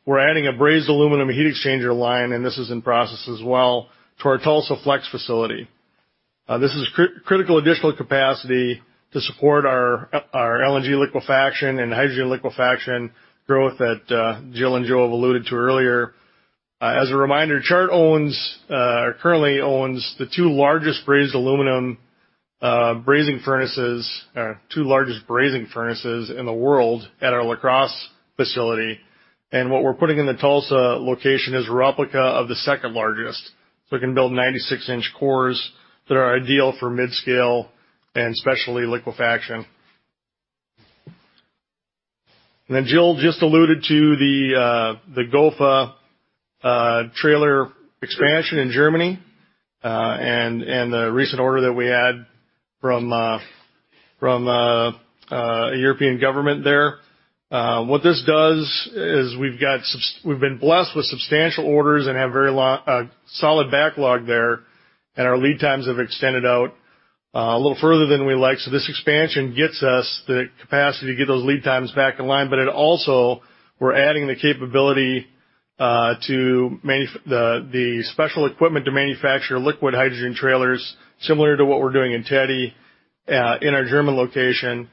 we're adding a brazed aluminum heat exchanger line, and this is in process as well, to our Tulsa flex facility. This is critical additional capacity to support our LNG liquefaction and hydrogen liquefaction growth that Jill and Joe have alluded to earlier. As a reminder, Chart currently owns the two largest brazed aluminum brazing furnaces in the world at our La Crosse facility. What we're putting in the Tulsa location is a replica of the second largest. We can build 96-inch cores that are ideal for mid-scale and specialty liquefaction. Then Jill just alluded to the GOFA trailer expansion in Germany and the recent order that we had from a European government there. What this does is we've been blessed with substantial orders and have a solid backlog there, and our lead times have extended out a little further than we like. This expansion gets us the capacity to get those lead times back in line, but it also we're adding the capability to the special equipment to manufacture liquid hydrogen trailers similar to what we're doing in Teddy in our German location.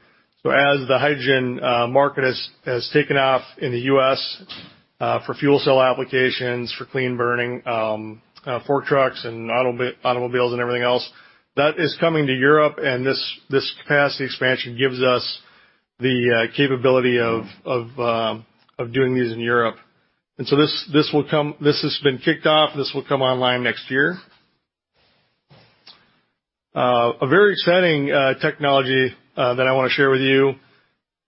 As the hydrogen market has taken off in the U.S. for fuel cell applications, for clean-burning fork trucks and automobiles and everything else, that is coming to Europe. This capacity expansion gives us the capability of doing these in Europe. This has been kicked off. This will come online next year. A very exciting technology that I wanna share with you,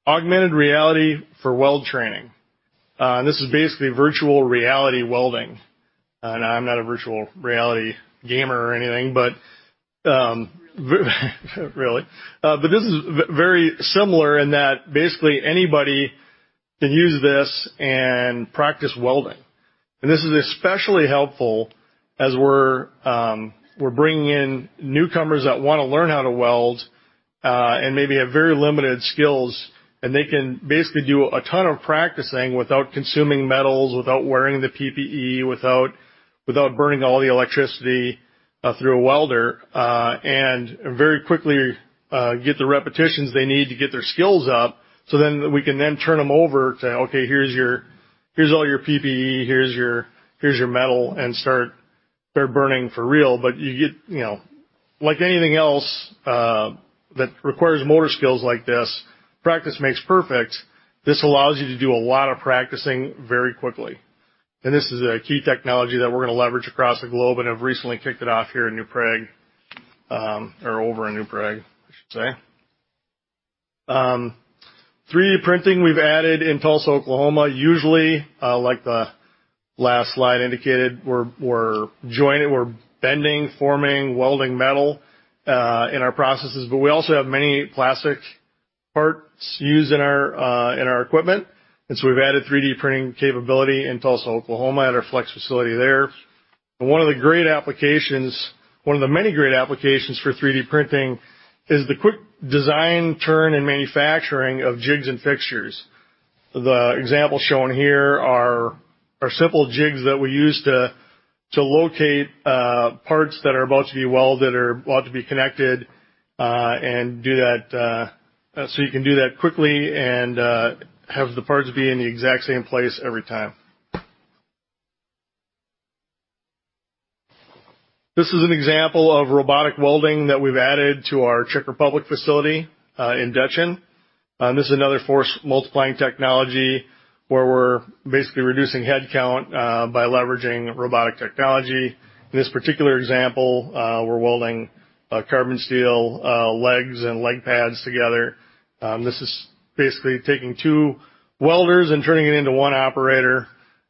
augmented reality for weld training. This is basically virtual reality welding. I'm not a virtual reality gamer or anything, but really. This is very similar in that basically anybody can use this and practice welding. This is especially helpful as we're bringing in newcomers that wanna learn how to weld and maybe have very limited skills. They can basically do a ton of practicing without consuming metals, without wearing the PPE, without burning all the electricity through a welder and very quickly get the repetitions they need to get their skills up so we can turn them over to, okay, here's your. Here's all your PPE, here's your metal, and start there burning for real. But you get, you know, like anything else, that requires motor skills like this, practice makes perfect. This allows you to do a lot of practicing very quickly. This is a key technology that we're gonna leverage across the globe and have recently kicked it off here in New Prague, or over in New Prague, I should say. 3D printing we've added in Tulsa, Oklahoma. Usually, like the last slide indicated, we're joining, we're bending, forming, welding metal in our processes, but we also have many plastic parts used in our equipment. We've added 3D printing capability in Tulsa, Oklahoma, at our flex facility there. One of the many great applications for 3D printing is the quick design turn and manufacturing of jigs and fixtures. The examples shown here are simple jigs that we use to locate parts that are about to be welded or about to be connected, and do that so you can do that quickly and have the parts be in the exact same place every time. This is an example of robotic welding that we've added to our Czech Republic facility in Děčín. This is another force multiplying technology where we're basically reducing headcount by leveraging robotic technology. In this particular example, we're welding carbon steel legs and leg pads together. This is basically taking two welders and turning it into one operator,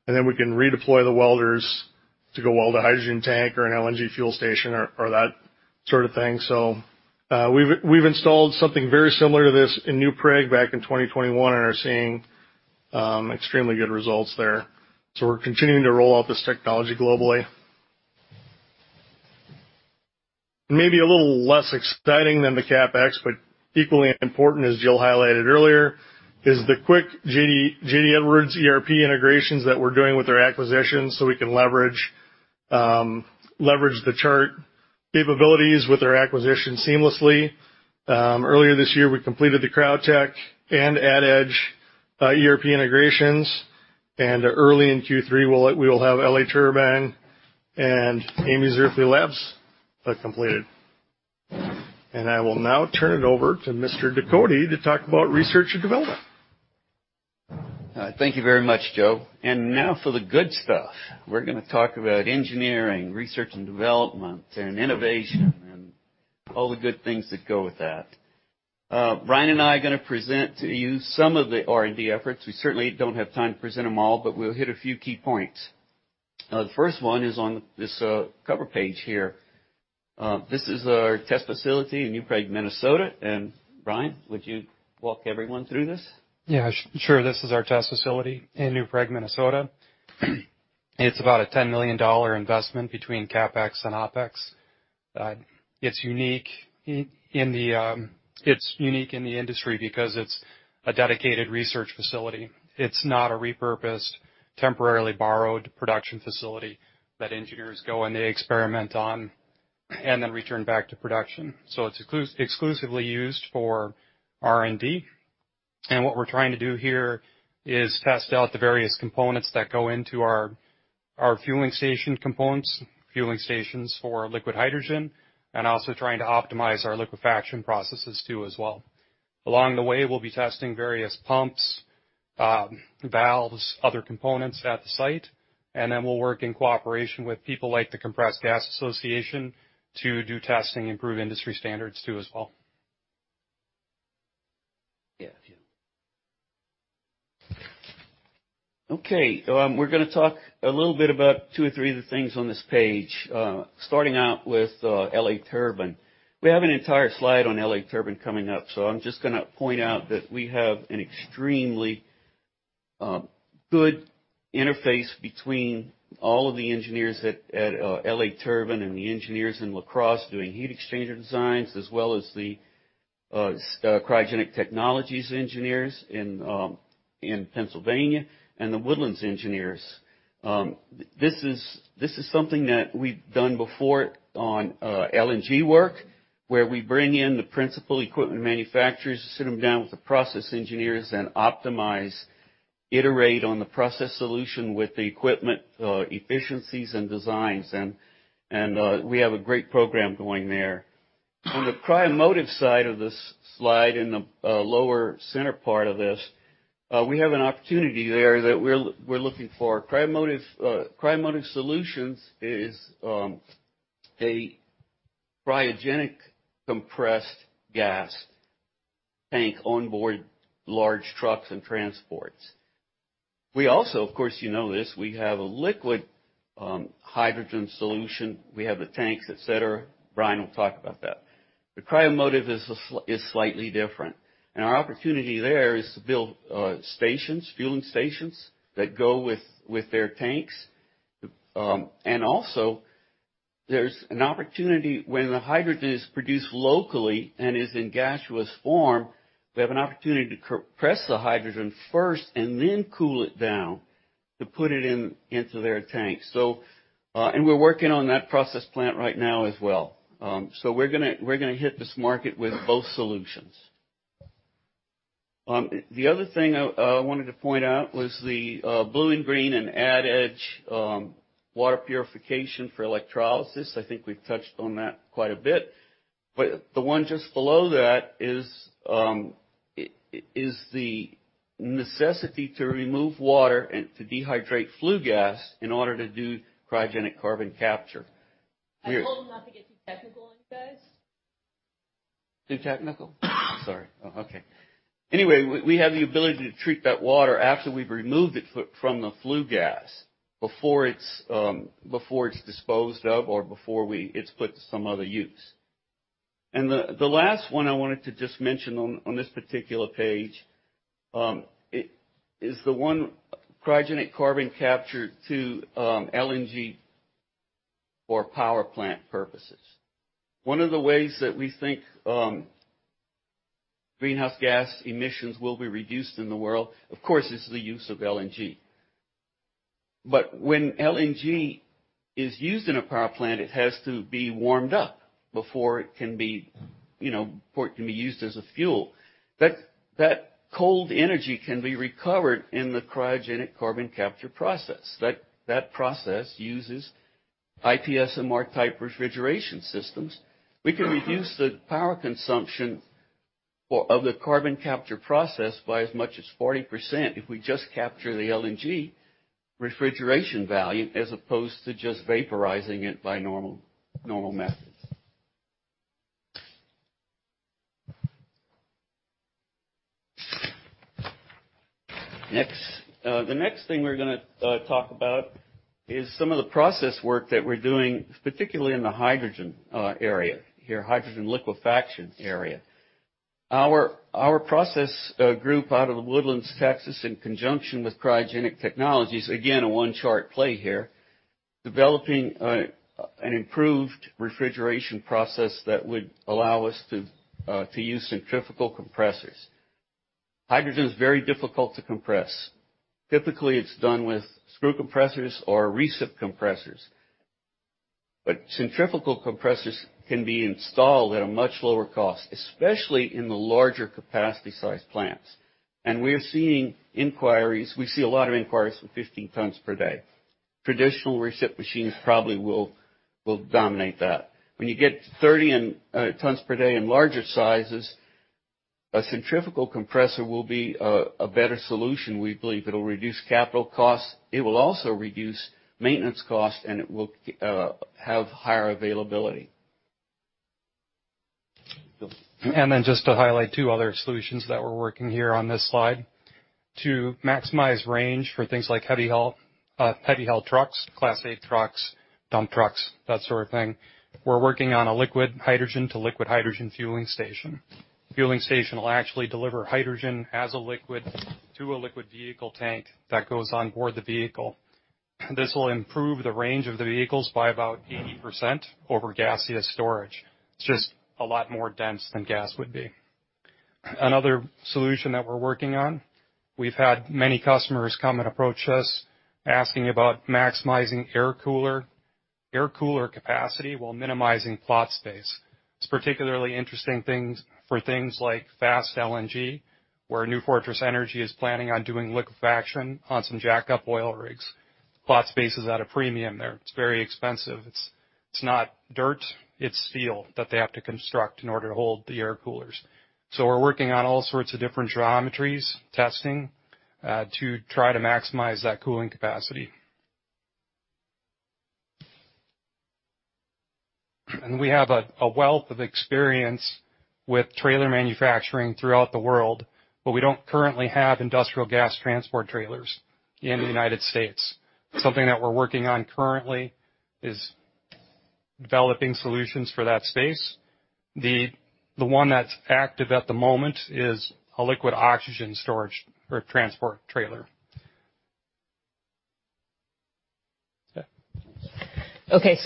and then we can redeploy the welders to go weld a hydrogen tank or an LNG fuel station or that sort of thing. We've installed something very similar to this in New Prague back in 2021 and are seeing extremely good results there. We're continuing to roll out this technology globally. Maybe a little less exciting than the CapEx, but equally important, as Jill highlighted earlier, is the quick J.D. Edwards ERP integrations that we're doing with their acquisitions so we can leverage the Chart capabilities with their acquisitions seamlessly. Earlier this year, we completed the Cryo Tech and AdEdge ERP integrations. Early in Q3, we'll have L.A. Turbine and Amy's Earthly Labs completed. I will now turn it over to Mr. Ducote to talk about research and development. Thank you very much, Joe. Now for the good stuff. We're gonna talk about engineering, research and development, and innovation. All the good things that go with that. Brian and I are gonna present to you some of the R&D efforts. We certainly don't have time to present them all, but we'll hit a few key points. The first one is on this cover page here. This is our test facility in New Prague, Minnesota. Brian, would you walk everyone through this? Yeah, sure. This is our test facility in New Prague, Minnesota. It's about a $10 million investment between CapEx and OpEx. It's unique in the industry because it's a dedicated research facility. It's not a repurposed, temporarily borrowed production facility that engineers go and they experiment on and then return back to production. It's exclusively used for R&D. What we're trying to do here is test out the various components that go into our fueling station components, fueling stations for liquid hydrogen, and also trying to optimize our liquefaction processes too, as well. Along the way, we'll be testing various pumps, valves, other components at the site, and then we'll work in cooperation with people like the Compressed Gas Association to do testing and improve industry standards too, as well. Yeah. Okay. We're gonna talk a little bit about two or three of the things on this page, starting out with L.A. Turbine. We have an entire slide on L.A. Turbine coming up, so I'm just gonna point out that we have an extremely good interface between all of the engineers at L.A. Turbine and the engineers in La Crosse doing heat exchanger designs, as well as the Cryo Technologies engineers in Pennsylvania, and the Woodlands engineers. This is something that we've done before on LNG work, where we bring in the principal equipment manufacturers, sit them down with the process engineers, and optimize, iterate on the process solution with the equipment efficiencies and designs, and we have a great program going there. On the Cryomotive side of this slide, in the lower center part of this, we have an opportunity there that we're looking for. Cryomotive Solutions is a cryogenic compressed gas tank onboard large trucks and transports. We also, of course you know this, we have a liquid hydrogen solution. We have the tanks, et cetera. Brian will talk about that. The Cryomotive is slightly different, and our opportunity there is to build stations, fueling stations that go with their tanks. Also, there's an opportunity when the hydrogen is produced locally and is in gaseous form, we have an opportunity to compress the hydrogen first and then cool it down to put it into their tank. We're working on that process plant right now as well. We're gonna hit this market with both solutions. The other thing I wanted to point out was the BlueInGreen and AdEdge water purification for electrolysis. I think we've touched on that quite a bit. The one just below that is the necessity to remove water and to dehydrate flue gas in order to do cryogenic carbon capture. I told them not to get too technical on you guys. Too technical? Sorry. Oh, okay. Anyway, we have the ability to treat that water after we've removed it from the flue gas before it's disposed of or before it's put to some other use. The last one I wanted to just mention on this particular page is the one cryogenic carbon capture to LNG for power plant purposes. One of the ways that we think greenhouse gas emissions will be reduced in the world, of course, is the use of LNG. But when LNG is used in a power plant, it has to be warmed up, you know, before it can be used as a fuel. That cold energy can be recovered in the cryogenic carbon capture process. That process uses IPSMR-type refrigeration systems. We can reduce the power consumption of the carbon capture process by as much as 40% if we just capture the LNG refrigeration value as opposed to just vaporizing it by normal methods. Next. The next thing we're gonna talk about is some of the process work that we're doing, particularly in the hydrogen area here, hydrogen liquefaction area. Our process group out of The Woodlands, Texas, in conjunction with Cryo Technologies, again, a One Chart play here, developing an improved refrigeration process that would allow us to use centrifugal compressors. Hydrogen is very difficult to compress. Typically, it's done with screw compressors or reciprocating compressors. But centrifugal compressors can be installed at a much lower cost, especially in the larger capacity-sized plants. We're seeing inquiries. We see a lot of inquiries for 15 tons per day. Traditional recip machines probably will dominate that. When you get to 30 tons per day in larger sizes, a centrifugal compressor will be a better solution, we believe. It'll reduce capital costs, it will also reduce maintenance costs, and it will have higher availability. Just to highlight two other solutions that we're working here on this slide. To maximize range for things like heavy-haul trucks, Class 8 trucks, dump trucks, that sort of thing, we're working on a liquid hydrogen to liquid hydrogen fueling station. Fueling station will actually deliver hydrogen as a liquid to a liquid vehicle tank that goes on board the vehicle. This will improve the range of the vehicles by about 80% over gaseous storage. It's just a lot more dense than gas would be. Another solution that we're working on, we've had many customers come and approach us asking about maximizing air cooler capacity while minimizing plot space. It's particularly interesting for things like Fast LNG, where New Fortress Energy is planning on doing liquefaction on some jackup oil rigs. Plot space is at a premium there. It's very expensive. It's not dirt, it's steel that they have to construct in order to hold the air coolers. We're working on all sorts of different geometries, testing to try to maximize that cooling capacity. We have a wealth of experience with trailer manufacturing throughout the world, but we don't currently have industrial gas transport trailers in the United States. Something that we're working on currently is developing solutions for that space. The one that's active at the moment is a liquid oxygen storage or transport trailer. Steph.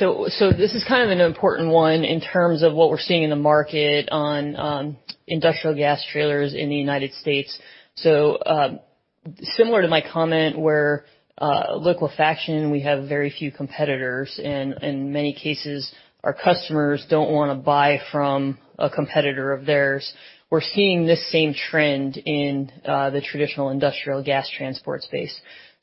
This is kind of an important one in terms of what we're seeing in the market on industrial gas trailers in the United States. Similar to my comment where liquefaction, we have very few competitors, and in many cases, our customers don't wanna buy from a competitor of theirs. We're seeing this same trend in the traditional industrial gas transport space.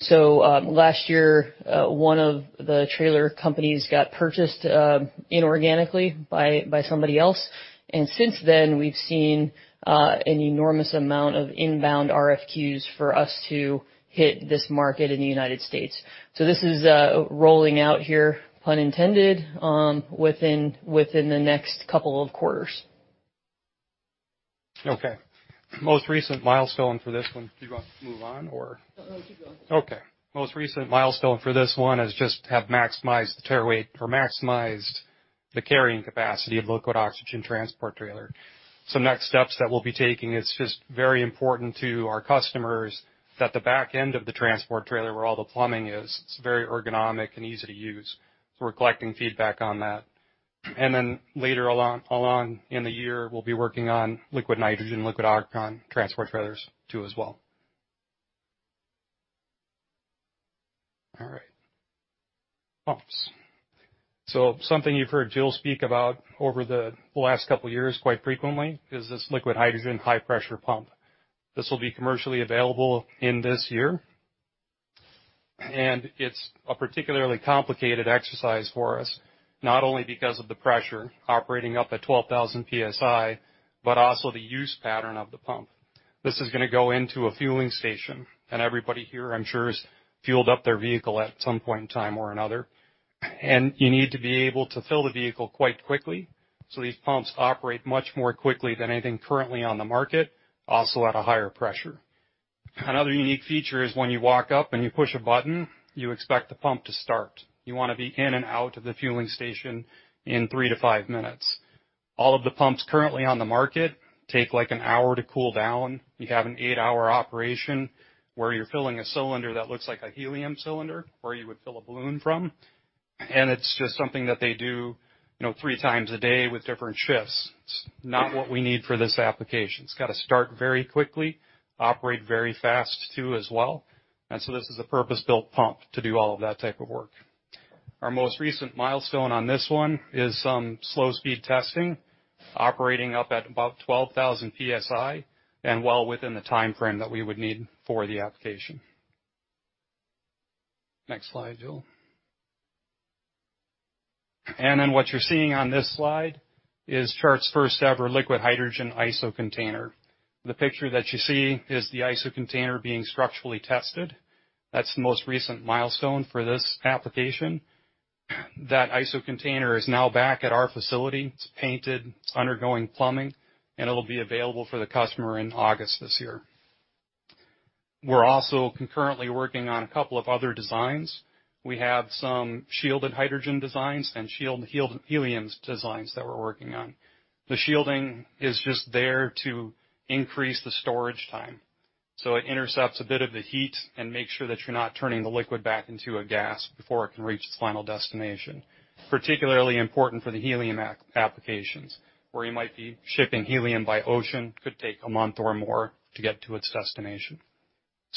Last year, one of the trailer companies got purchased inorganically by somebody else. Since then, we've seen an enormous amount of inbound RFQs for us to hit this market in the United States. This is rolling out here, pun intended, within the next couple of quarters. Okay. Most recent milestone for this one. Do you want to move on or? No, no, keep going. Okay. Most recent milestone for this one is just have maximized the tare weight or maximized the carrying capacity of liquid oxygen transport trailer. Some next steps that we'll be taking, it's just very important to our customers that the back end of the transport trailer, where all the plumbing is, it's very ergonomic and easy to use. We're collecting feedback on that. Later along in the year, we'll be working on liquid nitrogen, liquid argon transport trailers too as well. All right. Pumps. Something you've heard Jill speak about over the last couple years quite frequently is this liquid hydrogen high-pressure pump. This will be commercially available in this year. It's a particularly complicated exercise for us, not only because of the pressure operating up at 12,000 PSI, but also the use pattern of the pump. This is gonna go into a fueling station, and everybody here, I'm sure, has fueled up their vehicle at some point in time or another. You need to be able to fill the vehicle quite quickly, so these pumps operate much more quickly than anything currently on the market, also at a higher pressure. Another unique feature is when you walk up and you push a button, you expect the pump to start. You wanna be in and out of the fueling station in three to five minutes. All of the pumps currently on the market take, like, an hour to cool down. You have an eight-hour operation where you're filling a cylinder that looks like a helium cylinder, where you would fill a balloon from. It's just something that they do, you know, three times a day with different shifts. It's not what we need for this application. It's gotta start very quickly, operate very fast too as well. This is a purpose-built pump to do all of that type of work. Our most recent milestone on this one is some slow speed testing, operating up at about 12,000 PSI and well within the timeframe that we would need for the application. Next slide, Jill. What you're seeing on this slide is Chart's first-ever liquid hydrogen ISO container. The picture that you see is the ISO container being structurally tested. That's the most recent milestone for this application. That ISO container is now back at our facility. It's painted, it's undergoing plumbing, and it'll be available for the customer in August this year. We're also concurrently working on a couple of other designs. We have some shielded hydrogen designs and shielded helium designs that we're working on. The shielding is just there to increase the storage time. It intercepts a bit of the heat and makes sure that you're not turning the liquid back into a gas before it can reach its final destination. Particularly important for the helium applications, where you might be shipping helium by ocean, could take a month or more to get to its destination.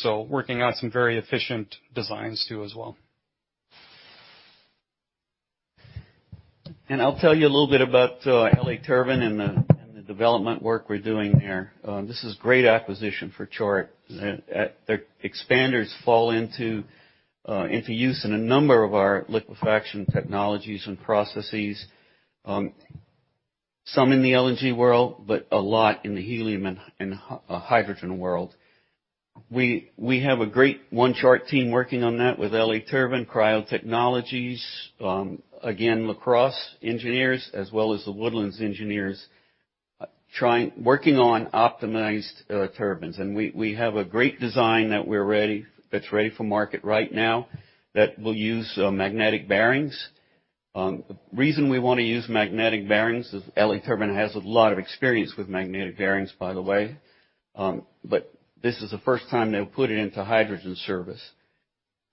Working on some very efficient designs too as well. I'll tell you a little bit about L.A. Turbine and the development work we're doing there. This is a great acquisition for Chart. Their expanders fall into use in a number of our liquefaction technologies and processes. Some in the LNG world, but a lot in the helium and hydrogen world. We have a great One Chart team working on that with L.A. Turbine, Cryo Technologies, again, LaCrosse Engineers, as well as the Woodlands Engineers, working on optimized turbines. We have a great design that's ready for market right now that will use magnetic bearings. The reason we wanna use magnetic bearings is L.A. Turbine has a lot of experience with magnetic bearings, by the way. This is the first time they'll put it into hydrogen service.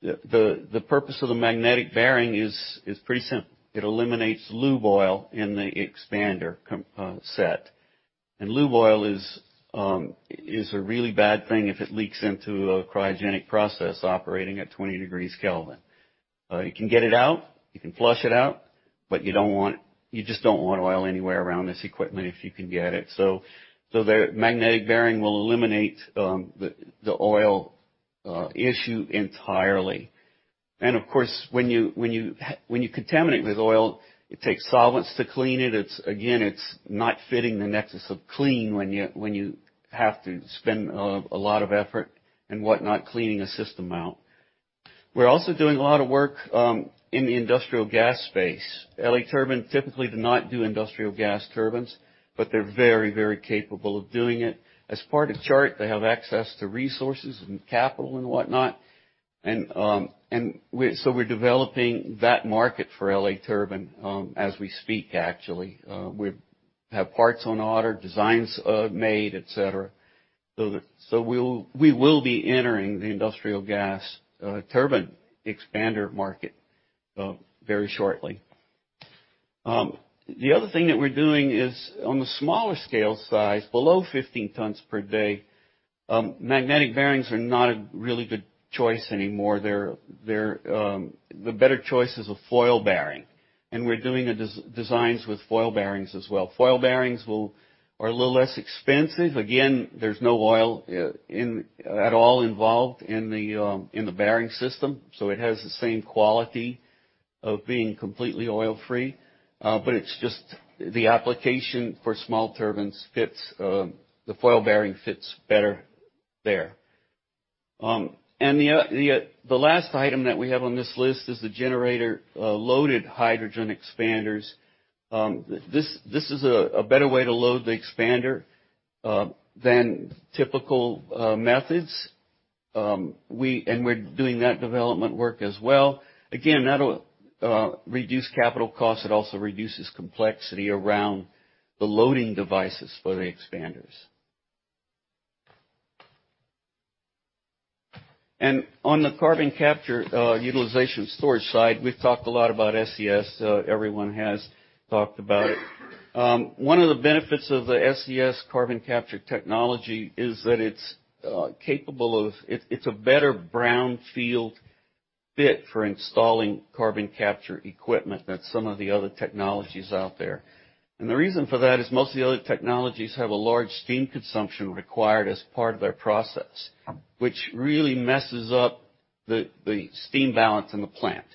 The purpose of the magnetic bearing is pretty simple. It eliminates lube oil in the expander compressor set. Lube oil is a really bad thing if it leaks into a cryogenic process operating at 20 K. You can get it out, you can flush it out, but you just don't want oil anywhere around this equipment if you can get it. The magnetic bearing will eliminate the oil issue entirely. Of course, when you contaminate with oil, it takes solvents to clean it. It's again, it's not fitting the Nexus of Clean when you have to spend a lot of effort and whatnot cleaning a system out. We're also doing a lot of work in the industrial gas space. L.A. Turbine typically do not do industrial gas turbines, but they're very, very capable of doing it. As part of Chart, they have access to resources and capital and whatnot. We're developing that market for L.A. Turbine as we speak, actually. We have parts on order, designs made, et cetera. We will be entering the industrial gas turbine expander market very shortly. The other thing that we're doing is on the smaller scale size, below 15 tons per day, magnetic bearings are not a really good choice anymore. The better choice is a foil bearing, and we're doing designs with foil bearings as well. Foil bearings are a little less expensive. There's no oil in at all involved in the bearing system, so it has the same quality of being completely oil-free. It's just the application for small turbines fits, the foil bearing fits better there. The last item that we have on this list is the generator loaded hydrogen expanders. This is a better way to load the expander than typical methods. We're doing that development work as well. Again, that'll reduce capital costs. It also reduces complexity around the loading devices for the expanders. On the carbon capture utilization storage side, we've talked a lot about CCUS, everyone has talked about it. One of the benefits of the SES carbon capture technology is that it's a better brownfield fit for installing carbon capture equipment than some of the other technologies out there. The reason for that is most of the other technologies have a large steam consumption required as part of their process, which really messes up the steam balance in the plant.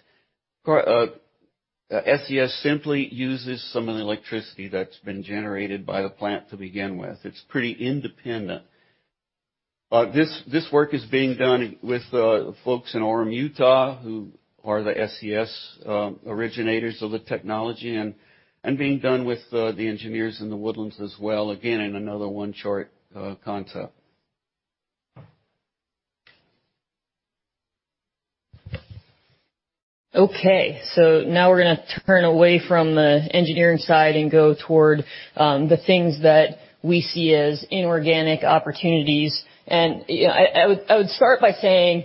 SES simply uses some of the electricity that's been generated by the plant to begin with. It's pretty independent. This work is being done with the folks in Orem, Utah, who are the SES originators of the technology and being done with the engineers in the Woodlands as well, again, in another One Chart concept. Okay. Now we're gonna turn away from the engineering side and go toward the things that we see as inorganic opportunities. You know, I would start by saying.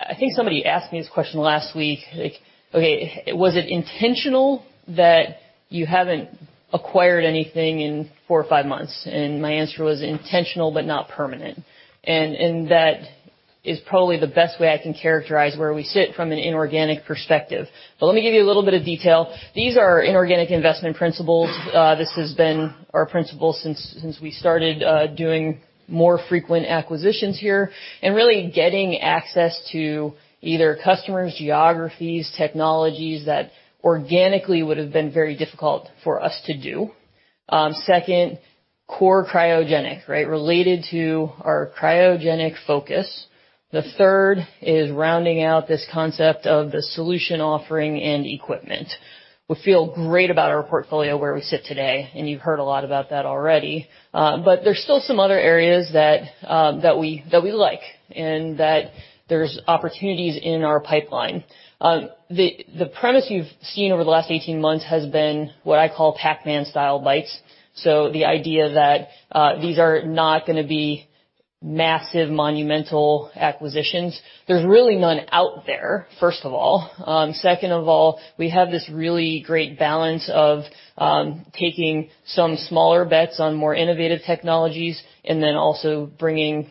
I think somebody asked me this question last week, like okay, was it intentional that you haven't acquired anything in four or five months? My answer was intentional, but not permanent. That is probably the best way I can characterize where we sit from an inorganic perspective. Let me give you a little bit of detail. These are inorganic investment principles. This has been our principle since we started doing more frequent acquisitions here and really getting access to either customers, geographies, technologies that organically would have been very difficult for us to do. Second, core cryogenic, right? Related to our cryogenic focus. The third is rounding out this concept of the solution offering and equipment. We feel great about our portfolio where we sit today, and you've heard a lot about that already. There's still some other areas that we like and that there's opportunities in our pipeline. The premise you've seen over the last 18 months has been what I call Pac-Man style bites. The idea that these are not gonna be massive, monumental acquisitions. There's really none out there, first of all. Second of all, we have this really great balance of taking some smaller bets on more innovative technologies and then also bringing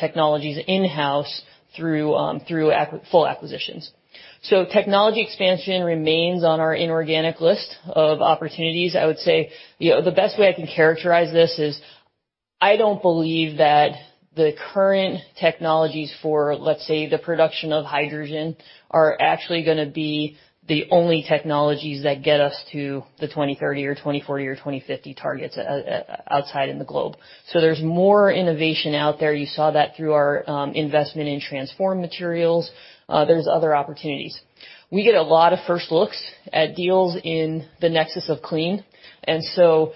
technologies in-house through full acquisitions. Technology expansion remains on our inorganic list of opportunities. I would say, you know, the best way I can characterize this is I don't believe that the current technologies for, let's say, the production of hydrogen are actually gonna be the only technologies that get us to the 2030 or 2040 or 2050 targets across the globe. There's more innovation out there. You saw that through our investment in Transform Materials. There's other opportunities. We get a lot of first looks at deals in the Nexus of Clean, and so,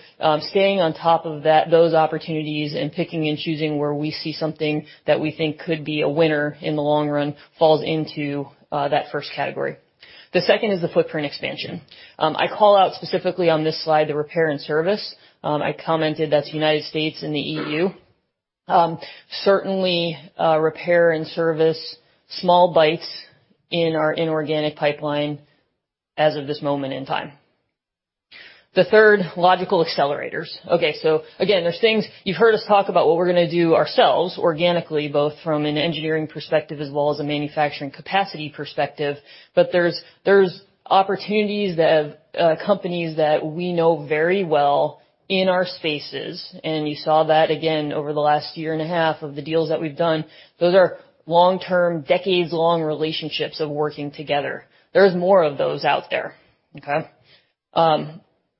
staying on top of that, those opportunities and picking and choosing where we see something that we think could be a winner in the long run falls into that first category. The second is the footprint expansion. I call out specifically on this slide the repair and service. I commented that's United States and the EU. Certainly, repair and service small bites in our inorganic pipeline as of this moment in time. The third, logical accelerators. Okay, again, there's things. You've heard us talk about what we're gonna do ourselves organically, both from an engineering perspective as well as a manufacturing capacity perspective. There's opportunities that have companies that we know very well in our spaces, and you saw that again over the last year and a half of the deals that we've done. Those are long-term, decades-long relationships of working together. There's more of those out there. Okay?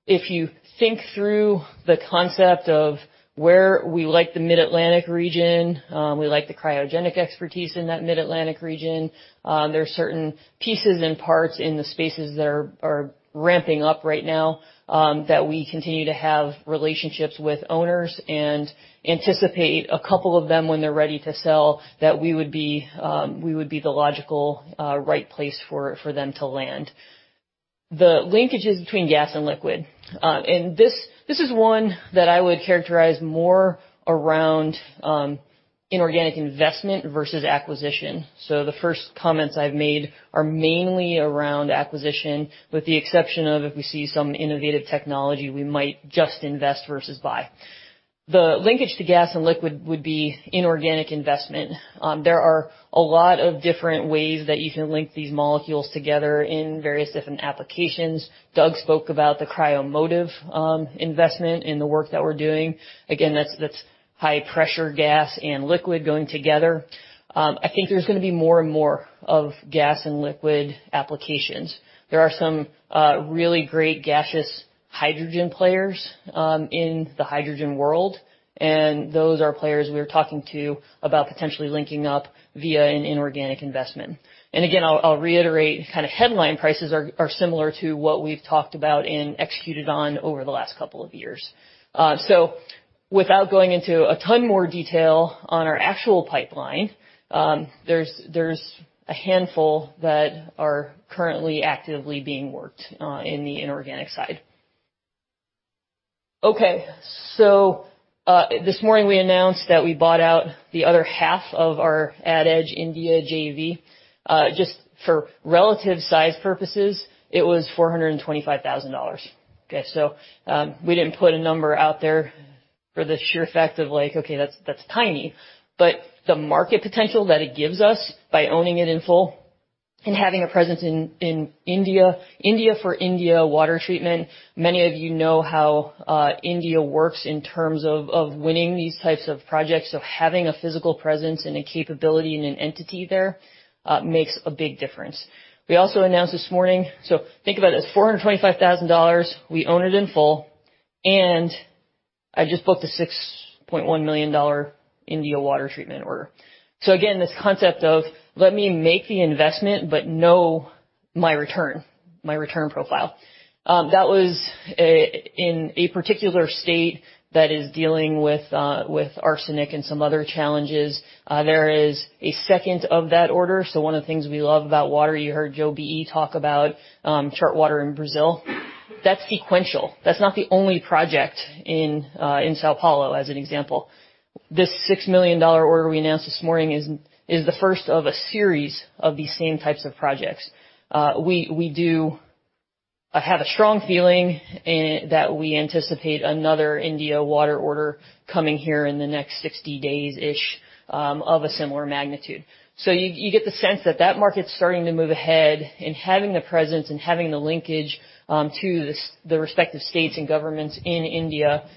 If you think through the concept of where we like the Mid-Atlantic region, we like the cryogenic expertise in that Mid-Atlantic region. There are certain pieces and parts in the spaces that are ramping up right now that we continue to have relationships with owners and anticipate a couple of them when they're ready to sell that we would be the logical right place for them to land. The linkages between gas and liquid. This is one that I would characterize more around inorganic investment versus acquisition. The first comments I've made are mainly around acquisition with the exception of if we see some innovative technology we might just invest versus buy. The linkage to gas and liquid would be inorganic investment. There are a lot of different ways that you can link these molecules together in various different applications. Doug spoke about the Cryomotive investment and the work that we're doing. That's high pressure gas and liquid going together. I think there's gonna be more and more of gas and liquid applications. There are some really great gaseous hydrogen players in the hydrogen world, and those are players we are talking to about potentially linking up via an inorganic investment. Again, I'll reiterate, kind of headline prices are similar to what we've talked about and executed on over the last couple of years. Without going into a ton more detail on our actual pipeline, there's a handful that are currently actively being worked in the inorganic side. Okay. This morning we announced that we bought out the other half of our AdEdge India JV. Just for relative size purposes, it was $425 thousand. Okay. We didn't put a number out there for the sheer fact of like, okay, that's tiny, but the market potential that it gives us by owning it in full and having a presence in India. India for India water treatment, many of you know how India works in terms of winning these types of projects. Having a physical presence and a capability and an entity there makes a big difference. We also announced this morning. Think about it. It's $425,000. We own it in full, and I just booked a $6.1 million India water treatment order. Again, this concept of, let me make the investment but know my return, my return profile. That was in a particular state that is dealing with arsenic and some other challenges. There is a second of that order. One of the things we love about water, you heard Joe BE talk about, ChartWater in Brazil. That's sequential. That's not the only project in São Paulo, as an example. This $6 million order we announced this morning is the first of a series of these same types of projects. We do have a strong feeling that we anticipate another India water order coming here in the next 60 days-ish, of a similar magnitude. You get the sense that that market's starting to move ahead, and having the presence and having the linkage to the respective states and governments in India, is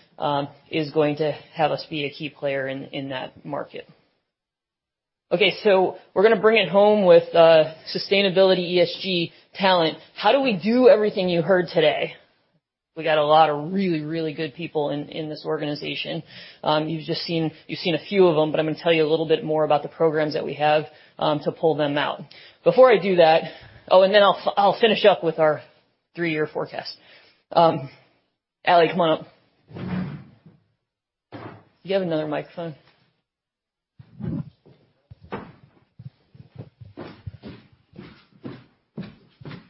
going to have us be a key player in that market. Okay, we're gonna bring it home with sustainability ESG talent. How do we do everything you heard today? We got a lot of really good people in this organization. You've just seen a few of them, but I'm gonna tell you a little bit more about the programs that we have to pull them out. Before I do that. Oh, and then I'll finish up with our three-year forecast. Ally, come on up. Do you have another microphone?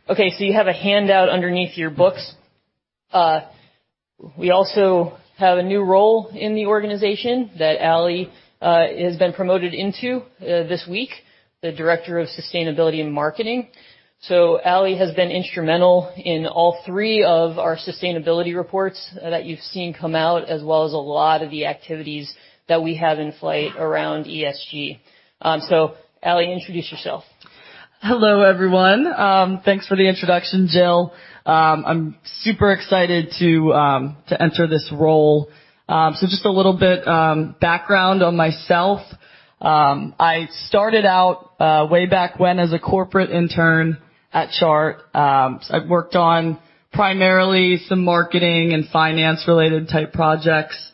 Okay, so you have a handout underneath your books. We also have a new role in the organization that Ally has been promoted into this week, the director of sustainability and marketing. Ally has been instrumental in all three of our sustainability reports that you've seen come out, as well as a lot of the activities that we have in flight around ESG. Ally, introduce yourself. Hello, everyone. Thanks for the introduction, Jill. I'm super excited to enter this role. Just a little bit background on myself. I started out way back when as a corporate intern at Chart. I worked on primarily some marketing and finance-related type projects,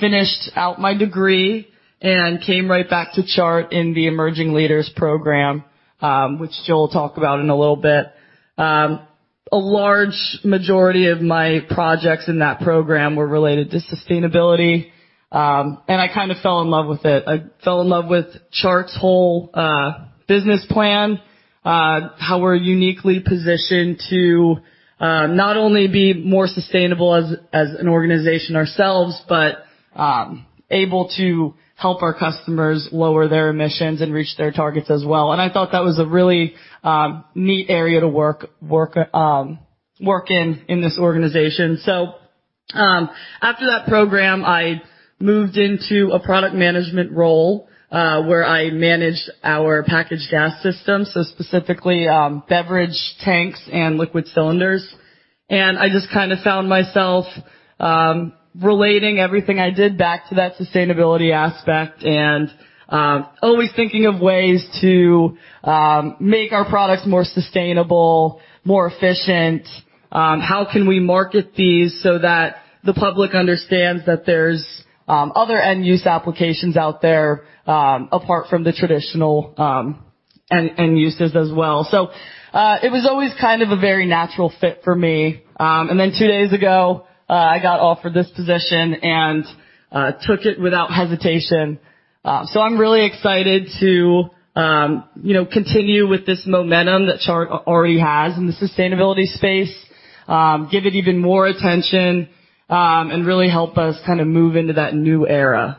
finished out my degree and came right back to Chart in the Emerging Leaders program, which Jill will talk about in a little bit. A large majority of my projects in that program were related to sustainability, and I kind of fell in love with it. I fell in love with Chart's whole business plan, how we're uniquely positioned to not only be more sustainable as an organization ourselves, but able to help our customers lower their emissions and reach their targets as well. I thought that was a really neat area to work in this organization. After that program, I moved into a product management role where I managed our packaged gas system, so specifically, beverage tanks and liquid cylinders. I just kinda found myself relating everything I did back to that sustainability aspect and always thinking of ways to make our products more sustainable, more efficient, how can we market these so that the public understands that there's other end-use applications out there, apart from the traditional end uses as well. It was always kind of a very natural fit for me. Then two days ago, I got offered this position and took it without hesitation. I'm really excited to, you know, continue with this momentum that Chart already has in the sustainability space, give it even more attention, and really help us kinda move into that new era.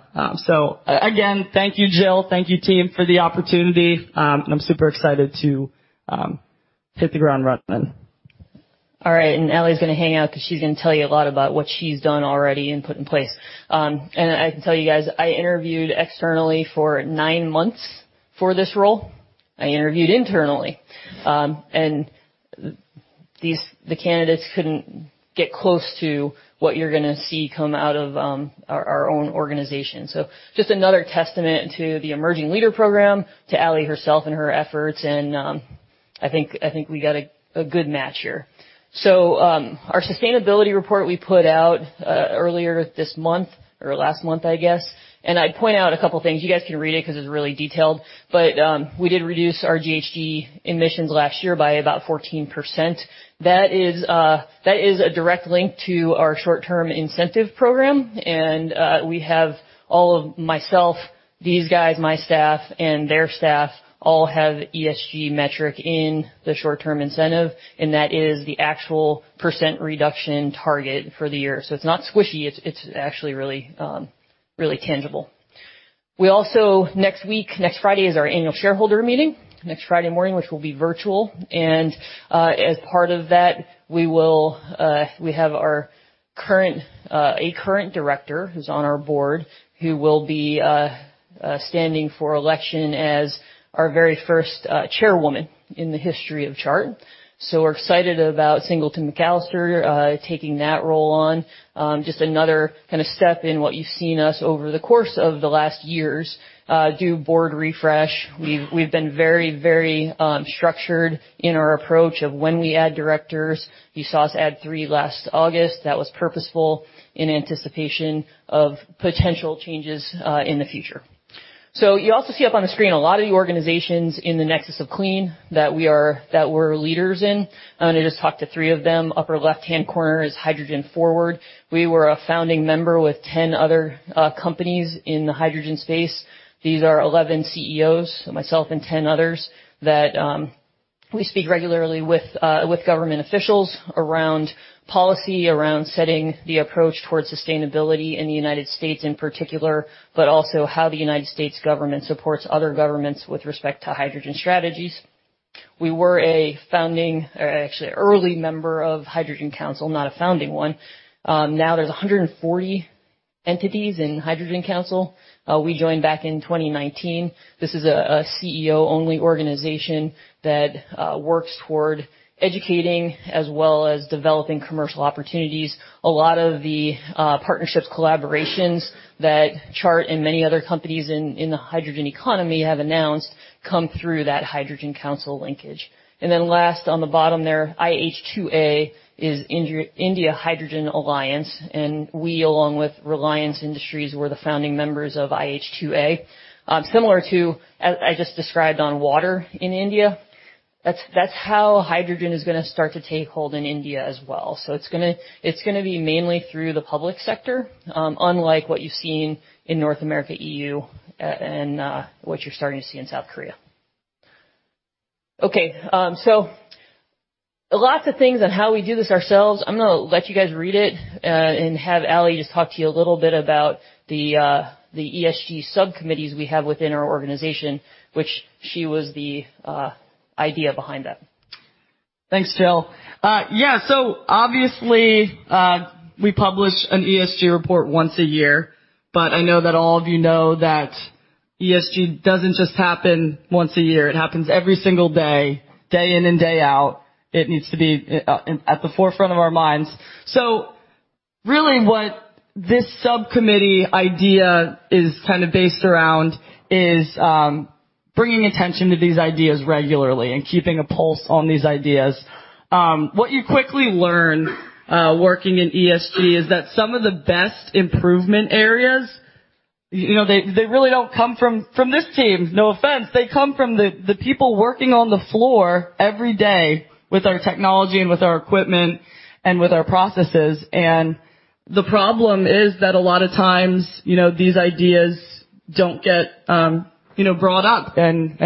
Again, thank you, Jill. Thank you, team, for the opportunity. I'm super excited to hit the ground running. All right. Ally's gonna hang out 'cause she's gonna tell you a lot about what she's done already and put in place. I can tell you guys, I interviewed externally for nine months for this role. I interviewed internally, and the candidates couldn't get close to what you're gonna see come out of our own organization. Just another testament to the Emerging Leader Program, to Ally herself and her efforts, and I think we got a good match here. Our sustainability report we put out earlier this month or last month, I guess, and I point out a couple things. You guys can read it 'cause it's really detailed, but we did reduce our GHG emissions last year by about 14%. That is a direct link to our short-term incentive program, and we have all of myself, these guys, my staff and their staff all have ESG metric in the short-term incentive, and that is the actual percent reduction target for the year. It's not squishy. It's actually really tangible. We also next week, next Friday is our annual shareholder meeting, next Friday morning, which will be virtual. As part of that, we have a current director who's on our board who will be standing for election as our very first chairwoman in the history of Chart. We're excited about Singleton McAllister taking that role on. Just another kinda step in what you've seen us over the course of the last years do board refresh. We've been very structured in our approach of when we add directors. You saw us add three last August. That was purposeful in anticipation of potential changes in the future. You also see up on the screen a lot of the organizations in the Nexus of Clean that we're leaders in. I'm gonna just talk to three of them. Upper left-hand corner is Hydrogen Forward. We were a founding member with 10 other companies in the hydrogen space. These are 11 CEOs, so myself and 10 others, that we speak regularly with government officials around policy, around setting the approach towards sustainability in the United States in particular, but also how the United States government supports other governments with respect to hydrogen strategies. We were a founding or actually early member of Hydrogen Council, not a founding one. Now there's 140 entities in Hydrogen Council. We joined back in 2019. This is a CEO-only organization that works toward educating as well as developing commercial opportunities. A lot of the partnerships, collaborations that Chart and many other companies in the hydrogen economy have announced come through that Hydrogen Council linkage. Then last, on the bottom there, IH2A is India H2 Alliance, and we, along with Reliance Industries, we're the founding members of IH2A. Similar to as I just described on water in India, that's how hydrogen is gonna start to take hold in India as well. It's gonna be mainly through the public sector, unlike what you've seen in North America, EU, and what you're starting to see in South Korea. Lots of things on how we do this ourselves. I'm gonna let you guys read it, and have Ally just talk to you a little bit about the ESG subcommittees we have within our organization, which she was the idea behind that. Thanks, Jill. Obviously, we publish an ESG report once a year. I know that all of you know that ESG doesn't just happen once a year. It happens every single day in and day out. It needs to be at the forefront of our minds. Really what this subcommittee idea is kind of based around is bringing attention to these ideas regularly and keeping a pulse on these ideas. What you quickly learn working in ESG is that some of the best improvement areas, you know, they really don't come from this team. No offense. They come from the people working on the floor every day with our technology and with our equipment and with our processes. The problem is that a lot of times, you know, these ideas don't get you know, brought up and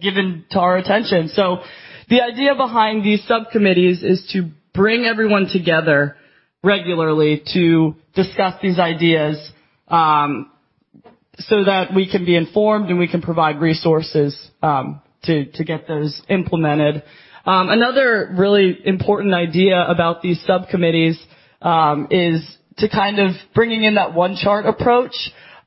given to our attention. The idea behind these subcommittees is to bring everyone together regularly to discuss these ideas, so that we can be informed, and we can provide resources to get those implemented. Another really important idea about these subcommittees is to kind of bringing in that One Chart approach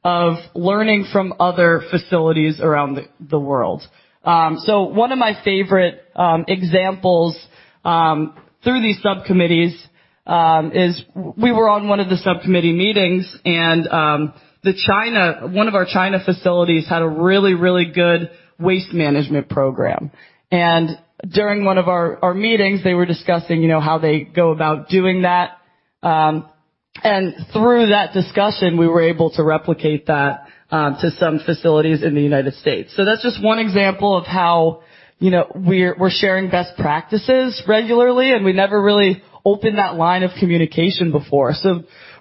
of learning from other facilities around the world. One of my favorite examples through these subcommittees is we were on one of the subcommittee meetings and One of our China facilities had a really good waste management program. During one of our meetings, they were discussing, you know, how they go about doing that. Through that discussion, we were able to replicate that to some facilities in the United States. That's just one example of how, you know, we're sharing best practices regularly, and we never really opened that line of communication before.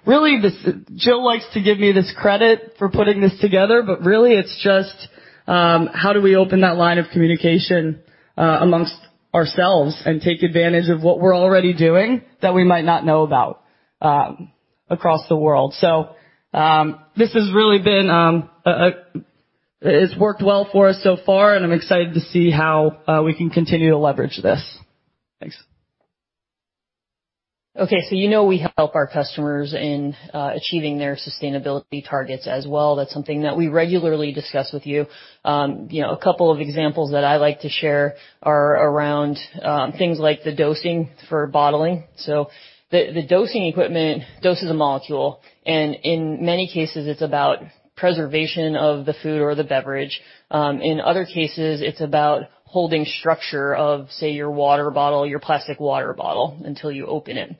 Really, this. Jill likes to give me this credit for putting this together, but really it's just how do we open that line of communication amongst ourselves and take advantage of what we're already doing that we might not know about across the world. This has really been. It's worked well for us so far, and I'm excited to see how we can continue to leverage this. Thanks. Okay, you know we help our customers in achieving their sustainability targets as well. That's something that we regularly discuss with you. You know, a couple of examples that I like to share are around things like the dosing for bottling. The dosing equipment doses a molecule, and in many cases, it's about preservation of the food or the beverage. In other cases, it's about holding structure of, say, your water bottle, your plastic water bottle until you open it.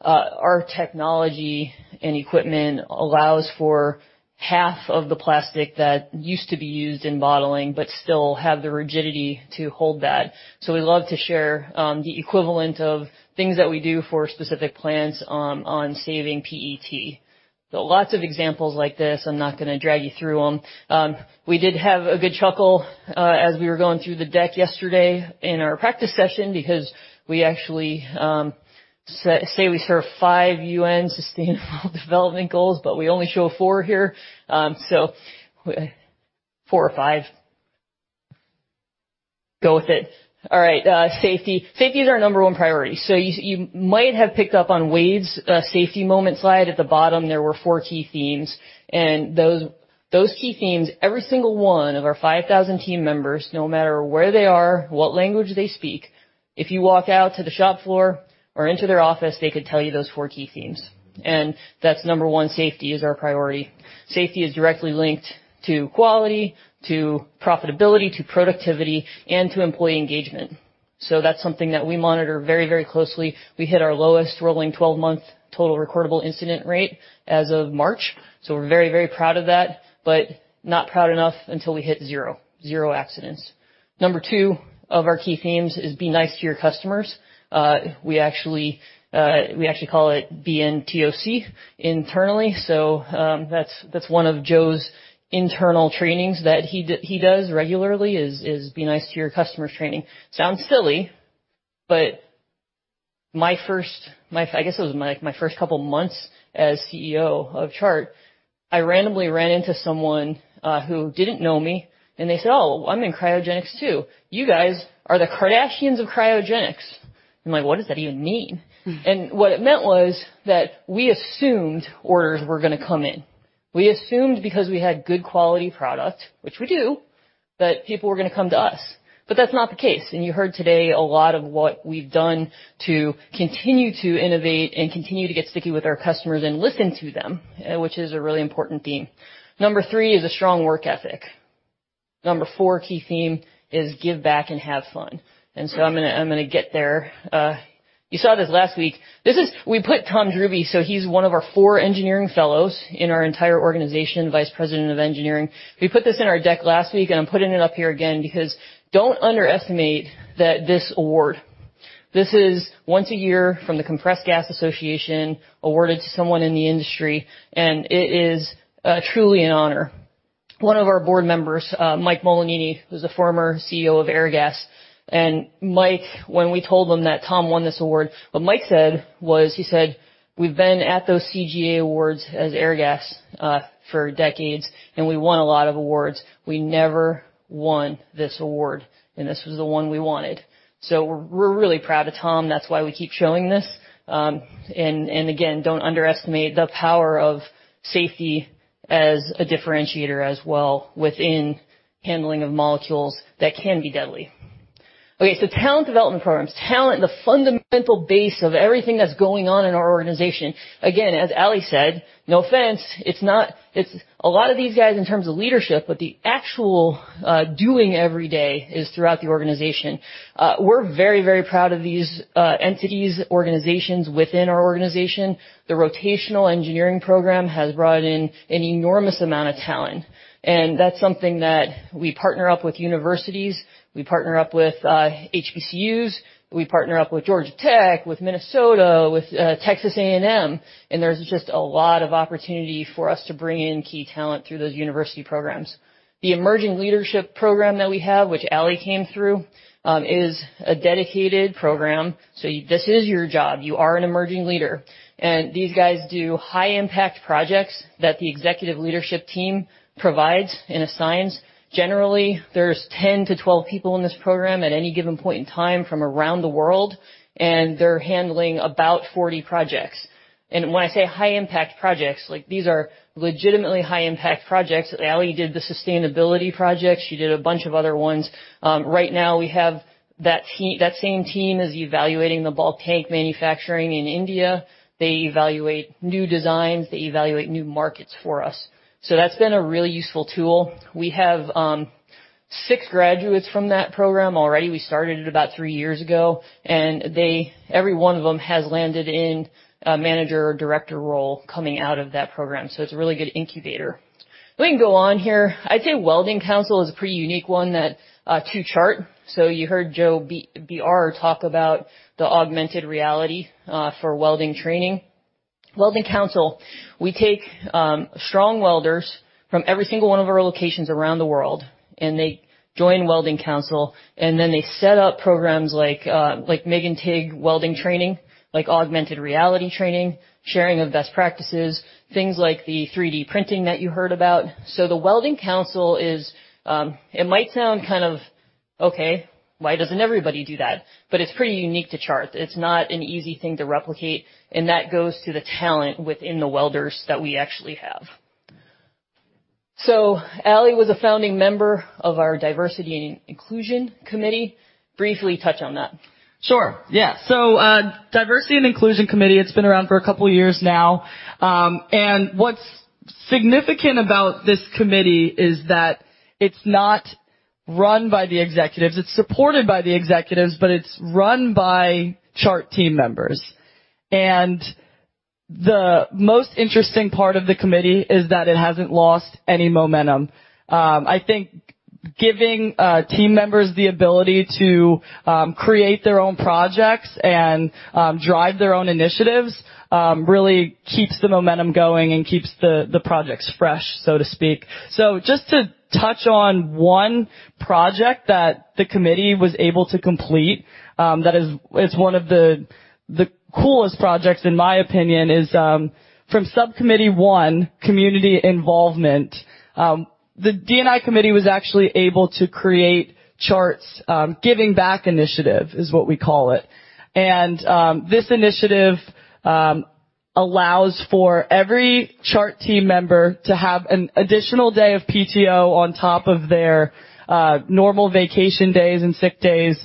Our technology and equipment allows for half of the plastic that used to be used in bottling, but still have the rigidity to hold that. We love to share the equivalent of things that we do for specific plants on saving PET. Lots of examples like this, I'm not gonna drag you through them. We did have a good chuckle as we were going through the deck yesterday in our practice session because we actually say we serve five UN Sustainable Development Goals, but we only show four here. Four or five. Go with it. All right. Safety. Safety is our number one priority. You might have picked up on Wade's safety moment slide. At the bottom, there were four key themes. Those key themes, every single one of our 5,000 team members, no matter where they are, what language they speak, if you walk out to the shop floor or into their office, they could tell you those four key themes. That's number one, safety is our priority. Safety is directly linked to quality, to profitability, to productivity, and to employee engagement. That's something that we monitor very, very closely. We hit our lowest rolling 12-month total recordable incident rate as of March. We're very, very proud of that, but not proud enough until we hit zero. Zero accidents. Number two of our key themes is be nice to your customers. We actually call it BNTOC internally. That's one of Joe's internal trainings that he does regularly is be nice to your customers training. Sounds silly, but I guess it was my first couple of months as CEO of Chart, I randomly ran into someone who didn't know me, and they said, "Oh, I'm in cryogenics too. You guys are the Kardashians of cryogenics." I'm like, "What does that even mean?" What it meant was that we assumed orders were gonna come in. We assumed because we had good quality product, which we do, that people were gonna come to us. That's not the case. You heard today a lot of what we've done to continue to innovate and continue to get sticky with our customers and listen to them, which is a really important theme. Number three is a strong work ethic. Number four key theme is give back and have fun. I'm gonna get there. You saw this last week. This is. We put Tom Drube, so he's one of our four engineering fellows in our entire organization, Vice President of Engineering. We put this in our deck last week, and I'm putting it up here again because, don't underestimate that this award. This is once a year from the Compressed Gas Association, awarded to someone in the industry, and it is truly an honor. One of our board members, Mike Molinini, who's the former CEO of Airgas. Mike, when we told him that Tom won this award, what Mike said was, he said, "We've been at those CGA awards as Airgas for decades, and we won a lot of awards. We never won this award, and this was the one we wanted. We're really proud of Tom." That's why we keep showing this. Again, don't underestimate the power of safety as a differentiator as well within handling of molecules that can be deadly. Okay, talent development programs. Talent, the fundamental base of everything that's going on in our organization. Again, as Ally said, no offense, it's a lot of these guys in terms of leadership, but the actual doing every day is throughout the organization. We're very, very proud of these entities, organizations within our organization. The rotational engineering program has brought in an enormous amount of talent, and that's something that we partner up with universities, we partner up with HBCUs, we partner up with Georgia Tech, with Minnesota, with Texas A&M, and there's just a lot of opportunity for us to bring in key talent through those university programs. The emerging leadership program that we have, which Ally came through, is a dedicated program. This is your job. You are an emerging leader, and these guys do high impact projects that the executive leadership team provides and assigns. Generally, there's 10-12 people in this program at any given point in time from around the world, and they're handling about 40 projects. When I say high impact projects, like, these are legitimately high impact projects. Ally did the sustainability projects. She did a bunch of other ones. Right now we have that same team is evaluating the bulk tank manufacturing in India. They evaluate new designs. They evaluate new markets for us. That's been a really useful tool. We have six graduates from that program already. We started it about three years ago, and every one of them has landed in a manager or director role coming out of that program. It's a really good incubator. We can go on here. I'd say Welding Council is a pretty unique one to Chart. You heard Joe BR talk about the augmented reality for welding training. Welding Council, we take strong welders from every single one of our locations around the world, and they join Welding Council, and then they set up programs like MIG and TIG welding training, like augmented reality training, sharing of best practices, things like the 3D printing that you heard about. The Welding Council is. It might sound kind of, "Okay, why doesn't everybody do that?" But it's pretty unique to Chart. It's not an easy thing to replicate, and that goes to the talent within the welders that we actually have. Ally was a founding member of our Diversity and Inclusion Committee. Briefly touch on that. Sure, yeah. Diversity and Inclusion Committee, it's been around for a couple of years now. What's significant about this committee is that it's not run by the executives. It's supported by the executives, but it's run by Chart team members. The most interesting part of the committee is that it hasn't lost any momentum. I think giving team members the ability to create their own projects and drive their own initiatives really keeps the momentum going and keeps the projects fresh, so to speak. Just to touch on one project that the committee was able to complete, that is one of the coolest projects, in my opinion, from subcommittee one, community involvement. The D&I committee was actually able to create Chart's Giving Back initiative, is what we call it. This initiative allows for every Chart team member to have an additional day of PTO on top of their normal vacation days and sick days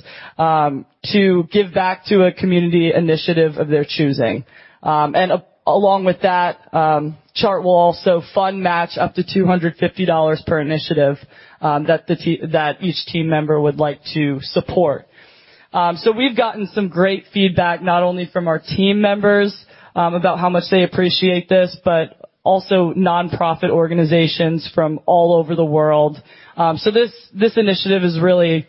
to give back to a community initiative of their choosing. Along with that, Chart will also fund match up to $250 per initiative that each team member would like to support. We've gotten some great feedback, not only from our team members about how much they appreciate this, but also nonprofit organizations from all over the world. This initiative has really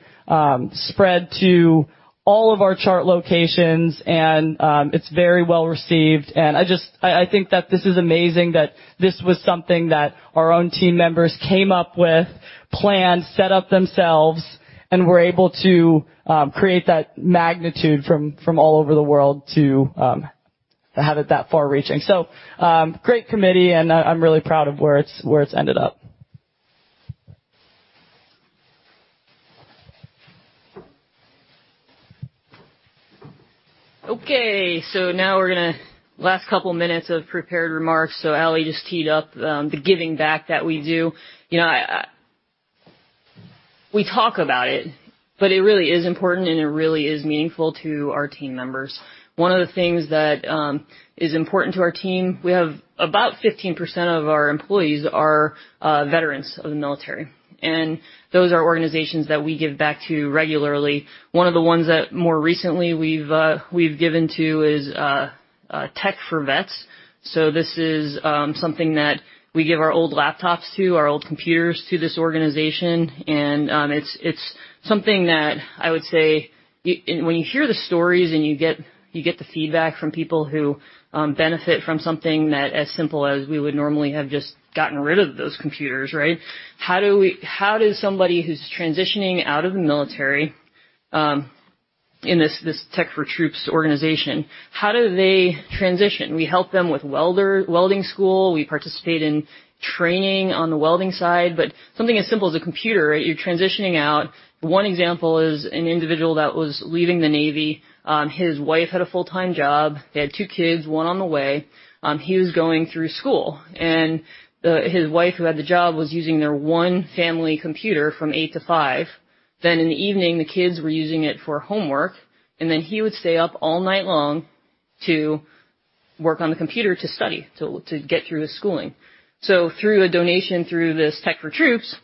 spread to all of our Chart locations, and it's very well-received. I think that this is amazing that this was something that our own team members came up with, planned, set up themselves, and were able to create that magnitude from all over the world to have it that far-reaching. Great committee, and I'm really proud of where it's ended up. Now we're gonna last couple minutes of prepared remarks. Ally just teed up the Giving Back that we do. You know, we talk about it, but it really is important, and it really is meaningful to our team members. One of the things that is important to our team, we have about 15% of our employees are veterans of the military, and those are organizations that we give back to regularly. One of the ones that more recently we've given to is Tech For Troops. This is something that we give our old laptops to, our old computers to this organization. It's something that I would say when you hear the stories and you get the feedback from people who benefit from something that as simple as we would normally have just gotten rid of those computers, right? How does somebody who's transitioning out of the military in this Tech For Troops organization. How do they transition? We help them with welding school. We participate in training on the welding side, but something as simple as a computer, you're transitioning out. One example is an individual that was leaving the Navy. His wife had a full-time job. They had two kids, one on the way. He was going through school and his wife, who had the job, was using their one family computer from 8:00 A.M. to 5:00 P.M. In the evening, the kids were using it for homework, and he would stay up all night long to work on the computer to study, to get through his schooling. Through a donation through this Tech For Troops,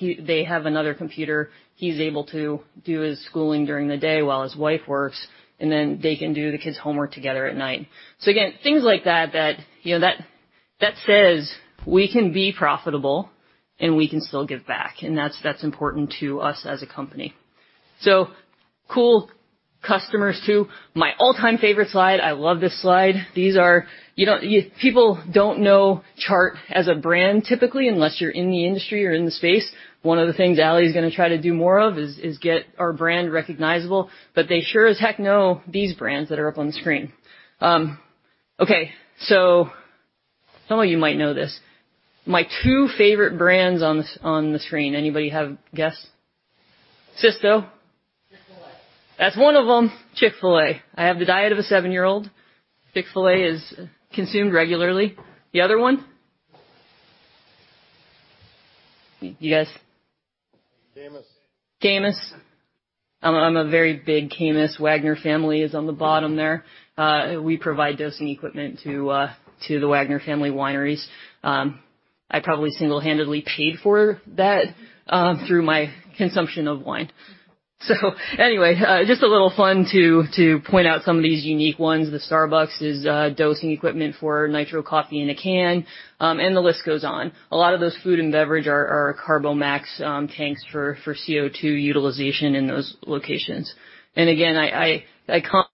they have another computer. He's able to do his schooling during the day while his wife works, and then they can do the kids' homework together at night. Again, things like that, you know, that says we can be profitable and we can still give back. That's important to us as a company. Cool customers, too. My all-time favorite slide. I love this slide. People don't know Chart as a brand typically, unless you're in the industry or in the space. One of the things Ally is gonna try to do more of is get our brand recognizable, but they sure as heck know these brands that are up on the screen. Okay, some of you might know this. My two favorite brands on the screen. Anybody have a guess? Cisco. Chick-fil-A. That's one of them. Chick-fil-A. I have the diet of a seven-year-old. Chick-fil-A is consumed regularly. The other one? You guys? Caymus. Caymus. I'm a very big Caymus. Wagner Family of Wine is on the bottom there. We provide dosing equipment to the Wagner Family of Wine. I probably single-handedly paid for that through my consumption of wine. So anyway, just a little fun to point out some of these unique ones. The Starbucks is dosing equipment for Nitro Coffee in a can, and the list goes on. A lot of those food and beverage are Carbo-Max tanks for CO₂ utilization in those locations. Again, I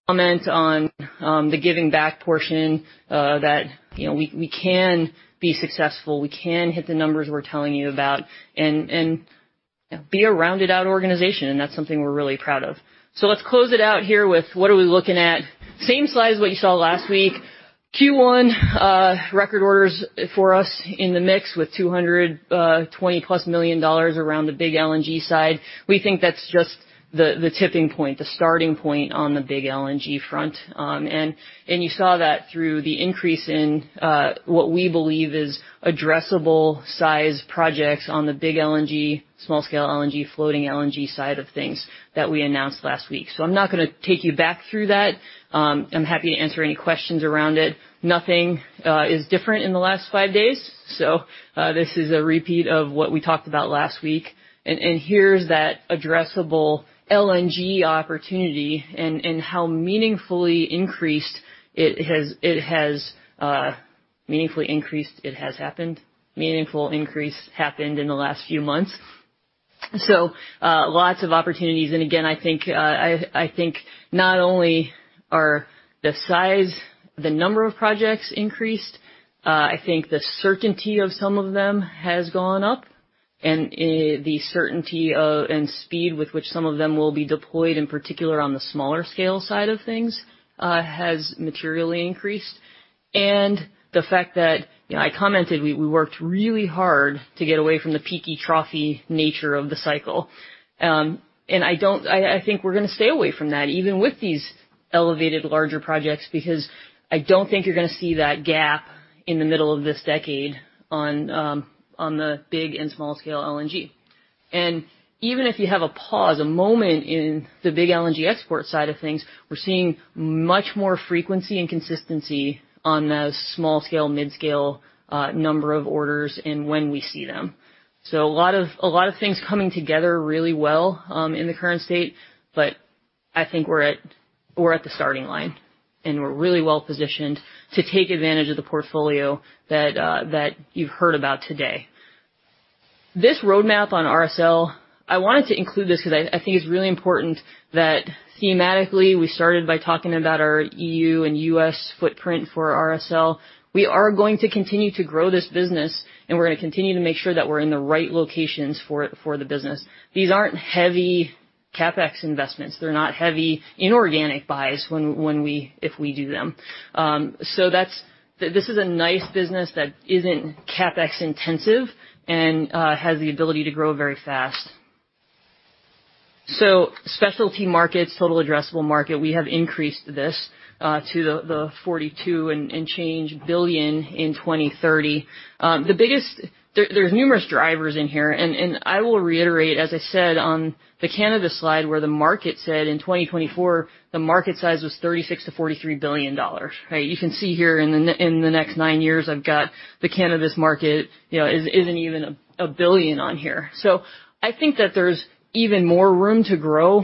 comment on the Giving Back portion that you know, we can be successful, we can hit the numbers we're telling you about and be a rounded-out organization, and that's something we're really proud of. Let's close it out here with what are we looking at. Same slide as what you saw last week. Q1 record orders for us in the mix with $220+ million around the big LNG side. We think that's just the tipping point, the starting point on the big LNG front. You saw that through the increase in what we believe is addressable size projects on the big LNG, small scale LNG, floating LNG side of things that we announced last week. I'm not gonna take you back through that. I'm happy to answer any questions around it. Nothing is different in the last five days, so this is a repeat of what we talked about last week. Here's that addressable LNG opportunity and how it has meaningfully increased. Meaningful increase happened in the last few months. Lots of opportunities. Again, I think not only are the size, the number of projects increased, I think the certainty of some of them has gone up, and the certainty and speed with which some of them will be deployed, in particular on the smaller scale side of things, has materially increased. The fact that, you know, I commented, we worked really hard to get away from the peaky trophy nature of the cycle. I think we're gonna stay away from that even with these elevated larger projects, because I don't think you're gonna see that gap in the middle of this decade on the big and small scale LNG. Even if you have a pause, a moment in the big LNG export side of things, we're seeing much more frequency and consistency on the small scale, mid-scale, number of orders and when we see them. So a lot of things coming together really well, in the current state, but I think we're at the starting line, and we're really well-positioned to take advantage of the portfolio that that you've heard about today. This roadmap on RSL, I wanted to include this 'cause I think it's really important that thematically, we started by talking about our EU and US footprint for RSL. We are going to continue to grow this business, and we're gonna continue to make sure that we're in the right locations for the business. These aren't heavy CapEx investments. They're not heavy inorganic buys when we do them, if we do them. This is a nice business that isn't CapEx intensive and has the ability to grow very fast. Specialty markets, total addressable market. We have increased this to the $42 billion and change in 2030. There are numerous drivers in here, and I will reiterate, as I said on the cannabis slide, where the market size was in 2024, the market size was $36 billion-$43 billion, right? You can see here in the next nine years, I've got the cannabis market, you know, isn't even $1 billion on here. I think that there's even more room to grow,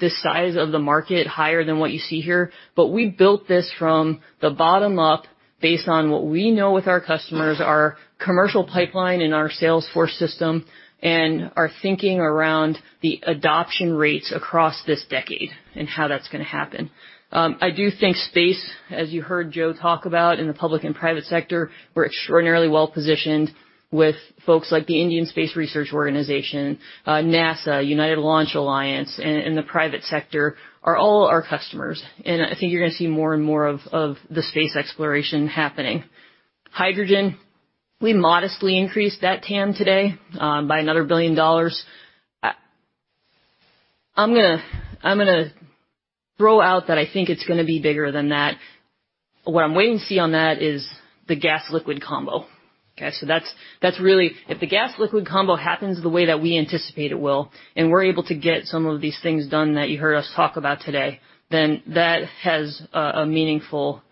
this size of the market higher than what you see here, but we built this from the bottom up. Based on what we know with our customers, our commercial pipeline and our sales force system and our thinking around the adoption rates across this decade and how that's gonna happen. I do think space, as you heard Joe talk about in the public and private sector, we're extraordinarily well-positioned with folks like the Indian Space Research Organisation, NASA, United Launch Alliance, and the private sector are all our customers. I think you're gonna see more and more of the space exploration happening. Hydrogen, we modestly increased that TAM today, by another $1 billion. I'm gonna throw out that I think it's gonna be bigger than that. What I'm waiting to see on that is the gas-liquid combo. Okay. That's really if the gas-liquid combo happens the way that we anticipate it will, and we're able to get some of these things done that you heard us talk about today, then that has a meaningful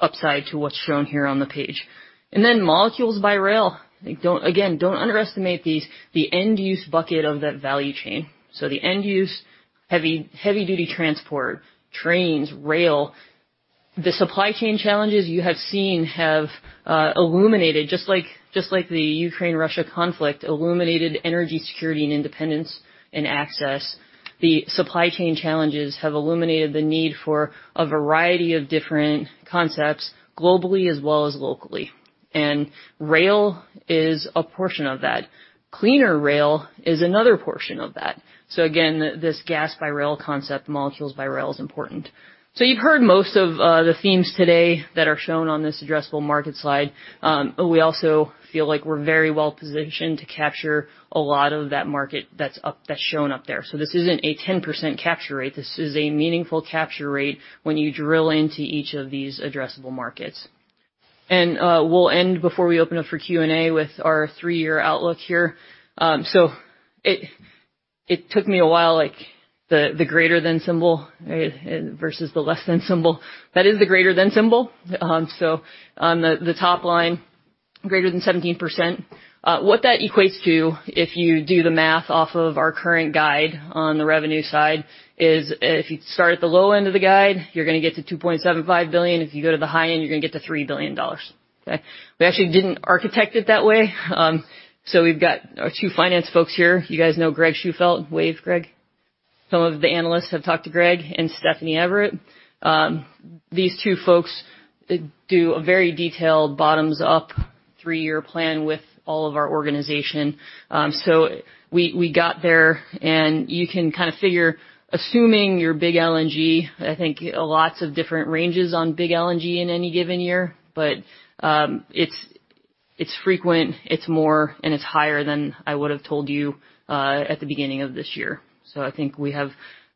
upside to what's shown here on the page. Then molecules by rail. Don't again, don't underestimate these, the end-use bucket of that value chain. The end use, heavy-duty transport, trains, rail. The supply chain challenges you have seen have illuminated just like the Ukraine-Russia conflict illuminated energy security and independence and access, the supply chain challenges have illuminated the need for a variety of different concepts globally as well as locally. Rail is a portion of that. Cleaner rail is another portion of that. Again, this gas-by-rail concept, molecules by rail is important. You've heard most of the themes today that are shown on this addressable market slide. But we also feel like we're very well-positioned to capture a lot of that market that's shown up there. This isn't a 10% capture rate. This is a meaningful capture rate when you drill into each of these addressable markets. We'll end before we open up for Q&A with our three-year outlook here. It took me a while, like, the greater than symbol versus the less than symbol. That is the greater than symbol. On the top line, greater than 17%. What that equates to, if you do the math off of our current guide on the revenue side, is if you start at the low end of the guide, you're gonna get to $2.75 billion. If you go to the high end, you're gonna get to $3 billion. Okay? We actually didn't architect it that way. We've got our two finance folks here. You guys know Greg Shufelt. Wave, Greg. Some of the analysts have talked to Greg and Stephanie Everett. These two folks do a very detailed bottoms-up three-year plan with all of our organization. We got there, and you can kind of figure, assuming you're big LNG. I think lots of different ranges on big LNG in any given year, but it's more, and it's higher than I would've told you at the beginning of this year. I think we have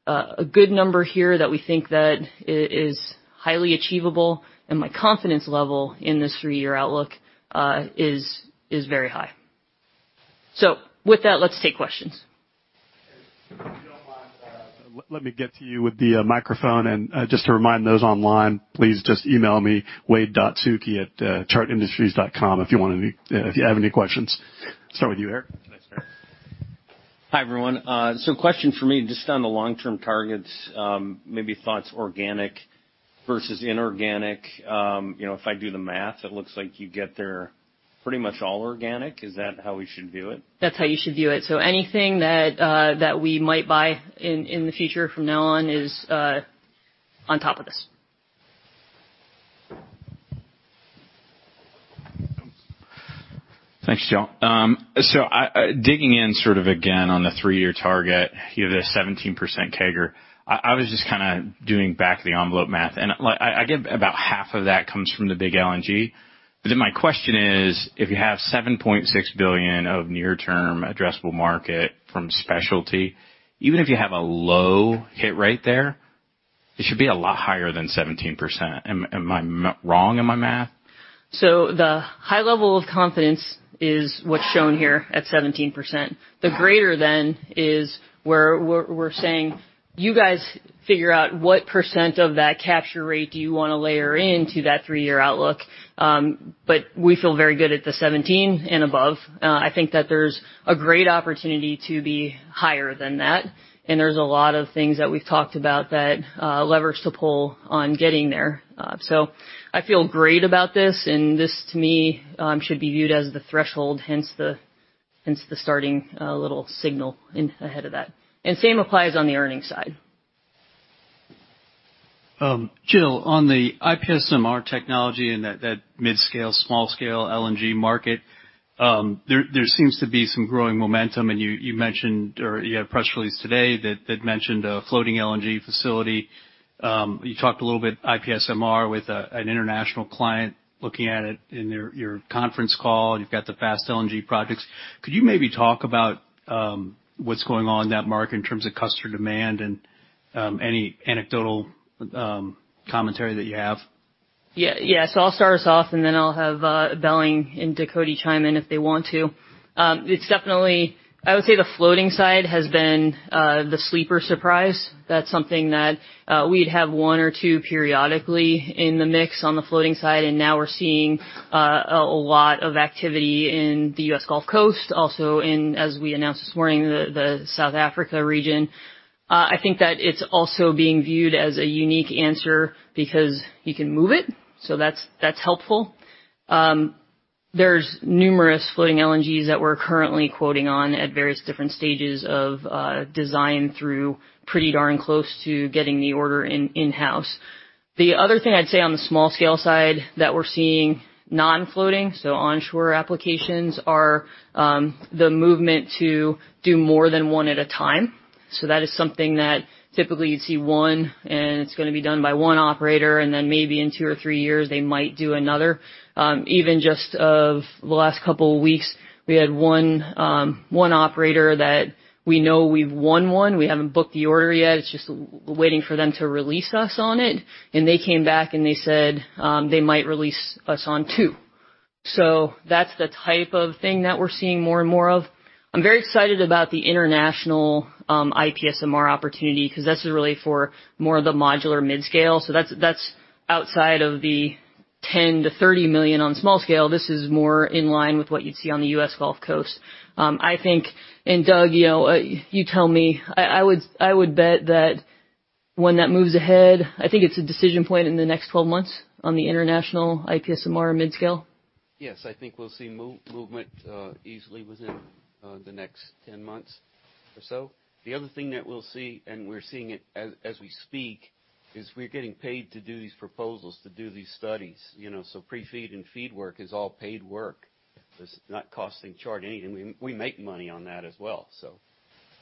a good number here that we think that is highly achievable, and my confidence level in this three-year outlook is very high. With that, let's take questions. If you don't mind, let me get to you with the microphone. Just to remind those online, please just email me, wade.suki@chartindustries.com if you have any questions. Start with you, Eric. Thanks. Hi, everyone. Question for me, just on the long-term targets, maybe thoughts organic versus inorganic. You know, if I do the math, it looks like you get there pretty much all organic. Is that how we should view it? That's how you should view it. Anything that we might buy in the future from now on is on top of this. Thanks, Jill. Digging in sort of again on the three-year target, you have the 17% CAGR. I was just kinda doing back-of-the-envelope math, and I get about half of that comes from the big LNG. My question is, if you have $7.6 billion of near-term addressable market from specialty, even if you have a low hit rate there, it should be a lot higher than 17%. Am I wrong in my math? The high level of confidence is what's shown here at 17%. The greater than is where we're saying, "You guys figure out what percent of that capture rate do you wanna layer into that three-year outlook." We feel very good at the 17% and above. I think that there's a great opportunity to be higher than that, and there's a lot of things that we've talked about that leverage the pull on getting there. I feel great about this, and this to me should be viewed as the threshold, hence the starting little signal ahead of that. Same applies on the earnings side. Jill, on the IPSMR technology and that mid-scale, small-scale LNG market, there seems to be some growing momentum. You mentioned, or you had a press release today that mentioned a floating LNG facility. You talked a little bit IPSMR with an international client looking at it in your conference call. You've got the fast LNG projects. Could you maybe talk about what's going on in that market in terms of customer demand and any anecdotal commentary that you have? I'll start us off, and then I'll have Belling and Ducote chime in if they want to. It's definitely. I would say the floating side has been the sleeper surprise. That's something that we'd have one or two periodically in the mix on the floating side, and now we're seeing a lot of activity in the U.S. Gulf Coast, also in, as we announced this morning, the South Africa region. I think that it's also being viewed as a unique answer because you can move it, so that's helpful. There's numerous floating LNGs that we're currently quoting on at various different stages of design through pretty darn close to getting the order in-house. The other thing I'd say on the small scale side that we're seeing non-floating, so onshore applications, are the movement to do more than one at a time. That is something that typically you'd see one, and it's gonna be done by one operator, and then maybe in two or three years they might do another. Even just of the last couple of weeks, we had one operator that we know we've won one. We haven't booked the order yet. It's just waiting for them to release us on it. They came back, and they said they might release us on two. That's the type of thing that we're seeing more and more of. I'm very excited about the international IPSMR opportunity 'cause that's really for more of the modular mid-scale. That's outside of the $10 million-$30 million on small scale. This is more in line with what you'd see on the U.S. Gulf Coast. I think. Doug, you know, you tell me, I would bet that when that moves ahead, I think it's a decision point in the next 12 months on the international IPSMR mid-scale. Yes. I think we'll see movement easily within the next 10 months or so. The other thing that we'll see, and we're seeing it as we speak, is we're getting paid to do these proposals, to do these studies, you know. Pre-FEED and FEED work is all paid work. It's not costing Chart anything. We make money on that as well.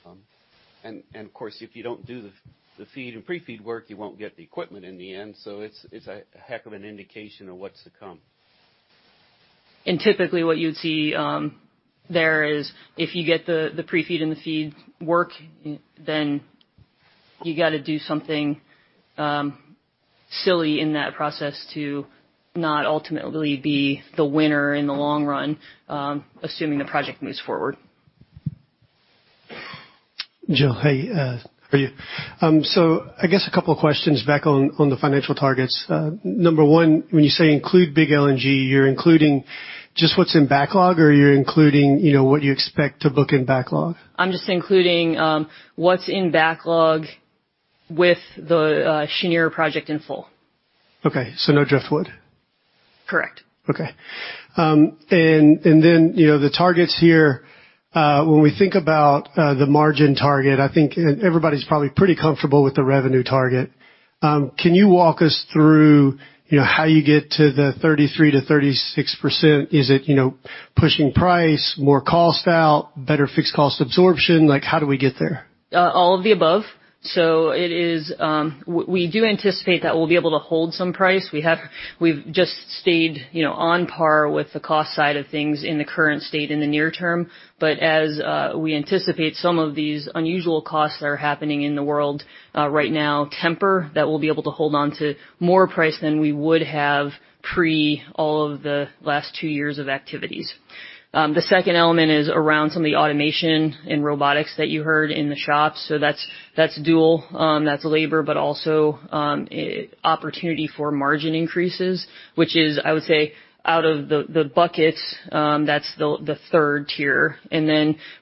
Of course, if you don't do the FEED and pre-FEED work, you won't get the equipment in the end. It's a heck of an indication of what's to come. Typically, what you'd see there is if you get the pre-FEED and the FEED work, then you gotta do something silly in that process to not ultimately be the winner in the long run, assuming the project moves forward. Jill, hey, how are you? I guess a couple of questions back on the financial targets. Number one, when you say include big LNG, you're including just what's in backlog, or you're including, you know, what you expect to book in backlog? I'm just including what's in backlog with the Cheniere project in full. Okay. No Driftwood? Correct. Okay. Then, you know, the targets here, when we think about the margin target, I think and everybody's probably pretty comfortable with the revenue target. Can you walk us through, you know, how you get to the 33%-36%? Is it, you know, pushing price, more cost out, better fixed cost absorption? Like, how do we get there? All of the above. It is. We do anticipate that we'll be able to hold some price. We've just stayed, you know, on par with the cost side of things in the current state in the near term, but as we anticipate some of these unusual costs that are happening in the world right now temper that we'll be able to hold on to more price than we would have pre all of the last two years of activities. The second element is around some of the automation and robotics that you heard in the shops. That's dual. That's labor, but also opportunity for margin increases, which is, I would say, out of the buckets, that's the third tier.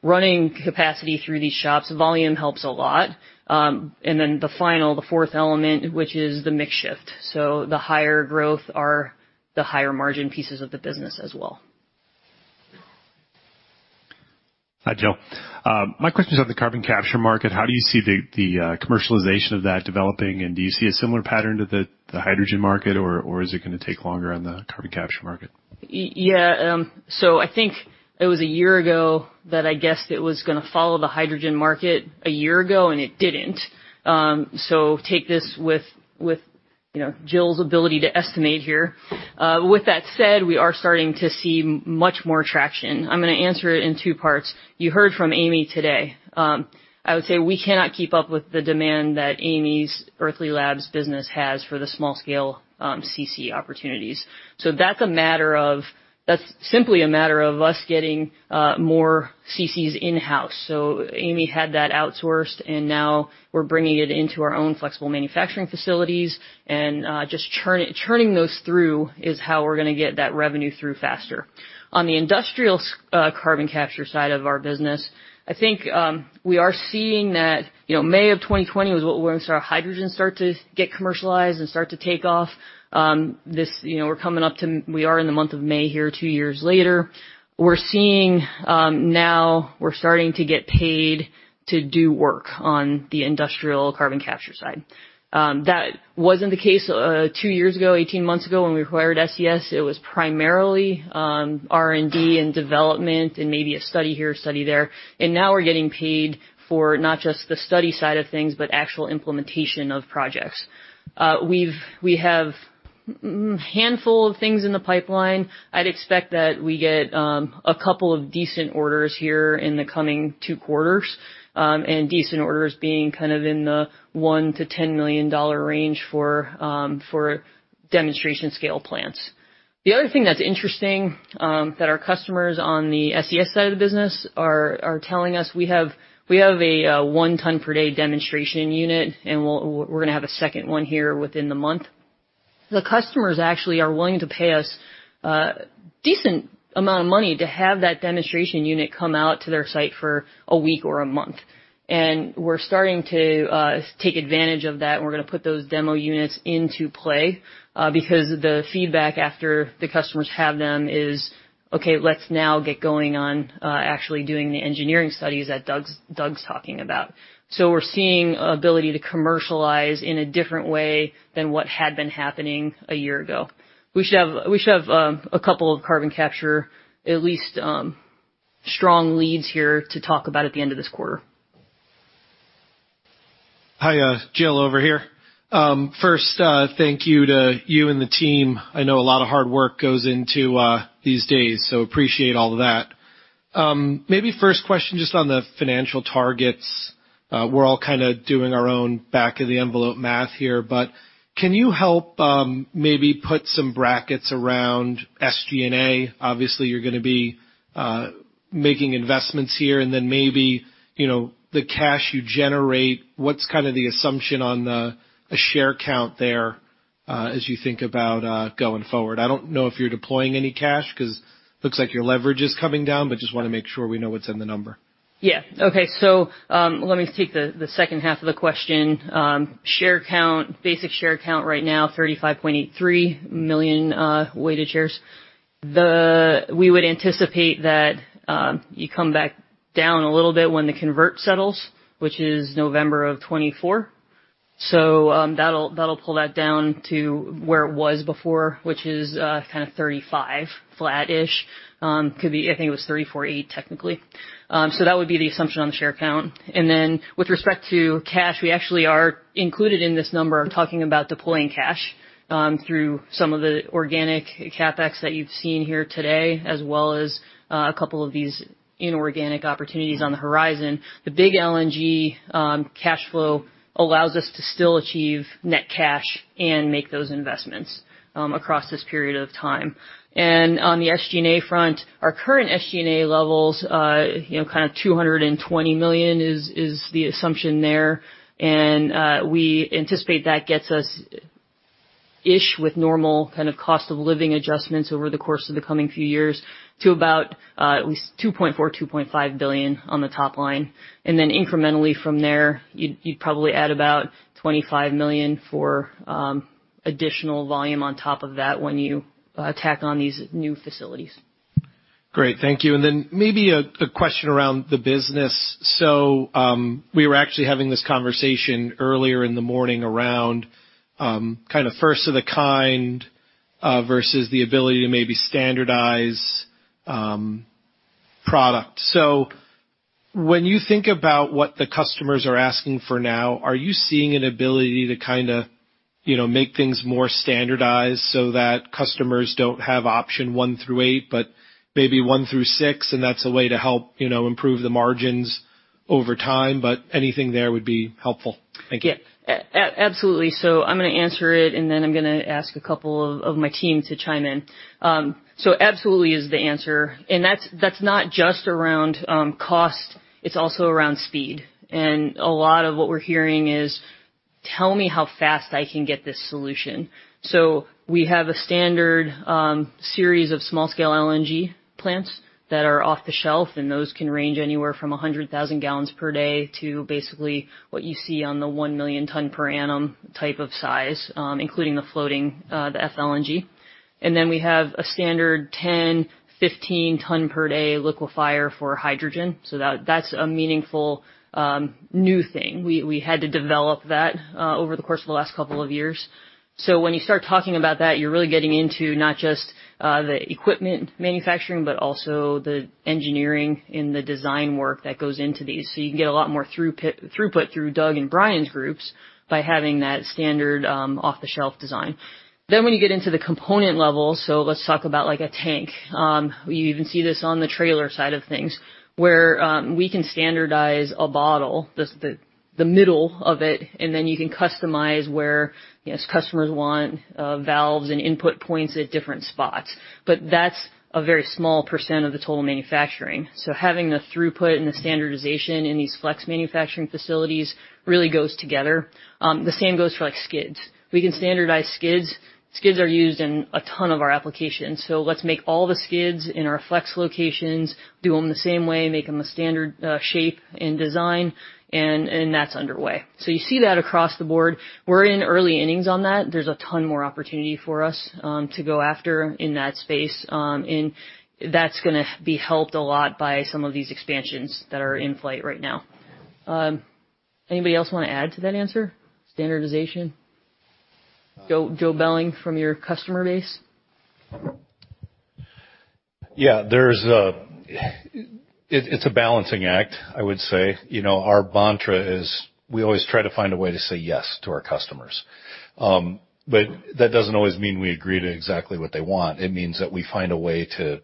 Running capacity through these shops, volume helps a lot. The fourth element, which is the mix shift. The higher growth are the higher margin pieces of the business as well. Hi, Jill. My question is on the carbon capture market. How do you see the commercialization of that developing? Do you see a similar pattern to the hydrogen market, or is it gonna take longer on the carbon capture market? Yeah. I think it was a year ago that I guessed it was gonna follow the hydrogen market a year ago, and it didn't. Take this with you know, Jill's ability to estimate here. With that said, we are starting to see much more traction. I'm gonna answer it in two parts. You heard from Amy today. I would say we cannot keep up with the demand that Amy's Earthly Labs business has for the small scale CC opportunities. That's a matter of us getting more CCs in-house. Amy had that outsourced, and now we're bringing it into our own flexible manufacturing facilities, and just churning those through is how we're gonna get that revenue through faster. On the industrial carbon capture side of our business, I think we are seeing that, you know, May of 2020 was when we're gonna start our hydrogen to get commercialized and start to take off. You know, we are in the month of May here, two years later. We're seeing now we're starting to get paid to do work on the industrial carbon capture side. That wasn't the case two years ago, 18 months ago, when we acquired SES. It was primarily R&D and development and maybe a study here, study there. Now we're getting paid for not just the study side of things, but actual implementation of projects. We have a handful of things in the pipeline. I'd expect that we get a couple of decent orders here in the coming two quarters, and decent orders being kind of in the $1 million-$10 million range for demonstration scale plants. The other thing that's interesting that our customers on the SES side of the business are telling us, we have a 1 ton per day demonstration unit, and we're gonna have a second one here within the month. The customers actually are willing to pay us a decent amount of money to have that demonstration unit come out to their site for a week or a month. We're starting to take advantage of that, and we're gonna put those demo units into play, because the feedback after the customers have them is, okay, let's now get going on actually doing the engineering studies that Doug's talking about. We're seeing ability to commercialize in a different way than what had been happening a year ago. We should have a couple of carbon capture, at least, strong leads here to talk about at the end of this quarter. Hi, Jill, over here. First, thank you to you and the team. I know a lot of hard work goes into these days, so appreciate all of that. Maybe first question just on the financial targets. We're all kinda doing our own back of the envelope math here, but can you help maybe put some brackets around SG&A? Obviously, you're gonna be making investments here, and then maybe, you know, the cash you generate, what's kinda the assumption on the share count there, as you think about going forward? I don't know if you're deploying any cash 'cause looks like your leverage is coming down, but just wanna make sure we know what's in the number. Yeah. Okay. Let me take the second half of the question. Share count, basic share count right now, 35.83 million weighted shares. We would anticipate that you come back down a little bit when the convert settles, which is November of 2024. That'll pull that down to where it was before, which is kinda 35 flat-ish. Could be, I think it was 34.8 technically. That would be the assumption on the share count. Then with respect to cash, we actually are included in this number, talking about deploying cash through some of the organic CapEx that you've seen here today, as well as a couple of these inorganic opportunities on the horizon. The big LNG cash flow allows us to still achieve net cash and make those investments across this period of time. On the SG&A front, our current SG&A levels, you know, kinda $220 million is the assumption there. We anticipate that gets us ish with normal kind of cost of living adjustments over the course of the coming few years to about at least $2.4 billion-$2.5 billion on the top line. Then incrementally from there, you'd probably add about $25 million for additional volume on top of that when you tack on these new facilities. Great. Thank you. Maybe a question around the business. We were actually having this conversation earlier in the morning around kinda first of the kind versus the ability to maybe standardize product. When you think about what the customers are asking for now, are you seeing an ability to kinda, you know, make things more standardized so that customers don't have option one through eight, but maybe one through six, and that's a way to help, you know, improve the margins over time, but anything there would be helpful. Thank you. Absolutely. I'm gonna answer it, and then I'm gonna ask a couple of my team to chime in. Absolutely is the answer. That's not just around cost. It's also around speed. A lot of what we're hearing is, tell me how fast I can get this solution. We have a standard series of small-scale LNG plants that are off the shelf, and those can range anywhere from 100,000 gallons per day to basically what you see on the 1 million ton per annum type of size, including the floating, the FLNG. We have a standard 10, 15 ton per day liquefier for hydrogen. That's a meaningful new thing. We had to develop that over the course of the last couple of years. When you start talking about that, you're really getting into not just the equipment manufacturing, but also the engineering and the design work that goes into these. You can get a lot more throughput through Doug and Brian's groups by having that standard, off-the-shelf design. When you get into the component level, so let's talk about like a tank. You even see this on the trailer side of things, where we can standardize a bottle, the middle of it, and then you can customize where, you know, customers want valves and input points at different spots. That's a very small percent of the total manufacturing. Having the throughput and the standardization in these flex manufacturing facilities really goes together. The same goes for, like, skids. We can standardize skids. Skids are used in a ton of our applications. Let's make all the skids in our flex locations, do them the same way, make them a standard shape and design, and that's underway. You see that across the board. We're in early innings on that. There's a ton more opportunity for us to go after in that space, and that's gonna be helped a lot by some of these expansions that are in flight right now. Anybody else wanna add to that answer? Standardization? Joe, Joe Belling from your customer base? It's a balancing act, I would say. You know, our mantra is we always try to find a way to say yes to our customers. That doesn't always mean we agree to exactly what they want. It means that we find a way to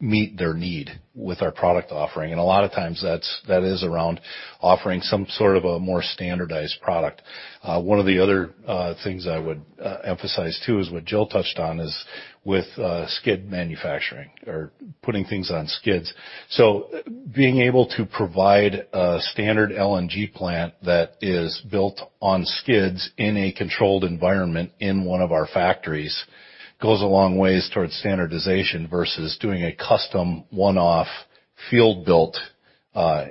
meet their need with our product offering. A lot of times that is around offering some sort of a more standardized product. One of the other things I would emphasize too is what Jill touched on, is with skid manufacturing or putting things on skids. Being able to provide a standard LNG plant that is built on skids in a controlled environment in one of our factories goes a long ways towards standardization versus doing a custom one-off field-built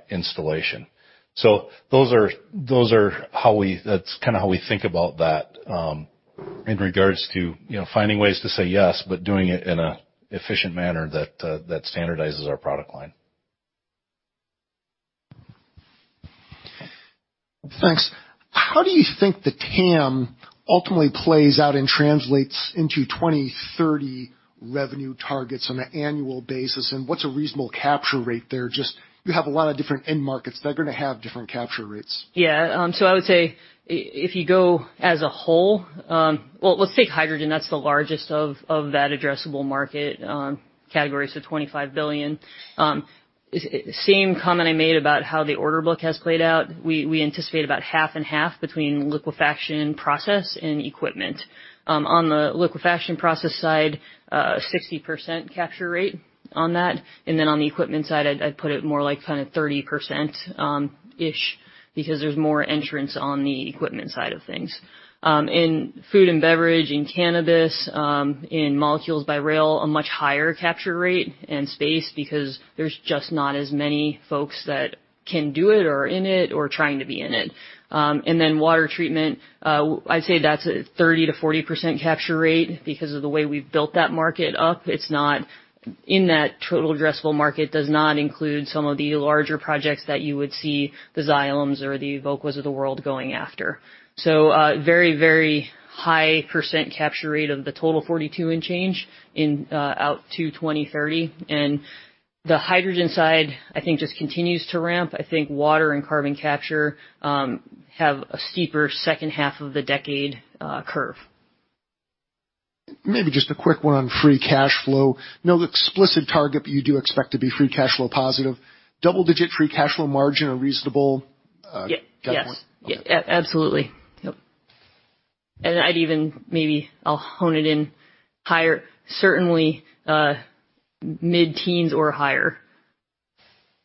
installation. That's kind of how we think about that. In regards to, you know, finding ways to say yes, but doing it in an efficient manner that standardizes our product line. Thanks. How do you think the TAM ultimately plays out and translates into 2030 revenue targets on an annual basis? And what's a reasonable capture rate there? Just you have a lot of different end markets that are gonna have different capture rates. I would say if you go as a whole. Well, let's take hydrogen. That's the largest of that addressable market category, so $25 billion. Same comment I made about how the order book has played out. We anticipate about half and half between liquefaction process and equipment. On the liquefaction process side, 60% capture rate on that. Then on the equipment side, I'd put it more like kinda 30%, ish, because there's more entrants on the equipment side of things. In food and beverage, in cannabis, in molecules by rail, a much higher capture rate and space because there's just not as many folks that can do it or are in it or trying to be in it. Water treatment, I'd say that's a 30%-40% capture rate because of the way we've built that market up. That total addressable market does not include some of the larger projects that you would see the Xylems or the Evoquas of the world going after. Very, very high % capture rate of the total 42 and change, going out to 2030. The hydrogen side, I think, just continues to ramp. I think water and carbon capture have a steeper second half of the decade curve. Maybe just a quick one on free cash flow. No explicit target, but you do expect to be free cash flow positive. Double-digit free cash flow margin are reasonable. Yes. Got more. Okay. Yeah. Absolutely. Yep. Maybe I'll hone it in higher. Certainly, mid-teens or higher.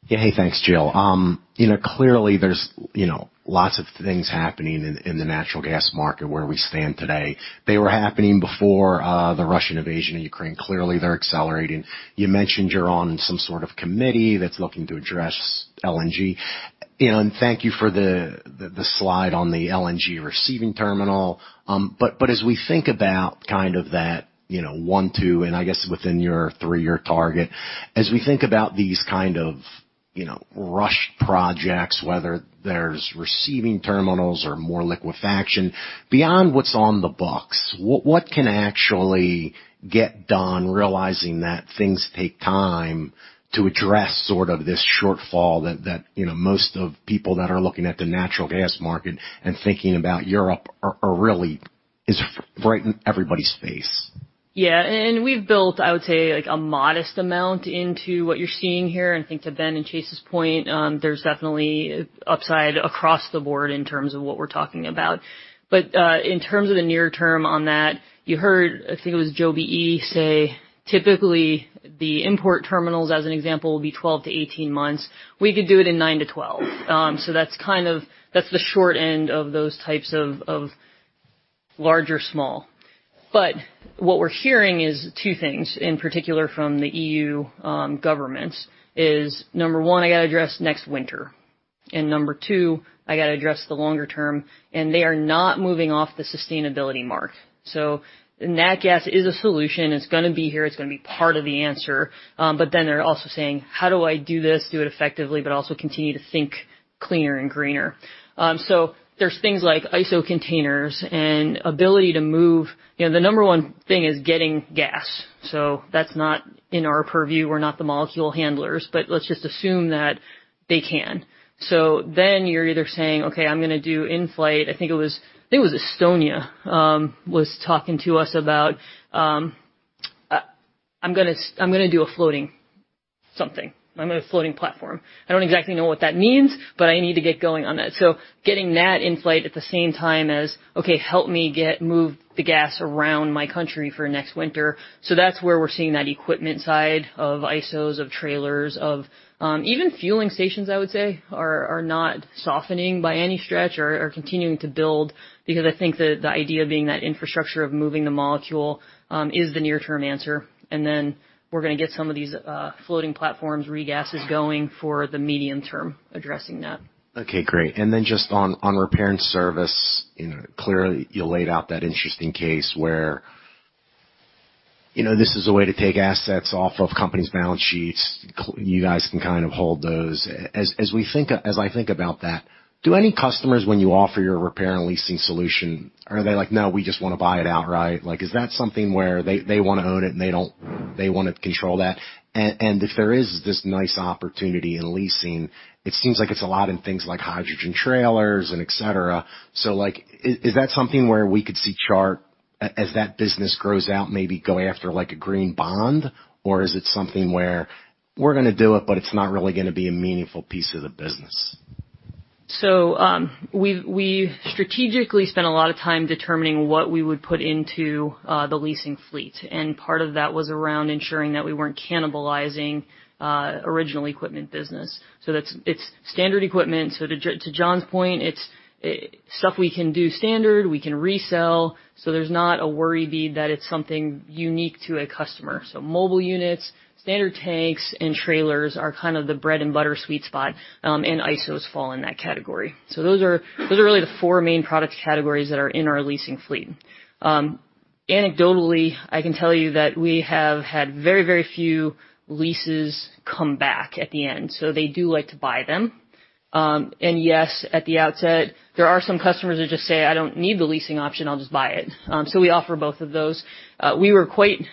Yeah. Hey, thanks, Jill. You know, clearly there's you know, lots of things happening in the natural gas market where we stand today. They were happening before the Russian invasion of Ukraine. Clearly, they're accelerating. You mentioned you're on some sort of committee that's looking to address LNG. Thank you for the slide on the LNG receiving terminal. As we think about kind of that you know, one, two, and I guess within your three-year target. As we think about these kind of, you know, rush projects, whether there's receiving terminals or more liquefaction, beyond what's on the books, what can actually get done realizing that things take time to address sort of this shortfall that, you know, most of people that are looking at the natural gas market and thinking about Europe are really right in everybody's face. Yeah. We've built, I would say, like, a modest amount into what you're seeing here. I think to Ben and Chase's point, there's definitely upside across the board in terms of what we're talking about. In terms of the near term on that, you heard, I think it was Joe BE say, typically, the import terminals, as an example, will be 12-18 months. We could do it in nine to 12. That's the short end of those types of large or small. What we're hearing is two things, in particular from the EU governments, is number one, I gotta address next winter, and number two, I gotta address the longer term, and they are not moving off the sustainability mark. Nat gas is a solution. It's gonna be here. It's gonna be part of the answer. Then they're also saying, "How do I do this, do it effectively, but also continue to think cleaner and greener?" There's things like ISO containers and ability to move. You know, the number one thing is getting gas, so that's not in our purview. We're not the molecule handlers. Let's just assume that they can. Then you're either saying, "Okay, I'm gonna do FLNG." I think it was Estonia was talking to us about, "I'm gonna do a floating something. I'm gonna do a floating platform." I don't exactly know what that means, but I need to get going on that. Getting that in place at the same time as, "Okay, help me move the gas around my country for next winter." That's where we're seeing that equipment side of ISOs, of trailers, even fueling stations, I would say, are not softening by any stretch or are continuing to build because I think the idea being that infrastructure of moving the molecule is the near-term answer. We're gonna get some of these floating platforms, regas going for the medium term addressing that. Okay, great. Just on repair and service. You know, clearly you laid out that interesting case where, you know, this is a way to take assets off of companies' balance sheets. You guys can kind of hold those. As I think about that, do any customers, when you offer your repair and leasing solution, are they like, "No, we just wanna buy it outright"? Like, is that something where they wanna own it, and they wanna control that? And if there is this nice opportunity in leasing, it seems like it's a lot in things like hydrogen trailers and et cetera. Like, is that something where we could see Chart, as that business grows out, maybe go after like a green bond? Is it something where we're gonna do it, but it's not really gonna be a meaningful piece of the business? We've strategically spent a lot of time determining what we would put into the leasing fleet, and part of that was around ensuring that we weren't cannibalizing original equipment business. That's standard equipment. To John's point, it's stuff we can do standard, we can resell, so there's not a worry about that it's something unique to a customer. Mobile units, standard tanks, and trailers are kind of the bread and butter sweet spot, and ISOs fall in that category. Those are really the four main product categories that are in our leasing fleet. Anecdotally, I can tell you that we have had very, very few leases come back at the end. They do like to buy them. Yes, at the outset, there are some customers that just say, "I don't need the leasing option, I'll just buy it." We offer both of those. We were quite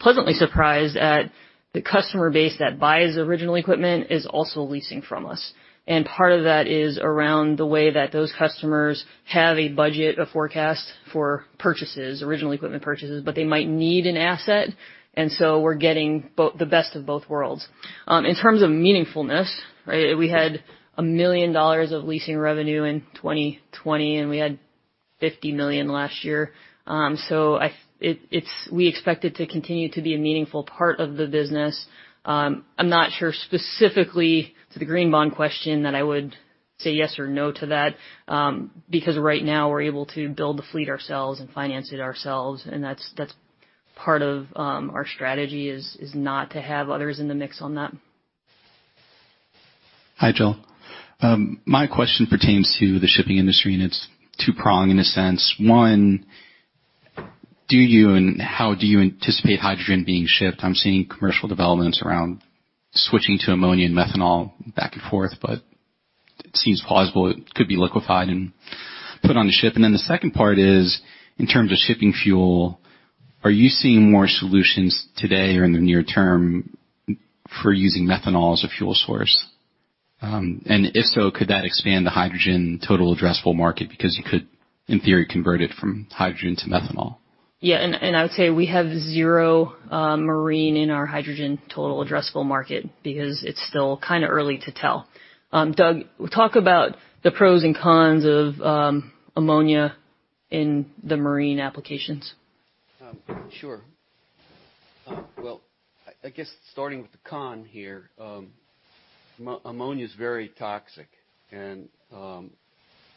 pleasantly surprised at the customer base that buys original equipment is also leasing from us. Part of that is around the way that those customers have a budget, a forecast for purchases, original equipment purchases, but they might need an asset, and so we're getting the best of both worlds. In terms of meaningfulness, right, we had $1 million of leasing revenue in 2020, and we had $50 million last year. It's we expect it to continue to be a meaningful part of the business. I'm not sure specifically to the green bond question that I would say yes or no to that, because right now we're able to build the fleet ourselves and finance it ourselves, and that's part of our strategy is not to have others in the mix on that. Hi, Jill. My question pertains to the shipping industry, and it's two-pronged in a sense. One, do you, and how do you anticipate hydrogen being shipped? I'm seeing commercial developments around switching to ammonia and methanol back and forth, but it seems plausible it could be liquefied and put on the ship. The second part is, in terms of shipping fuel, are you seeing more solutions today or in the near term for using methanol as a fuel source? If so, could that expand the hydrogen total addressable market? Because you could, in theory, convert it from hydrogen to methanol. Yeah, I would say we have zero marine in our hydrogen total addressable market because it's still kinda early to tell. Douglas Ducote, talk about the pros and cons of ammonia in the marine applications. Sure. Well, I guess starting with the con here, ammonia is very toxic and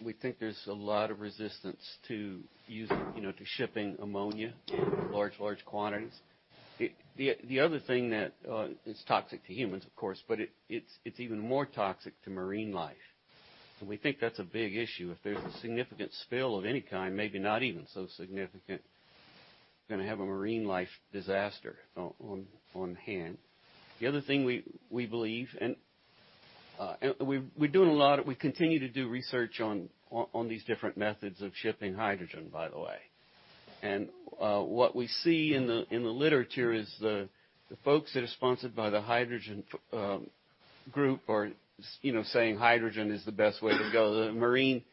we think there's a lot of resistance to using, you know, to shipping ammonia in large quantities. The other thing that it's toxic to humans, of course, but it's even more toxic to marine life. We think that's a big issue. If there's a significant spill of any kind, maybe not even so significant, gonna have a marine life disaster on hand. The other thing we believe and we continue to do research on these different methods of shipping hydrogen, by the way. What we see in the literature is the folks that are sponsored by the hydrogen group are you know saying hydrogen is the best way to go. The marine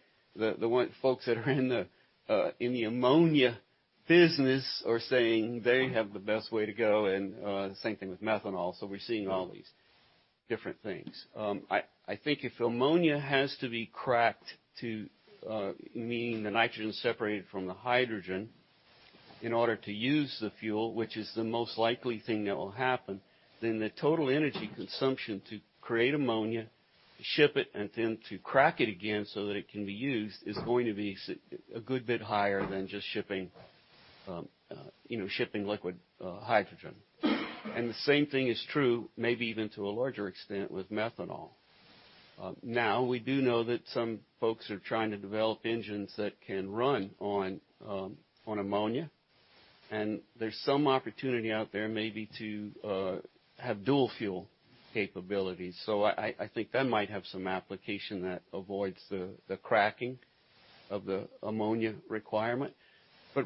folks that are in the ammonia business are saying they have the best way to go and the same thing with methanol. We're seeing all these different things. I think if ammonia has to be cracked to mean the nitrogen is separated from the hydrogen in order to use the fuel, which is the most likely thing that will happen, then the total energy consumption to create ammonia, ship it, and then to crack it again so that it can be used is going to be a good bit higher than just shipping you know shipping liquid hydrogen. The same thing is true, maybe even to a larger extent with methanol. Now we do know that some folks are trying to develop engines that can run on ammonia, and there's some opportunity out there maybe to have dual fuel capabilities. I think that might have some application that avoids the cracking of the ammonia requirement.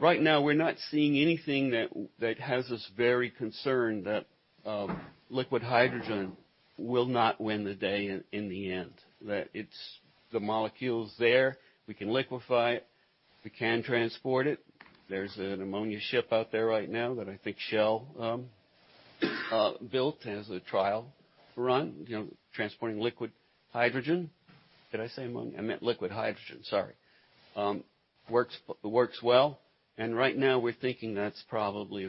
Right now, we're not seeing anything that has us very concerned that liquid hydrogen will not win the day in the end. That it's the molecule is there, we can liquefy it, we can transport it. There's an ammonia ship out there right now that I think Shell built as a trial run, you know, transporting liquid hydrogen. Did I say ammonia? I meant liquid hydrogen, sorry. Works well. Right now we're thinking that's probably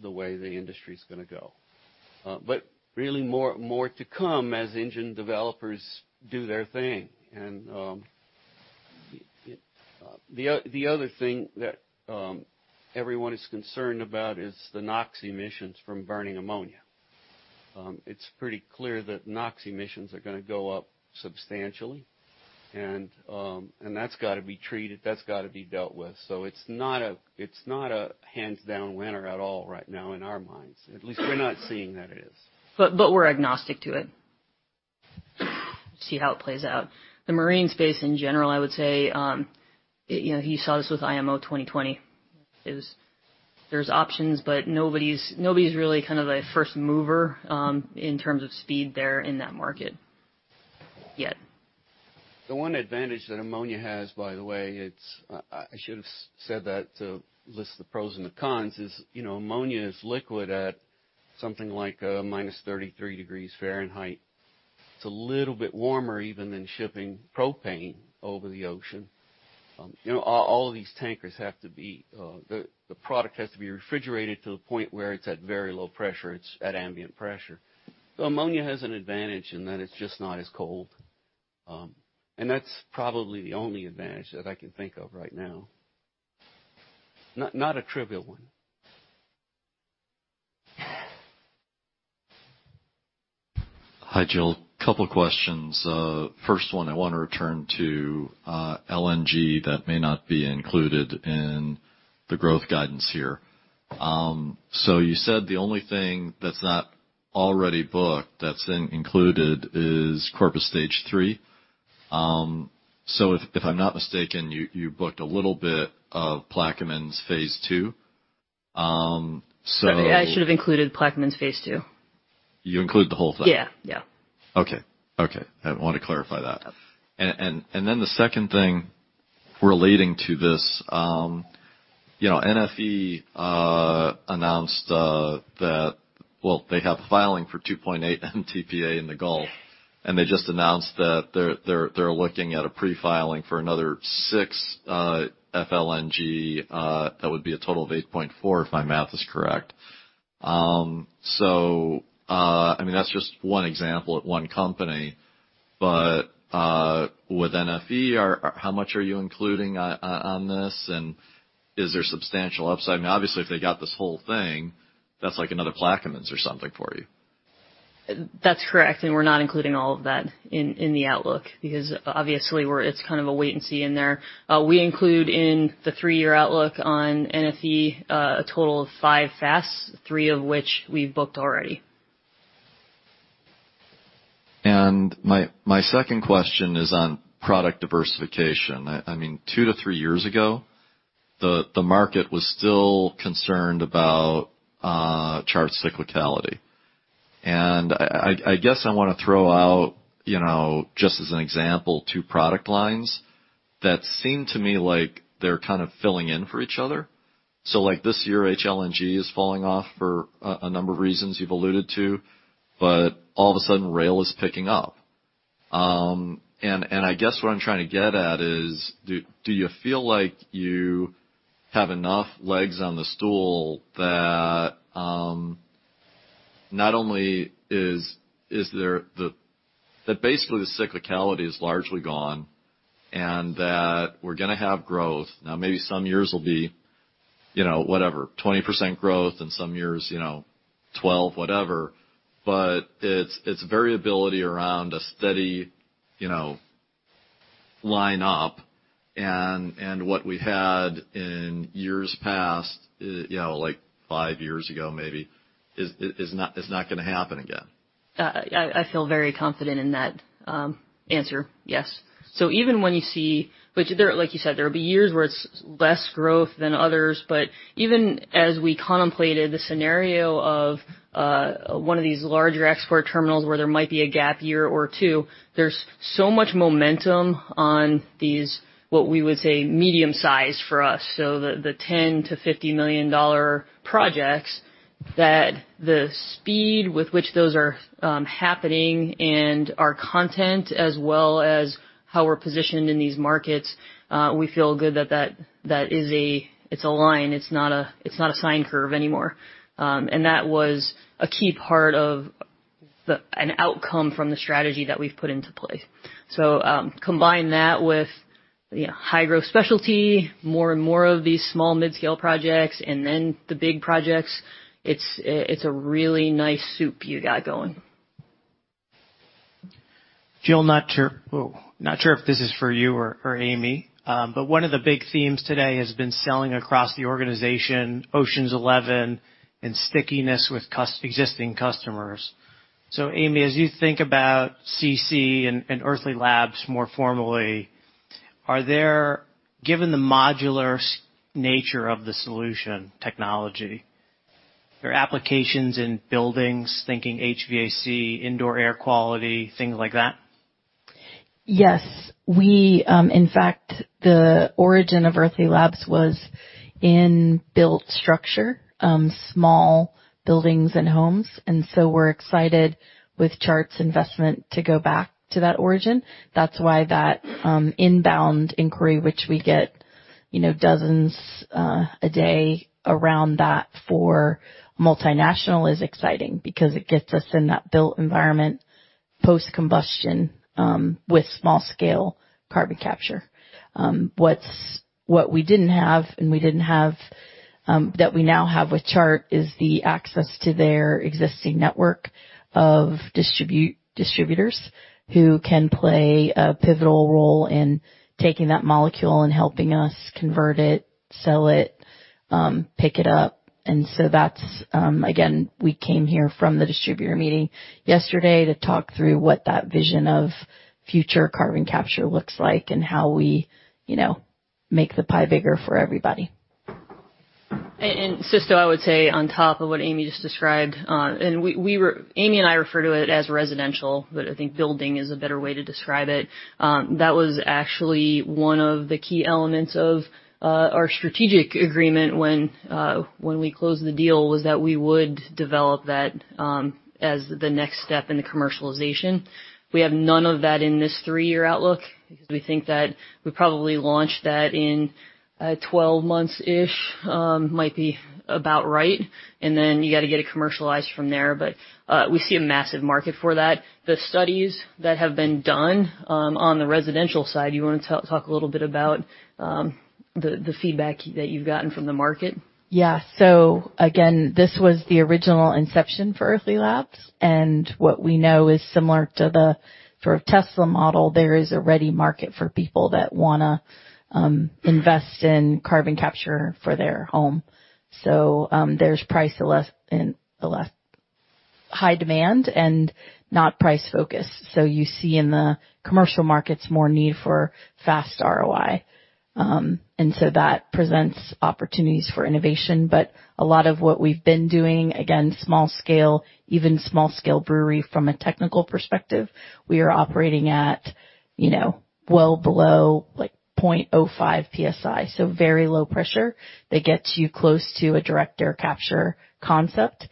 the way the industry is gonna go. Really more to come as engine developers do their thing. The other thing that everyone is concerned about is the NOx emissions from burning ammonia. It's pretty clear that NOx emissions are gonna go up substantially, and that's gotta be treated, that's gotta be dealt with. It's not a hands-down winner at all right now in our minds. At least we're not seeing that it is. We're agnostic to it. See how it plays out. The marine space in general, I would say, you know, you saw this with IMO2020, is there's options but nobody's really kind of a first mover, in terms of speed there in that market yet. The one advantage that ammonia has, by the way, it's, I should've said that to list the pros and the cons, is, you know, ammonia is liquid at something like, -33 degrees Fahrenheit. It's a little bit warmer even than shipping propane over the ocean. You know, all of these tankers have to be, the product has to be refrigerated to the point where it's at very low pressure, it's at ambient pressure. So ammonia has an advantage in that it's just not as cold. That's probably the only advantage that I can think of right now. Not a trivial one. Hi, Jill. Couple questions. First one, I wanna return to LNG that may not be included in the growth guidance here. You said the only thing that's not already booked that's included is Corpus stage three. If I'm not mistaken, you booked a little bit of Plaquemines' phase two. I should have included Plaquemines phase two. You include the whole thing? Yeah. Yeah. Okay. I want to clarify that. Yep. The second thing relating to this, you know, NFE announced that well, they have a filing for 2.8 MTPA in the Gulf, and they just announced that they're looking at a pre-filing for another 6 FLNG that would be a total of 8.4, if my math is correct. I mean, that's just one example at one company. With NFE, how much are you including on this? And is there substantial upside? I mean, obviously, if they got this whole thing, that's like another Plaquemines or something for you. That's correct. We're not including all of that in the outlook because obviously it's kind of a wait and see in there. We include in the three-year outlook on NFE a total of five FASTS, three of which we've booked already. My second question is on product diversification. I mean, two to three years ago, the market was still concerned about Chart's cyclicality. I guess I wanna throw out, you know, just as an example, two product lines that seem to me like they're kind of filling in for each other. Like this year, HLNG is falling off for a number of reasons you've alluded to, but all of a sudden, rail is picking up. I guess what I'm trying to get at is do you feel like you have enough legs on the stool that not only is there. That basically the cyclicality is largely gone and that we're gonna have growth. Now, maybe some years will be, you know, whatever, 20% growth, in some years, you know, 12, whatever. It's variability around a steady, you know, line up. What we had in years past, you know, like five years ago maybe is not gonna happen again. I feel very confident in that answer. Yes. Even when you see which there, like you said, there will be years where it's less growth than others. Even as we contemplated the scenario of one of these larger export terminals where there might be a gap year or two, there's so much momentum on these, what we would say, medium-sized for us. The $10 million-$50 million projects, that the speed with which those are happening and our content as well as how we're positioned in these markets, we feel good that that is a line. It's not a sine curve anymore. That was a key part of an outcome from the strategy that we've put into place. combine that with, you know, high-growth specialty, more and more of these small mid-scale projects, and then the big projects. It's a really nice soup you got going. Jill, not sure if this is for you or Amy. One of the big themes today has been selling across the organization, Oceans Eleven and stickiness with existing customers. Amy, as you think about CiCi and Earthly Labs more formally, given the modular nature of the solution technology, are there applications in buildings, thinking HVAC, indoor air quality, things like that? Yes. We in fact, the origin of Earthly Labs was in built structure, small buildings and homes, and so we're excited with Chart's investment to go back to that origin. That's why that inbound inquiry, which we get, you know, dozens a day around that for multinationals is exciting because it gets us in that built environment, post-combustion with small-scale carbon capture. What we didn't have that we now have with Chart is the access to their existing network of distributors who can play a pivotal role in taking that molecule and helping us convert it, sell it, pick it up. That's Again, we came here from the distributor meeting yesterday to talk through what that vision of future carbon capture looks like and how we, you know, make the pie bigger for everybody. Cisco, I would say on top of what Amy just described, Amy and I refer to it as residential, but I think building is a better way to describe it. That was actually one of the key elements of our strategic agreement when we closed the deal, was that we would develop that as the next step in the commercialization. We have none of that in this three-year outlook because we think that we probably launch that in 12 months-ish, might be about right, and then you gotta get it commercialized from there. We see a massive market for that. The studies that have been done on the residential side, you wanna talk a little bit about the feedback that you've gotten from the market? Yeah. Again, this was the original inception for Earthly Labs, and what we know is similar to the sort of Tesla model. There is a ready market for people that wanna invest in carbon capture for their home. There's high demand and not price-focused. You see in the commercial markets more need for fast ROI. That presents opportunities for innovation. A lot of what we've been doing, again, small scale, even small scale brewery from a technical perspective, we are operating at, you know, well below like 0.05 PSI, so very low pressure that gets you close to a direct air capture concept.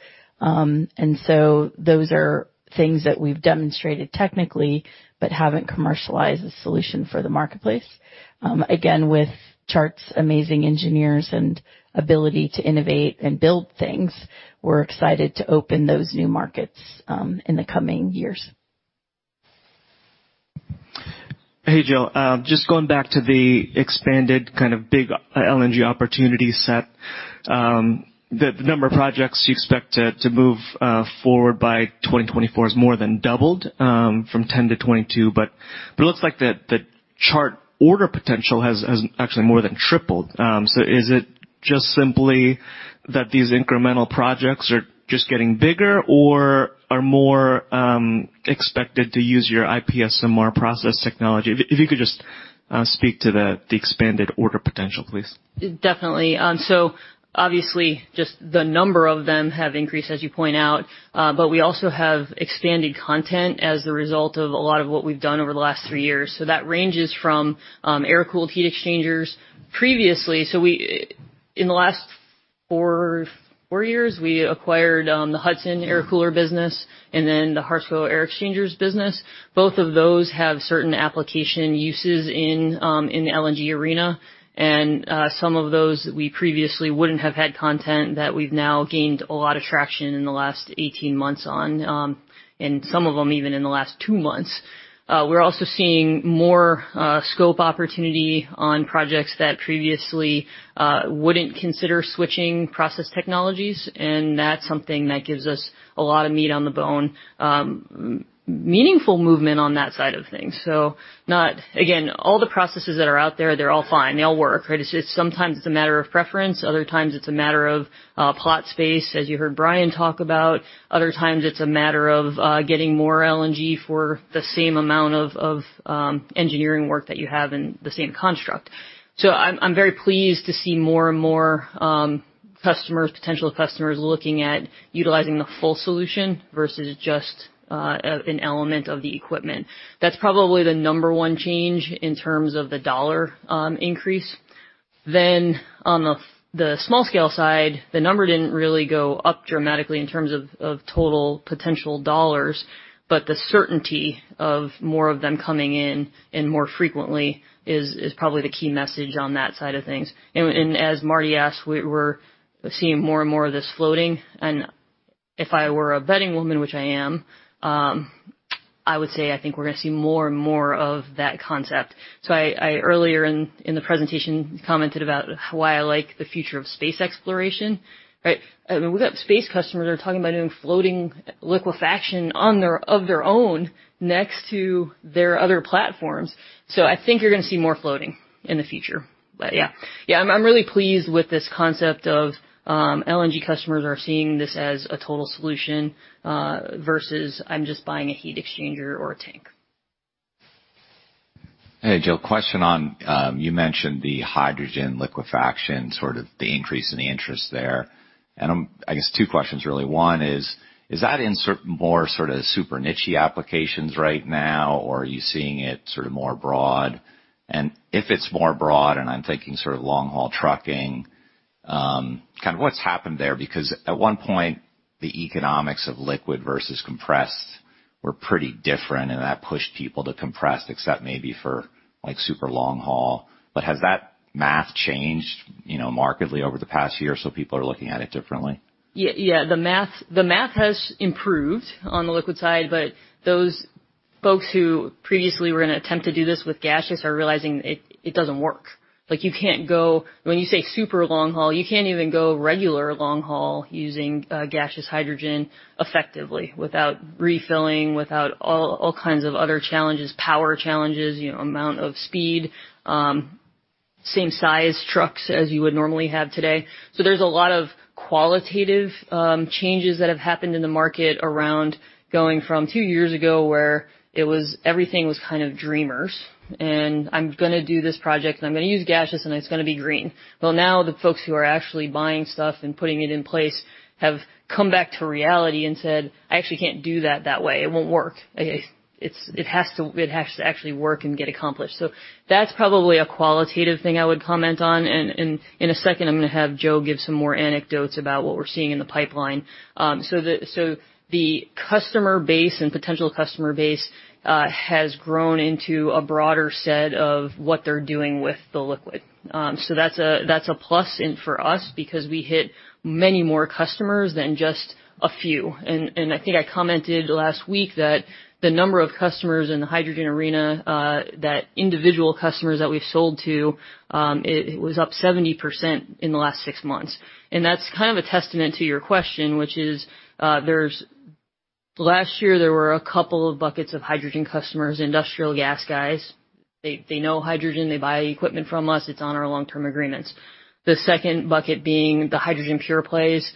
Those are things that we've demonstrated technically but haven't commercialized a solution for the marketplace. Again, with Chart's amazing engineers and ability to innovate and build things, we're excited to open those new markets in the coming years. Hey, Jill. Just going back to the expanded kind of big LNG opportunity set. The number of projects you expect to move forward by 2024 has more than doubled from 10 to 22, but it looks like the Chart order potential has actually more than tripled. Is it just simply that these incremental projects are just getting bigger or are more expected to use your IPS and MR process technology? If you could just speak to the expanded order potential, please. Definitely. Obviously, just the number of them have increased, as you point out. We also have expanded content as a result of a lot of what we've done over the last three years. That ranges from air-cooled heat exchangers previously. In the last four years, we acquired the Hudson air cooler business and then the Harsco air exchangers business. Both of those have certain application uses in the LNG arena. Some of those we previously wouldn't have had content that we've now gained a lot of traction in the last 18 months on, and some of them even in the last two months. We're also seeing more scope opportunity on projects that previously wouldn't consider switching process technologies, and that's something that gives us a lot of meat on the bone, meaningful movement on that side of things. Again, all the processes that are out there, they're all fine. They all work. Right? It's just sometimes it's a matter of preference, other times it's a matter of plot space, as you heard Brian talk about. Other times it's a matter of getting more LNG for the same amount of engineering work that you have in the same construct. I'm very pleased to see more and more customers, potential customers looking at utilizing the full solution versus just an element of the equipment. That's probably the number one change in terms of the dollar increase. On the small scale side, the number didn't really go up dramatically in terms of total potential dollars, but the certainty of more of them coming in and more frequently is probably the key message on that side of things. As Marty asked, we're seeing more and more of this floating. If I were a betting woman, which I am, I would say I think we're gonna see more and more of that concept. I earlier in the presentation commented about why I like the future of space exploration, right? I mean, we've got space customers that are talking about doing floating liquefaction on their own next to their other platforms. I think you're gonna see more floating in the future. But yeah. Yeah, I'm really pleased with this concept of LNG customers are seeing this as a total solution versus I'm just buying a heat exchanger or a tank. Hey, Jill. Question on you mentioned the hydrogen liquefaction, sort of the increase in the interest there. I'm, I guess, two questions really. One is that more sort of super niche-y applications right now, or are you seeing it sort of more broad? If it's more broad, I'm thinking sort of long-haul trucking, kind of what's happened there? Because at one point, the economics of liquid versus compressed were pretty different, and that pushed people to compressed, except maybe for, like, super long haul. Has that math changed, you know, markedly over the past year, so people are looking at it differently? Yeah. Yeah. The math has improved on the liquid side, but those folks who previously were gonna attempt to do this with gaseous are realizing it doesn't work. Like, you can't go. When you say super long haul, you can't even go regular long haul using gaseous hydrogen effectively without refilling, without all kinds of other challenges, power challenges, you know, amount of speed, same size trucks as you would normally have today. There's a lot of qualitative changes that have happened in the market around going from two years ago, where everything was kind of dreamers, and I'm gonna do this project, and I'm gonna use gaseous, and it's gonna be green. Well, now the folks who are actually buying stuff and putting it in place have come back to reality and said, "I actually can't do that way. It won't work. It has to actually work and get accomplished." That's probably a qualitative thing I would comment on. In a second, I'm gonna have Joe give some more anecdotes about what we're seeing in the pipeline. The customer base and potential customer base has grown into a broader set of what they're doing with the liquid. That's a plus in for us because we hit many more customers than just a few. I think I commented last week that the number of customers in the hydrogen arena, that individual customers that we've sold to, it was up 70% in the last six months. That's kind of a testament to your question, which is, last year, there were a couple of buckets of hydrogen customers, industrial gas guys. They know hydrogen, they buy equipment from us. It's on our long-term agreements. The second bucket being the hydrogen pure plays,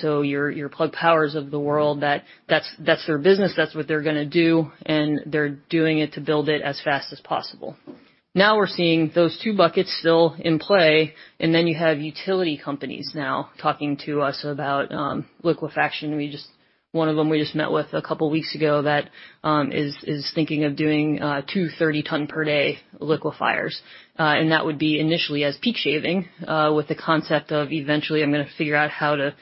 so your Plug Power of the world that that's their business. That's what they're gonna do, and they're doing it to build it as fast as possible. Now we're seeing those two buckets still in play, and then you have utility companies now talking to us about, liquefaction. One of them we just met with a couple weeks ago that is thinking of doing two 30-ton per day liquefiers. That would be initially as peak shaving with the concept of eventually I'm gonna figure out how to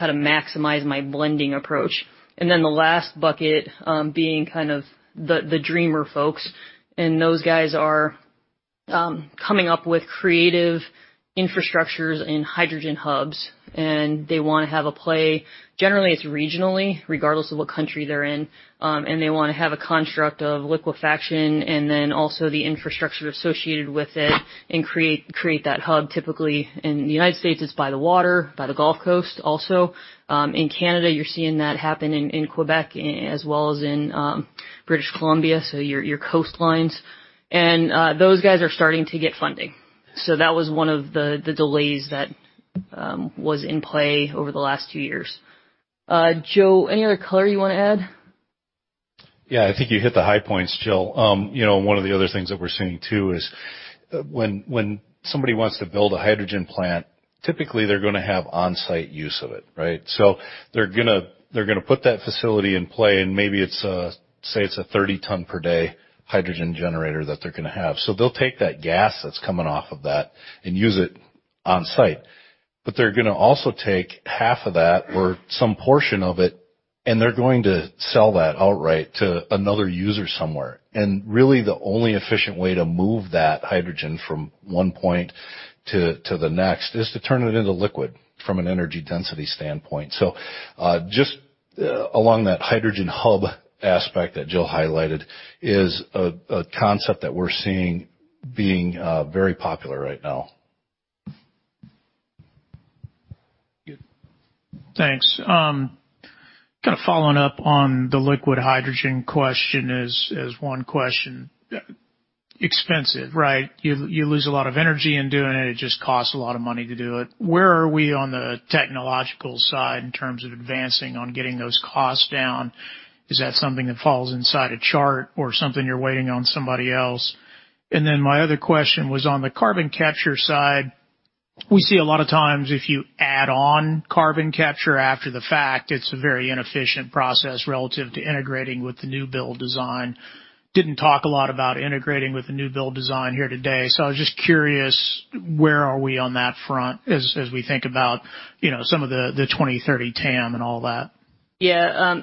maximize my blending approach. Then the last bucket being kind of the dreamer folks. Those guys are coming up with creative infrastructures and hydrogen hubs, and they wanna have a play. Generally, it's regionally, regardless of what country they're in, and they wanna have a construct of liquefaction and then also the infrastructure associated with it and create that hub. Typically, in the United States, it's by the water, by the Gulf Coast also. In Canada, you're seeing that happen in Quebec as well as in British Columbia, so your coastlines. Those guys are starting to get funding. That was one of the delays that was in play over the last two years. Joe, any other color you wanna add? Yeah. I think you hit the high points, Jill. You know, one of the other things that we're seeing too is when somebody wants to build a hydrogen plant, typically, they're gonna have on-site use of it, right? They're gonna put that facility in play, and maybe it's say, it's a 30 ton per day hydrogen generator that they're gonna have. They'll take that gas that's coming off of that and use it on-site. But they're gonna also take half of that or some portion of it, and they're gonna sell that outright to another user somewhere. Really, the only efficient way to move that hydrogen from one point to the next is to turn it into liquid from an energy density standpoint. Just along that hydrogen hub aspect that Jill highlighted is a concept that we're seeing being very popular right now. Thanks. Kind of following up on the liquid hydrogen question as one question. Expensive, right? You lose a lot of energy in doing it. It just costs a lot of money to do it. Where are we on the technological side in terms of advancing on getting those costs down? Is that something that falls inside Chart or something you're waiting on somebody else? And then my other question was, on the carbon capture side, we see a lot of times, if you add on carbon capture after the fact, it's a very inefficient process relative to integrating with the new build design. Didn't talk a lot about integrating with the new build design here today, so I was just curious, where are we on that front as we think about, you know, some of the 2030 TAM and all that? Yeah.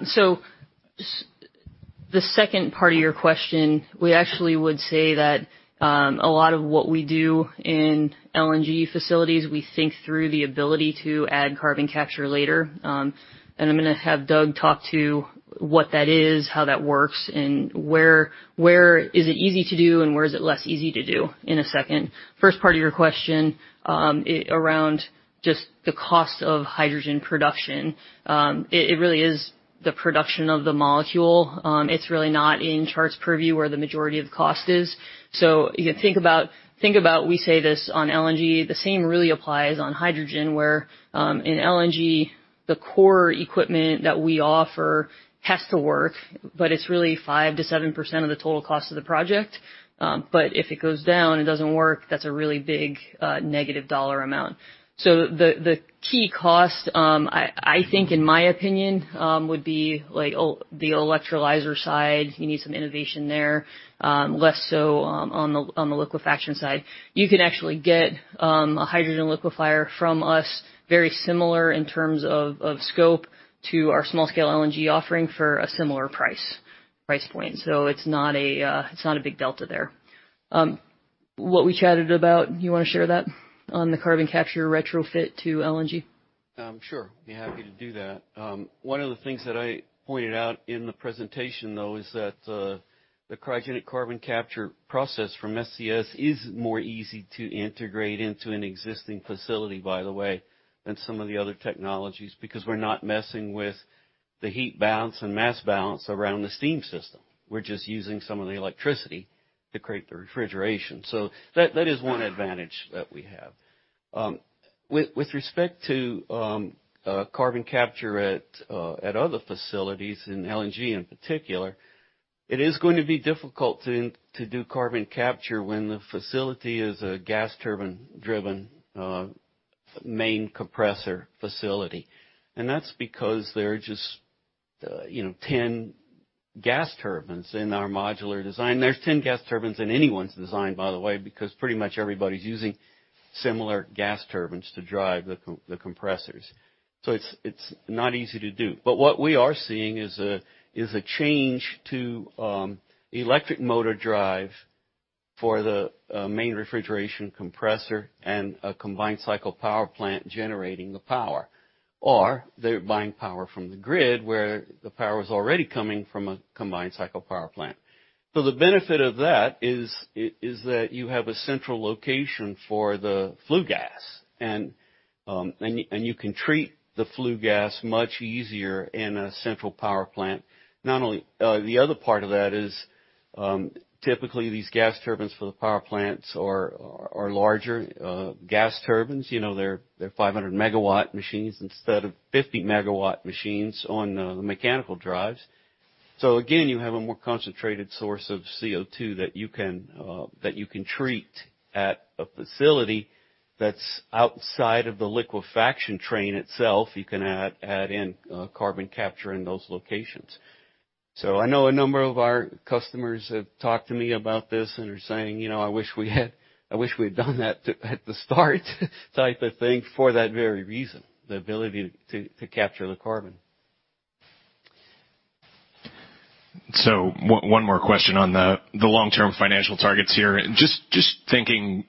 The second part of your question, we actually would say that a lot of what we do in LNG facilities, we think through the ability to add carbon capture later. I'm gonna have Doug talk to what that is, how that works, and where is it easy to do and where is it less easy to do in a second. First part of your question, around just the cost of hydrogen production, it really is the production of the molecule. It's really not in Chart's purview where the majority of the cost is. You can think about we say this on LNG, the same really applies on hydrogen, where in LNG, the core equipment that we offer has to work, but it's really 5%-7% of the total cost of the project. If it goes down, it doesn't work, that's a really big negative dollar amount. The key cost, I think in my opinion, would be like the electrolyzer side. You need some innovation there, less so on the liquefaction side. You can actually get a hydrogen liquefier from us very similar in terms of scope to our small-scale LNG offering for a similar price point. It's not a big delta there. What we chatted about, you wanna share that on the carbon capture retrofit to LNG? Sure. I'd be happy to do that. One of the things that I pointed out in the presentation, though, is that the cryogenic carbon capture process from SES is more easy to integrate into an existing facility, by the way, than some of the other technologies because we're not messing with the heat balance and mass balance around the steam system. We're just using some of the electricity to create the refrigeration. That is one advantage that we have. With respect to carbon capture at other facilities in LNG in particular, it is going to be difficult to do carbon capture when the facility is a gas turbine-driven main compressor facility. That's because there are just, you know, 10 gas turbines in our modular design. There's 10 gas turbines in anyone's design, by the way, because pretty much everybody's using similar gas turbines to drive the compressors. It's not easy to do. What we are seeing is a change to electric motor drive for the main refrigeration compressor and a combined cycle power plant generating the power. They're buying power from the grid where the power was already coming from a combined cycle power plant. The benefit of that is that you have a central location for the flue gas, and you can treat the flue gas much easier in a central power plant. The other part of that is typically these gas turbines for the power plants are larger gas turbines. You know, they're 500 megawatt machines instead of 50 megawatt machines on the mechanical drives. So again, you have a more concentrated source of CO₂ that you can treat at a facility that's outside of the liquefaction train itself. You can add in carbon capture in those locations. So I know a number of our customers have talked to me about this and are saying, "You know, I wish we'd done that at the start," type of thing, for that very reason, the ability to capture the carbon. One more question on the long-term financial targets here. Just thinking,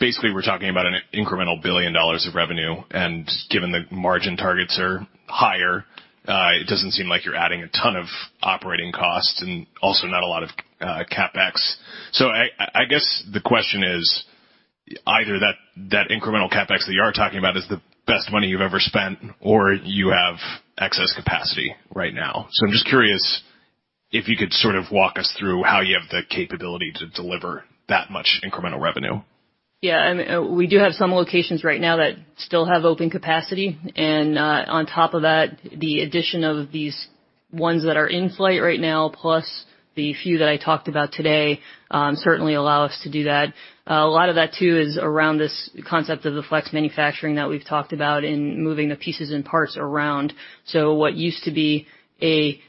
basically, we're talking about an incremental $1 billion of revenue, and given the margin targets are higher, it doesn't seem like you're adding a ton of operating costs and also not a lot of CapEx. I guess the question is either that incremental CapEx that you are talking about is the best money you've ever spent, or you have excess capacity right now. I'm just curious if you could sort of walk us through how you have the capability to deliver that much incremental revenue. Yeah. I mean, we do have some locations right now that still have open capacity. On top of that, the addition of these ones that are in flight right now, plus the few that I talked about today, certainly allow us to do that. A lot of that too is around this concept of the flex manufacturing that we've talked about in moving the pieces and parts around. What used to be a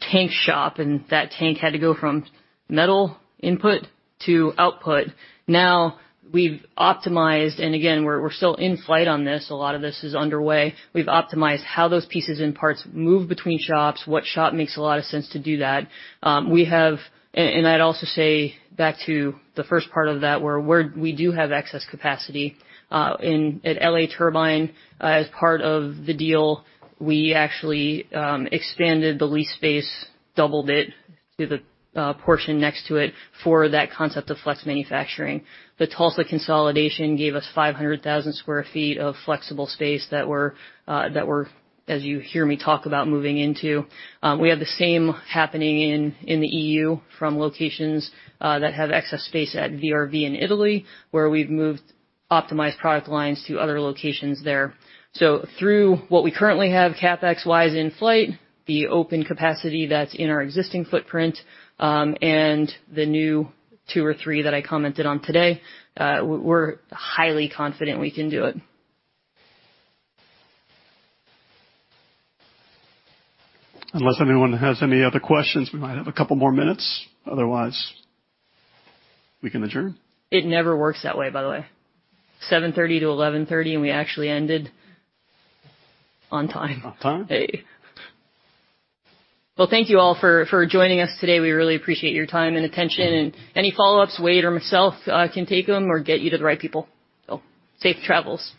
tank shop, and that tank had to go from metal input to output. Now we've optimized, and again, we're still in flight on this. A lot of this is underway. We've optimized how those pieces and parts move between shops, what shop makes a lot of sense to do that. We have... I'd also say back to the first part of that, we do have excess capacity at L.A. Turbine. As part of the deal, we actually expanded the lease space, doubled it to the portion next to it for that concept of flex manufacturing. The Tulsa consolidation gave us 500,000 sq ft of flexible space that we're, as you hear me talk about, moving into. We have the same happening in the EU from locations that have excess space at VRV in Italy, where we've moved optimized product lines to other locations there. Through what we currently have CapEx-wise in flight, the open capacity that's in our existing footprint, and the new two or three that I commented on today, we're highly confident we can do it. Unless anyone has any other questions, we might have a couple more minutes. Otherwise, we can adjourn. It never works that way, by the way. 7:30 A.M. to 11:30 A.M., and we actually ended on time. On time. Hey. Well, thank you all for joining us today. We really appreciate your time and attention, and any follow-ups, Wade or myself, can take them or get you to the right people. Safe travels.